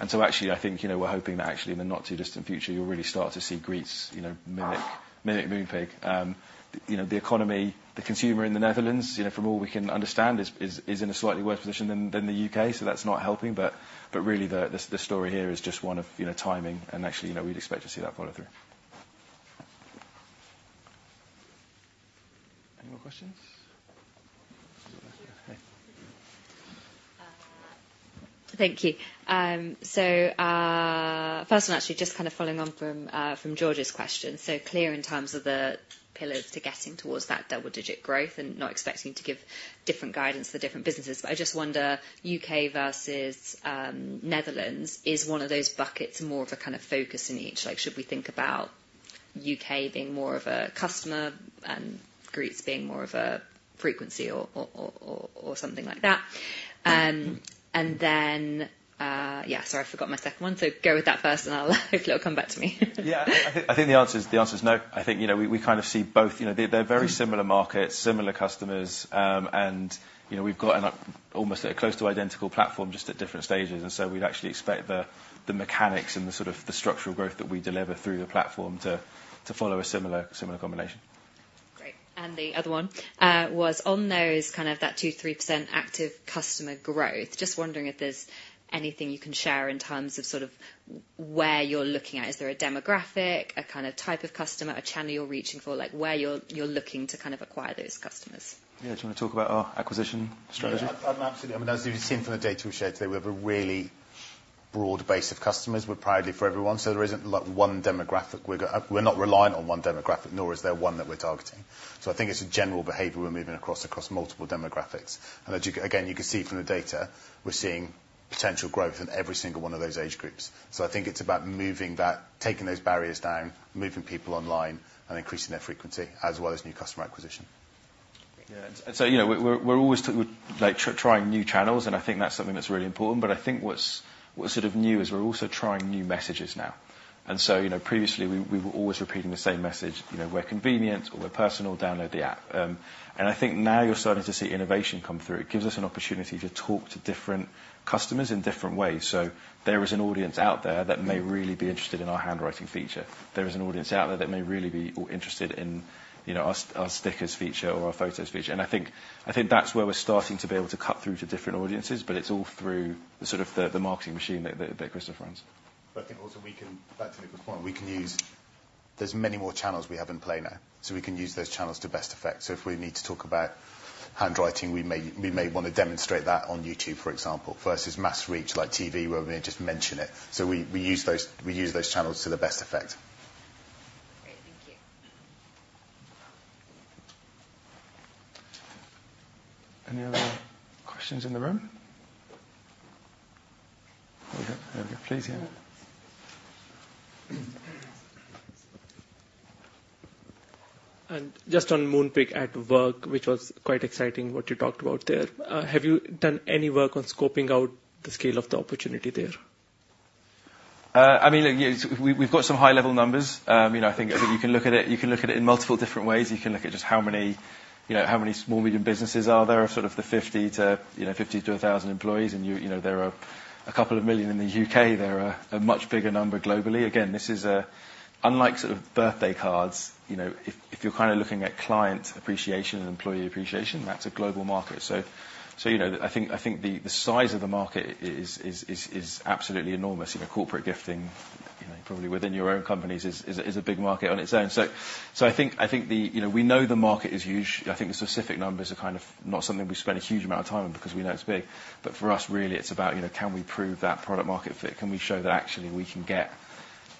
And so actually, I think, you know, we are hoping that actually in the not too distant future, you will really start to see Greetz, you know, mimic Moonpig. You know, the economy, the consumer in the Netherlands, you know, from all we can understand, is in a slightly worse position than the U.K., so that is not helping. But really, the story here is just one of, you know, timing, and actually, you know, we'd expect to see that follow through. Any more questions? Thank you. So, first one, actually, just kind of following on from Georgie's question, so clear in terms of the pillars to getting towards that double-digit growth and not expecting to give different guidance to the different businesses. But I just wonder, UK versus Netherlands, is one of those buckets more of a kind of focus in each? Like, should we think about UK being more of a customer and Greetz being more of a frequency or something like that? And then, yeah, sorry, I forgot my second one, so go with that first, and I'll hopefully it'll come back to me. Yeah. I think the answer is no. I think, you know, we kind of see both. You know, they're very similar markets, similar customers, and, you know, we've got an almost close to identical platform, just at different stages. And so we'd actually expect the mechanics and the sort of the structural growth that we deliver through the platform to follow a similar combination. Great. And the other one was on those, kind of that 2%-3% active customer growth, just wondering if there's anything you can share in terms of sort of where you're looking at. Is there a demographic, a kind of type of customer, a channel you're reaching for? Like, where you're looking to kind of acquire those customers? Yeah, do you want to talk about our acquisition strategy? Yeah. Absolutely. I mean, as you've seen from the data we've shared today, we have a really broad base of customers. We're proudly for everyone, so there isn't, like, one demographic we're not reliant on, nor is there one that we're targeting. So I think it's a general behavior we're moving across multiple demographics. And as you, again, you can see from the data, we're seeing potential growth in every single one of those age groups. So I think it's about moving that, taking those barriers down, moving people online, and increasing their frequency, as well as new customer acquisition. Great. Yeah. And so, you know, we're always like trying new channels, and I think that's something that's really important. But I think what's sort of new is we're also trying new messages now. And so, you know, previously, we were always repeating the same message, you know, "We're convenient," or, "We're personal, download the app." And I think now you're starting to see innovation come through. It gives us an opportunity to talk to different customers in different ways. So there is an audience out there that may really be interested in our handwriting feature. There is an audience out there that may really be interested in, you know, our stickers feature or our photos feature, and I think that's where we're starting to be able to cut through to different audiences, but it's all through the sort of marketing machine that Kristof runs. But I think also we can, back to the good point, we can use. There's many more channels we have in play now, so we can use those channels to best effect. So if we need to talk about handwriting, we may want to demonstrate that on YouTube, for example, versus mass reach, like TV, where we're going to just mention it. So we use those channels to the best effect. Great. Thank you. Any other questions in the room? Okay. Please, yeah. Just on Moonpig for Work, which was quite exciting, what you talked about there. Have you done any work on scoping out the scale of the opportunity there? I mean, look, yes, we, we've got some high-level numbers. You know, I think you can look at it, you can look at it in multiple different ways. You can look at just how many, you know, how many small medium businesses are there, sort of the 50 to, you know, 50 to 1,000 employees. And you, you know, there are a couple of million in the UK. There are a much bigger number globally. Again, this is a, unlike sort of birthday cards, you know, if, if you're kind of looking at client appreciation and employee appreciation, that's a global market. So, so, you know, I think, I think the, the size of the market is, is, is, is absolutely enormous. You know, corporate gifting, you know, probably within your own companies, is, is a, is a big market on its own. You know, we know the market is huge. I think the specific numbers are kind of not something we spend a huge amount of time on because we know it's big. But for us, really, it's about, you know, can we prove that product market fit? Can we show that actually we can get,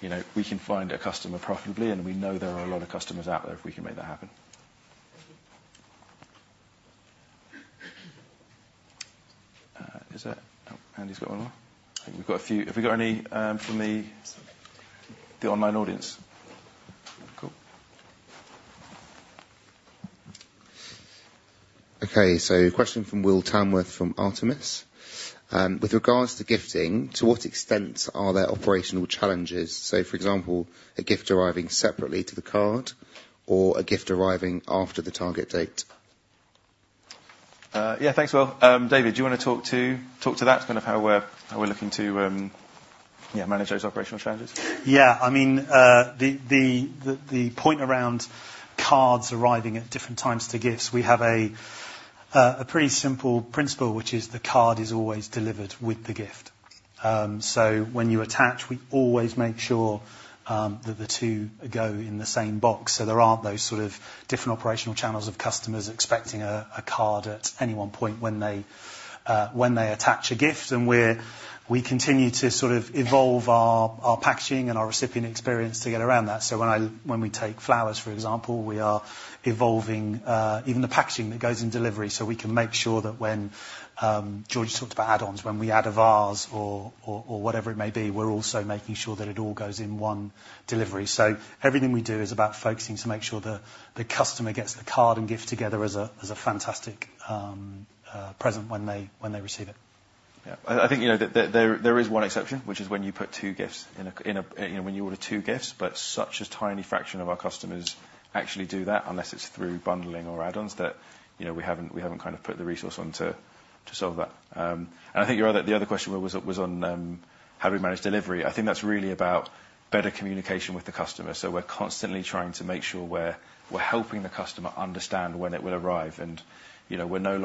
you know, we can find a customer profitably, and we know there are a lot of customers out there if we can make that happen. Thank you. Is there... Oh, Andy's got one more. I think we've got a few. Have we got any from the online audience? Cool. Okay, so a question from William Tamworth, from Artemis. With regards to gifting, to what extent are there operational challenges? For example, a gift arriving separately to the card or a gift arriving after the target date. Yeah, thanks, Will. David, do you want to talk to that, kind of how we're looking to manage those operational challenges? Yeah. I mean, the point around cards arriving at different times to gifts, we have a pretty simple principle, which is the card is always delivered with the gift. So when you attach, we always make sure that the two go in the same box, so there aren't those sort of different operational channels of customers expecting a card at any one point when they attach a gift. And we continue to sort of evolve our packaging and our recipient experience to get around that. So when we take flowers, for example, we are evolving even the packaging that goes in delivery, so we can make sure that when... George talked about add-ons, when we add a vase or whatever it may be, we're also making sure that it all goes in one delivery. Everything we do is about focusing to make sure the customer gets the card and gift together as a fantastic present when they receive it. ... Yeah, I think, you know, that there is one exception, which is when you put two gifts in a, you know, when you order two gifts, but such a tiny fraction of our customers actually do that, unless it's through bundling or add-ons, that, you know, we haven't kind of put the resource on to solve that. And I think your other question was on how do we manage delivery? I think that's really about better communication with the customer. So we're constantly trying to make sure we're helping the customer understand when it will arrive. And, you know, we know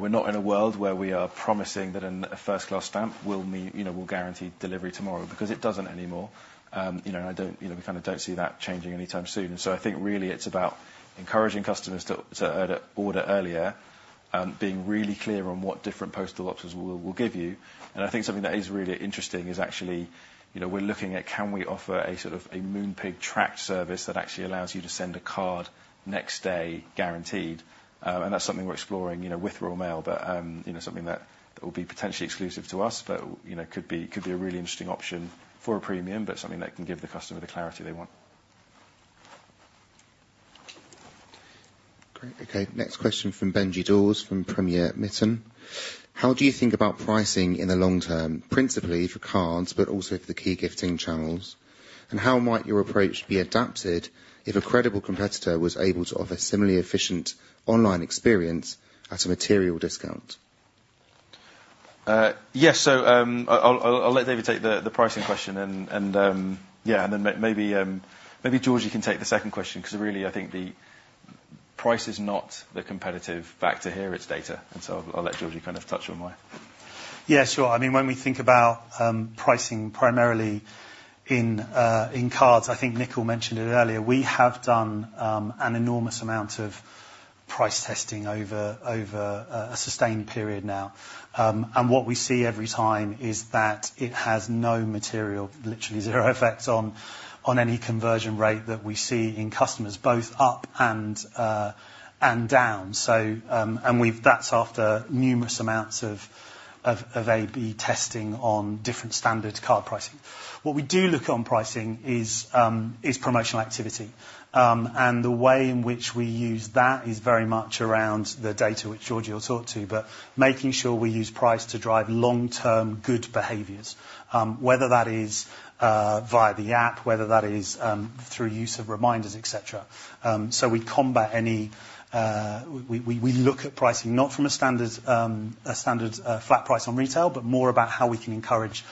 we're not in a world where we are promising that a first-class stamp will mean, you know, will guarantee delivery tomorrow, because it doesn't anymore. You know, and I don't, you know, we kind of don't see that changing anytime soon. So I think really it's about encouraging customers to order earlier, and being really clear on what different postal options we will give you. And I think something that is really interesting is actually, you know, we're looking at, can we offer a sort of a Moonpig tracked service that actually allows you to send a card next day, guaranteed? And that's something we're exploring, you know, with Royal Mail, but you know, something that will be potentially exclusive to us, but you know, could be a really interesting option for a premium, but something that can give the customer the clarity they want. Great. Okay, next question from Benji Dawes, from Premier Miton. How do you think about pricing in the long term, principally for cards, but also for the key gifting channels? And how might your approach be adapted if a credible competitor was able to offer similarly efficient online experience at a material discount? Yes, so, I'll let David take the pricing question and, yeah, and then maybe, Georgie, you can take the second question, because really, I think the price is not the competitive factor here, it's data. And so I'll let Georgie kind of touch on why. Yeah, sure. I mean, when we think about, pricing primarily in, in cards, I think Nickyl mentioned it earlier, we have done, an enormous amount of price testing over, a sustained period now. And what we see every time is that it has no material, literally zero effect on, any conversion rate that we see in customers, both up and, and down. So, and we've. That's after numerous amounts of, AB testing on different standard card pricing. What we do look on pricing is, promotional activity. And the way in which we use that is very much around the data, which Georgie will talk to, but making sure we use price to drive long-term good behaviors, whether that is, via the app, whether that is, through use of reminders, et cetera. So we combat any. We look at pricing not from a standard flat price on retail, but more about how we can encourage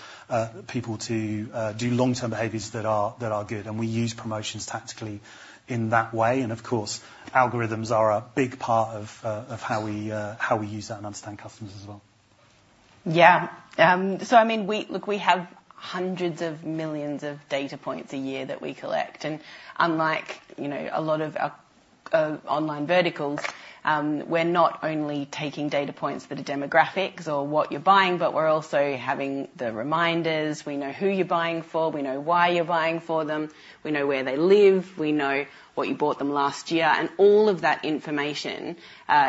people to do long-term behaviors that are good. And we use promotions tactically in that way. And of course, algorithms are a big part of how we use that and understand customers as well. Yeah. So I mean, look, we have hundreds of millions of data points a year that we collect. And unlike, you know, a lot of online verticals, we're not only taking data points that are demographics or what you're buying, but we're also having the reminders. We know who you're buying for, we know why you're buying for them, we know where they live, we know what you bought them last year. And all of that information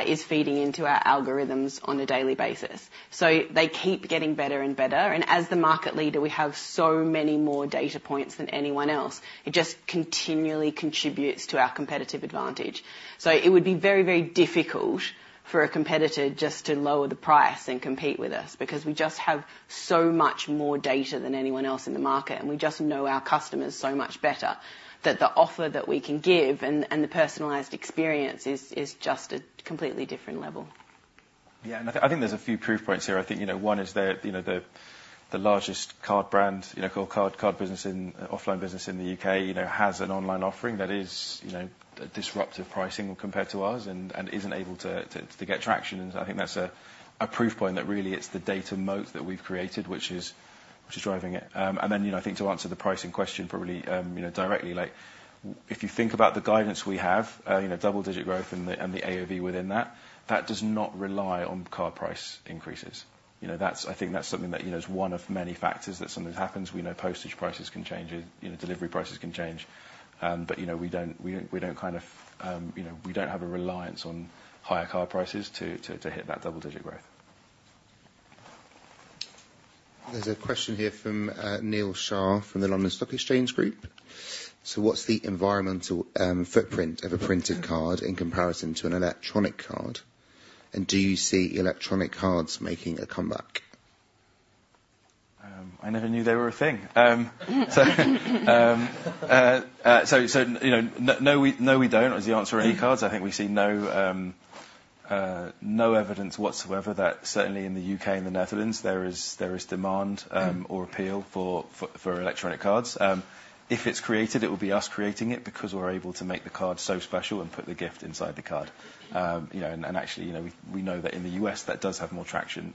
is feeding into our algorithms on a daily basis. So they keep getting better and better. And as the market leader, we have so many more data points than anyone else. It just continually contributes to our competitive advantage. It would be very, very difficult for a competitor just to lower the price and compete with us, because we just have so much more data than anyone else in the market, and we just know our customers so much better, that the offer that we can give and the personalized experience is just a completely different level. Yeah, and I think there's a few proof points here. I think, you know, one is the, you know, the largest card brand, you know, card business in offline business in the U.K., you know, has an online offering that is, you know, a disruptive pricing compared to ours and isn't able to get traction. And so I think that's a proof point that really it's the data moat that we've created, which is driving it. And then, you know, I think to answer the pricing question, probably, you know, directly, like, if you think about the guidance we have, you know, double digit growth and the AOV within that, that does not rely on card price increases. You know, that's - I think that's something that, you know, is one of many factors, that something happens, we know postage prices can change, you know, delivery prices can change. But, you know, we don't, we don't kind of, you know, we don't have a reliance on higher card prices to hit that double digit growth. There's a question here from Neil Shah from the London Stock Exchange Group. So what's the environmental footprint of a printed card in comparison to an electronic card? And do you see electronic cards making a comeback? I never knew they were a thing. So, you know, no, we don't, is the answer on e-cards. I think we've seen no evidence whatsoever that, certainly in the UK and the Netherlands, there is demand or appeal for electronic cards. If it's created, it will be us creating it, because we're able to make the card so special and put the gift inside the card. You know, and actually, you know, we know that in the US, that does have more traction.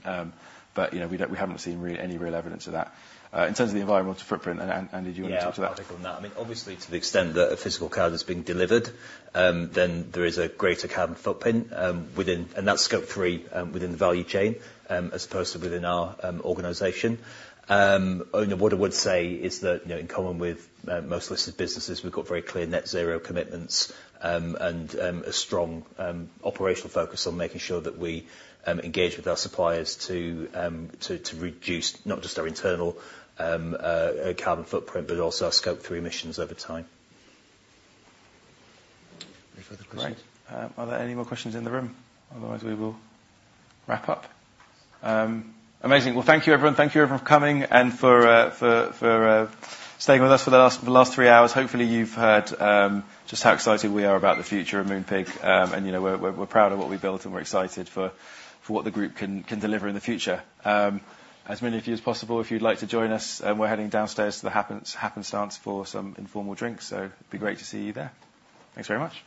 But, you know, we don't... we haven't seen any real evidence of that. In terms of the environmental footprint, Andy, do you want to talk to that? Yeah, I'll take on that. I mean, obviously, to the extent that a physical card is being delivered, then there is a greater carbon footprint, within, and that's Scope 3, within the value chain, as opposed to within our organization. Only what I would say is that, you know, in common with most listed businesses, we've got very clear net zero commitments, and a strong operational focus on making sure that we engage with our suppliers to reduce not just our internal carbon footprint, but also our Scope 3 emissions over time. Any further questions? Great. Are there any more questions in the room? Otherwise, we will wrap up. Amazing. Well, thank you, everyone. Thank you everyone for coming and for staying with us for the last three hours. Hopefully, you've heard just how excited we are about the future of Moonpig, and you know, we're proud of what we built, and we're excited for what the group can deliver in the future. As many of you as possible, if you'd like to join us, we're heading downstairs to the Happenstance for some informal drinks, so it'd be great to see you there. Thanks very much.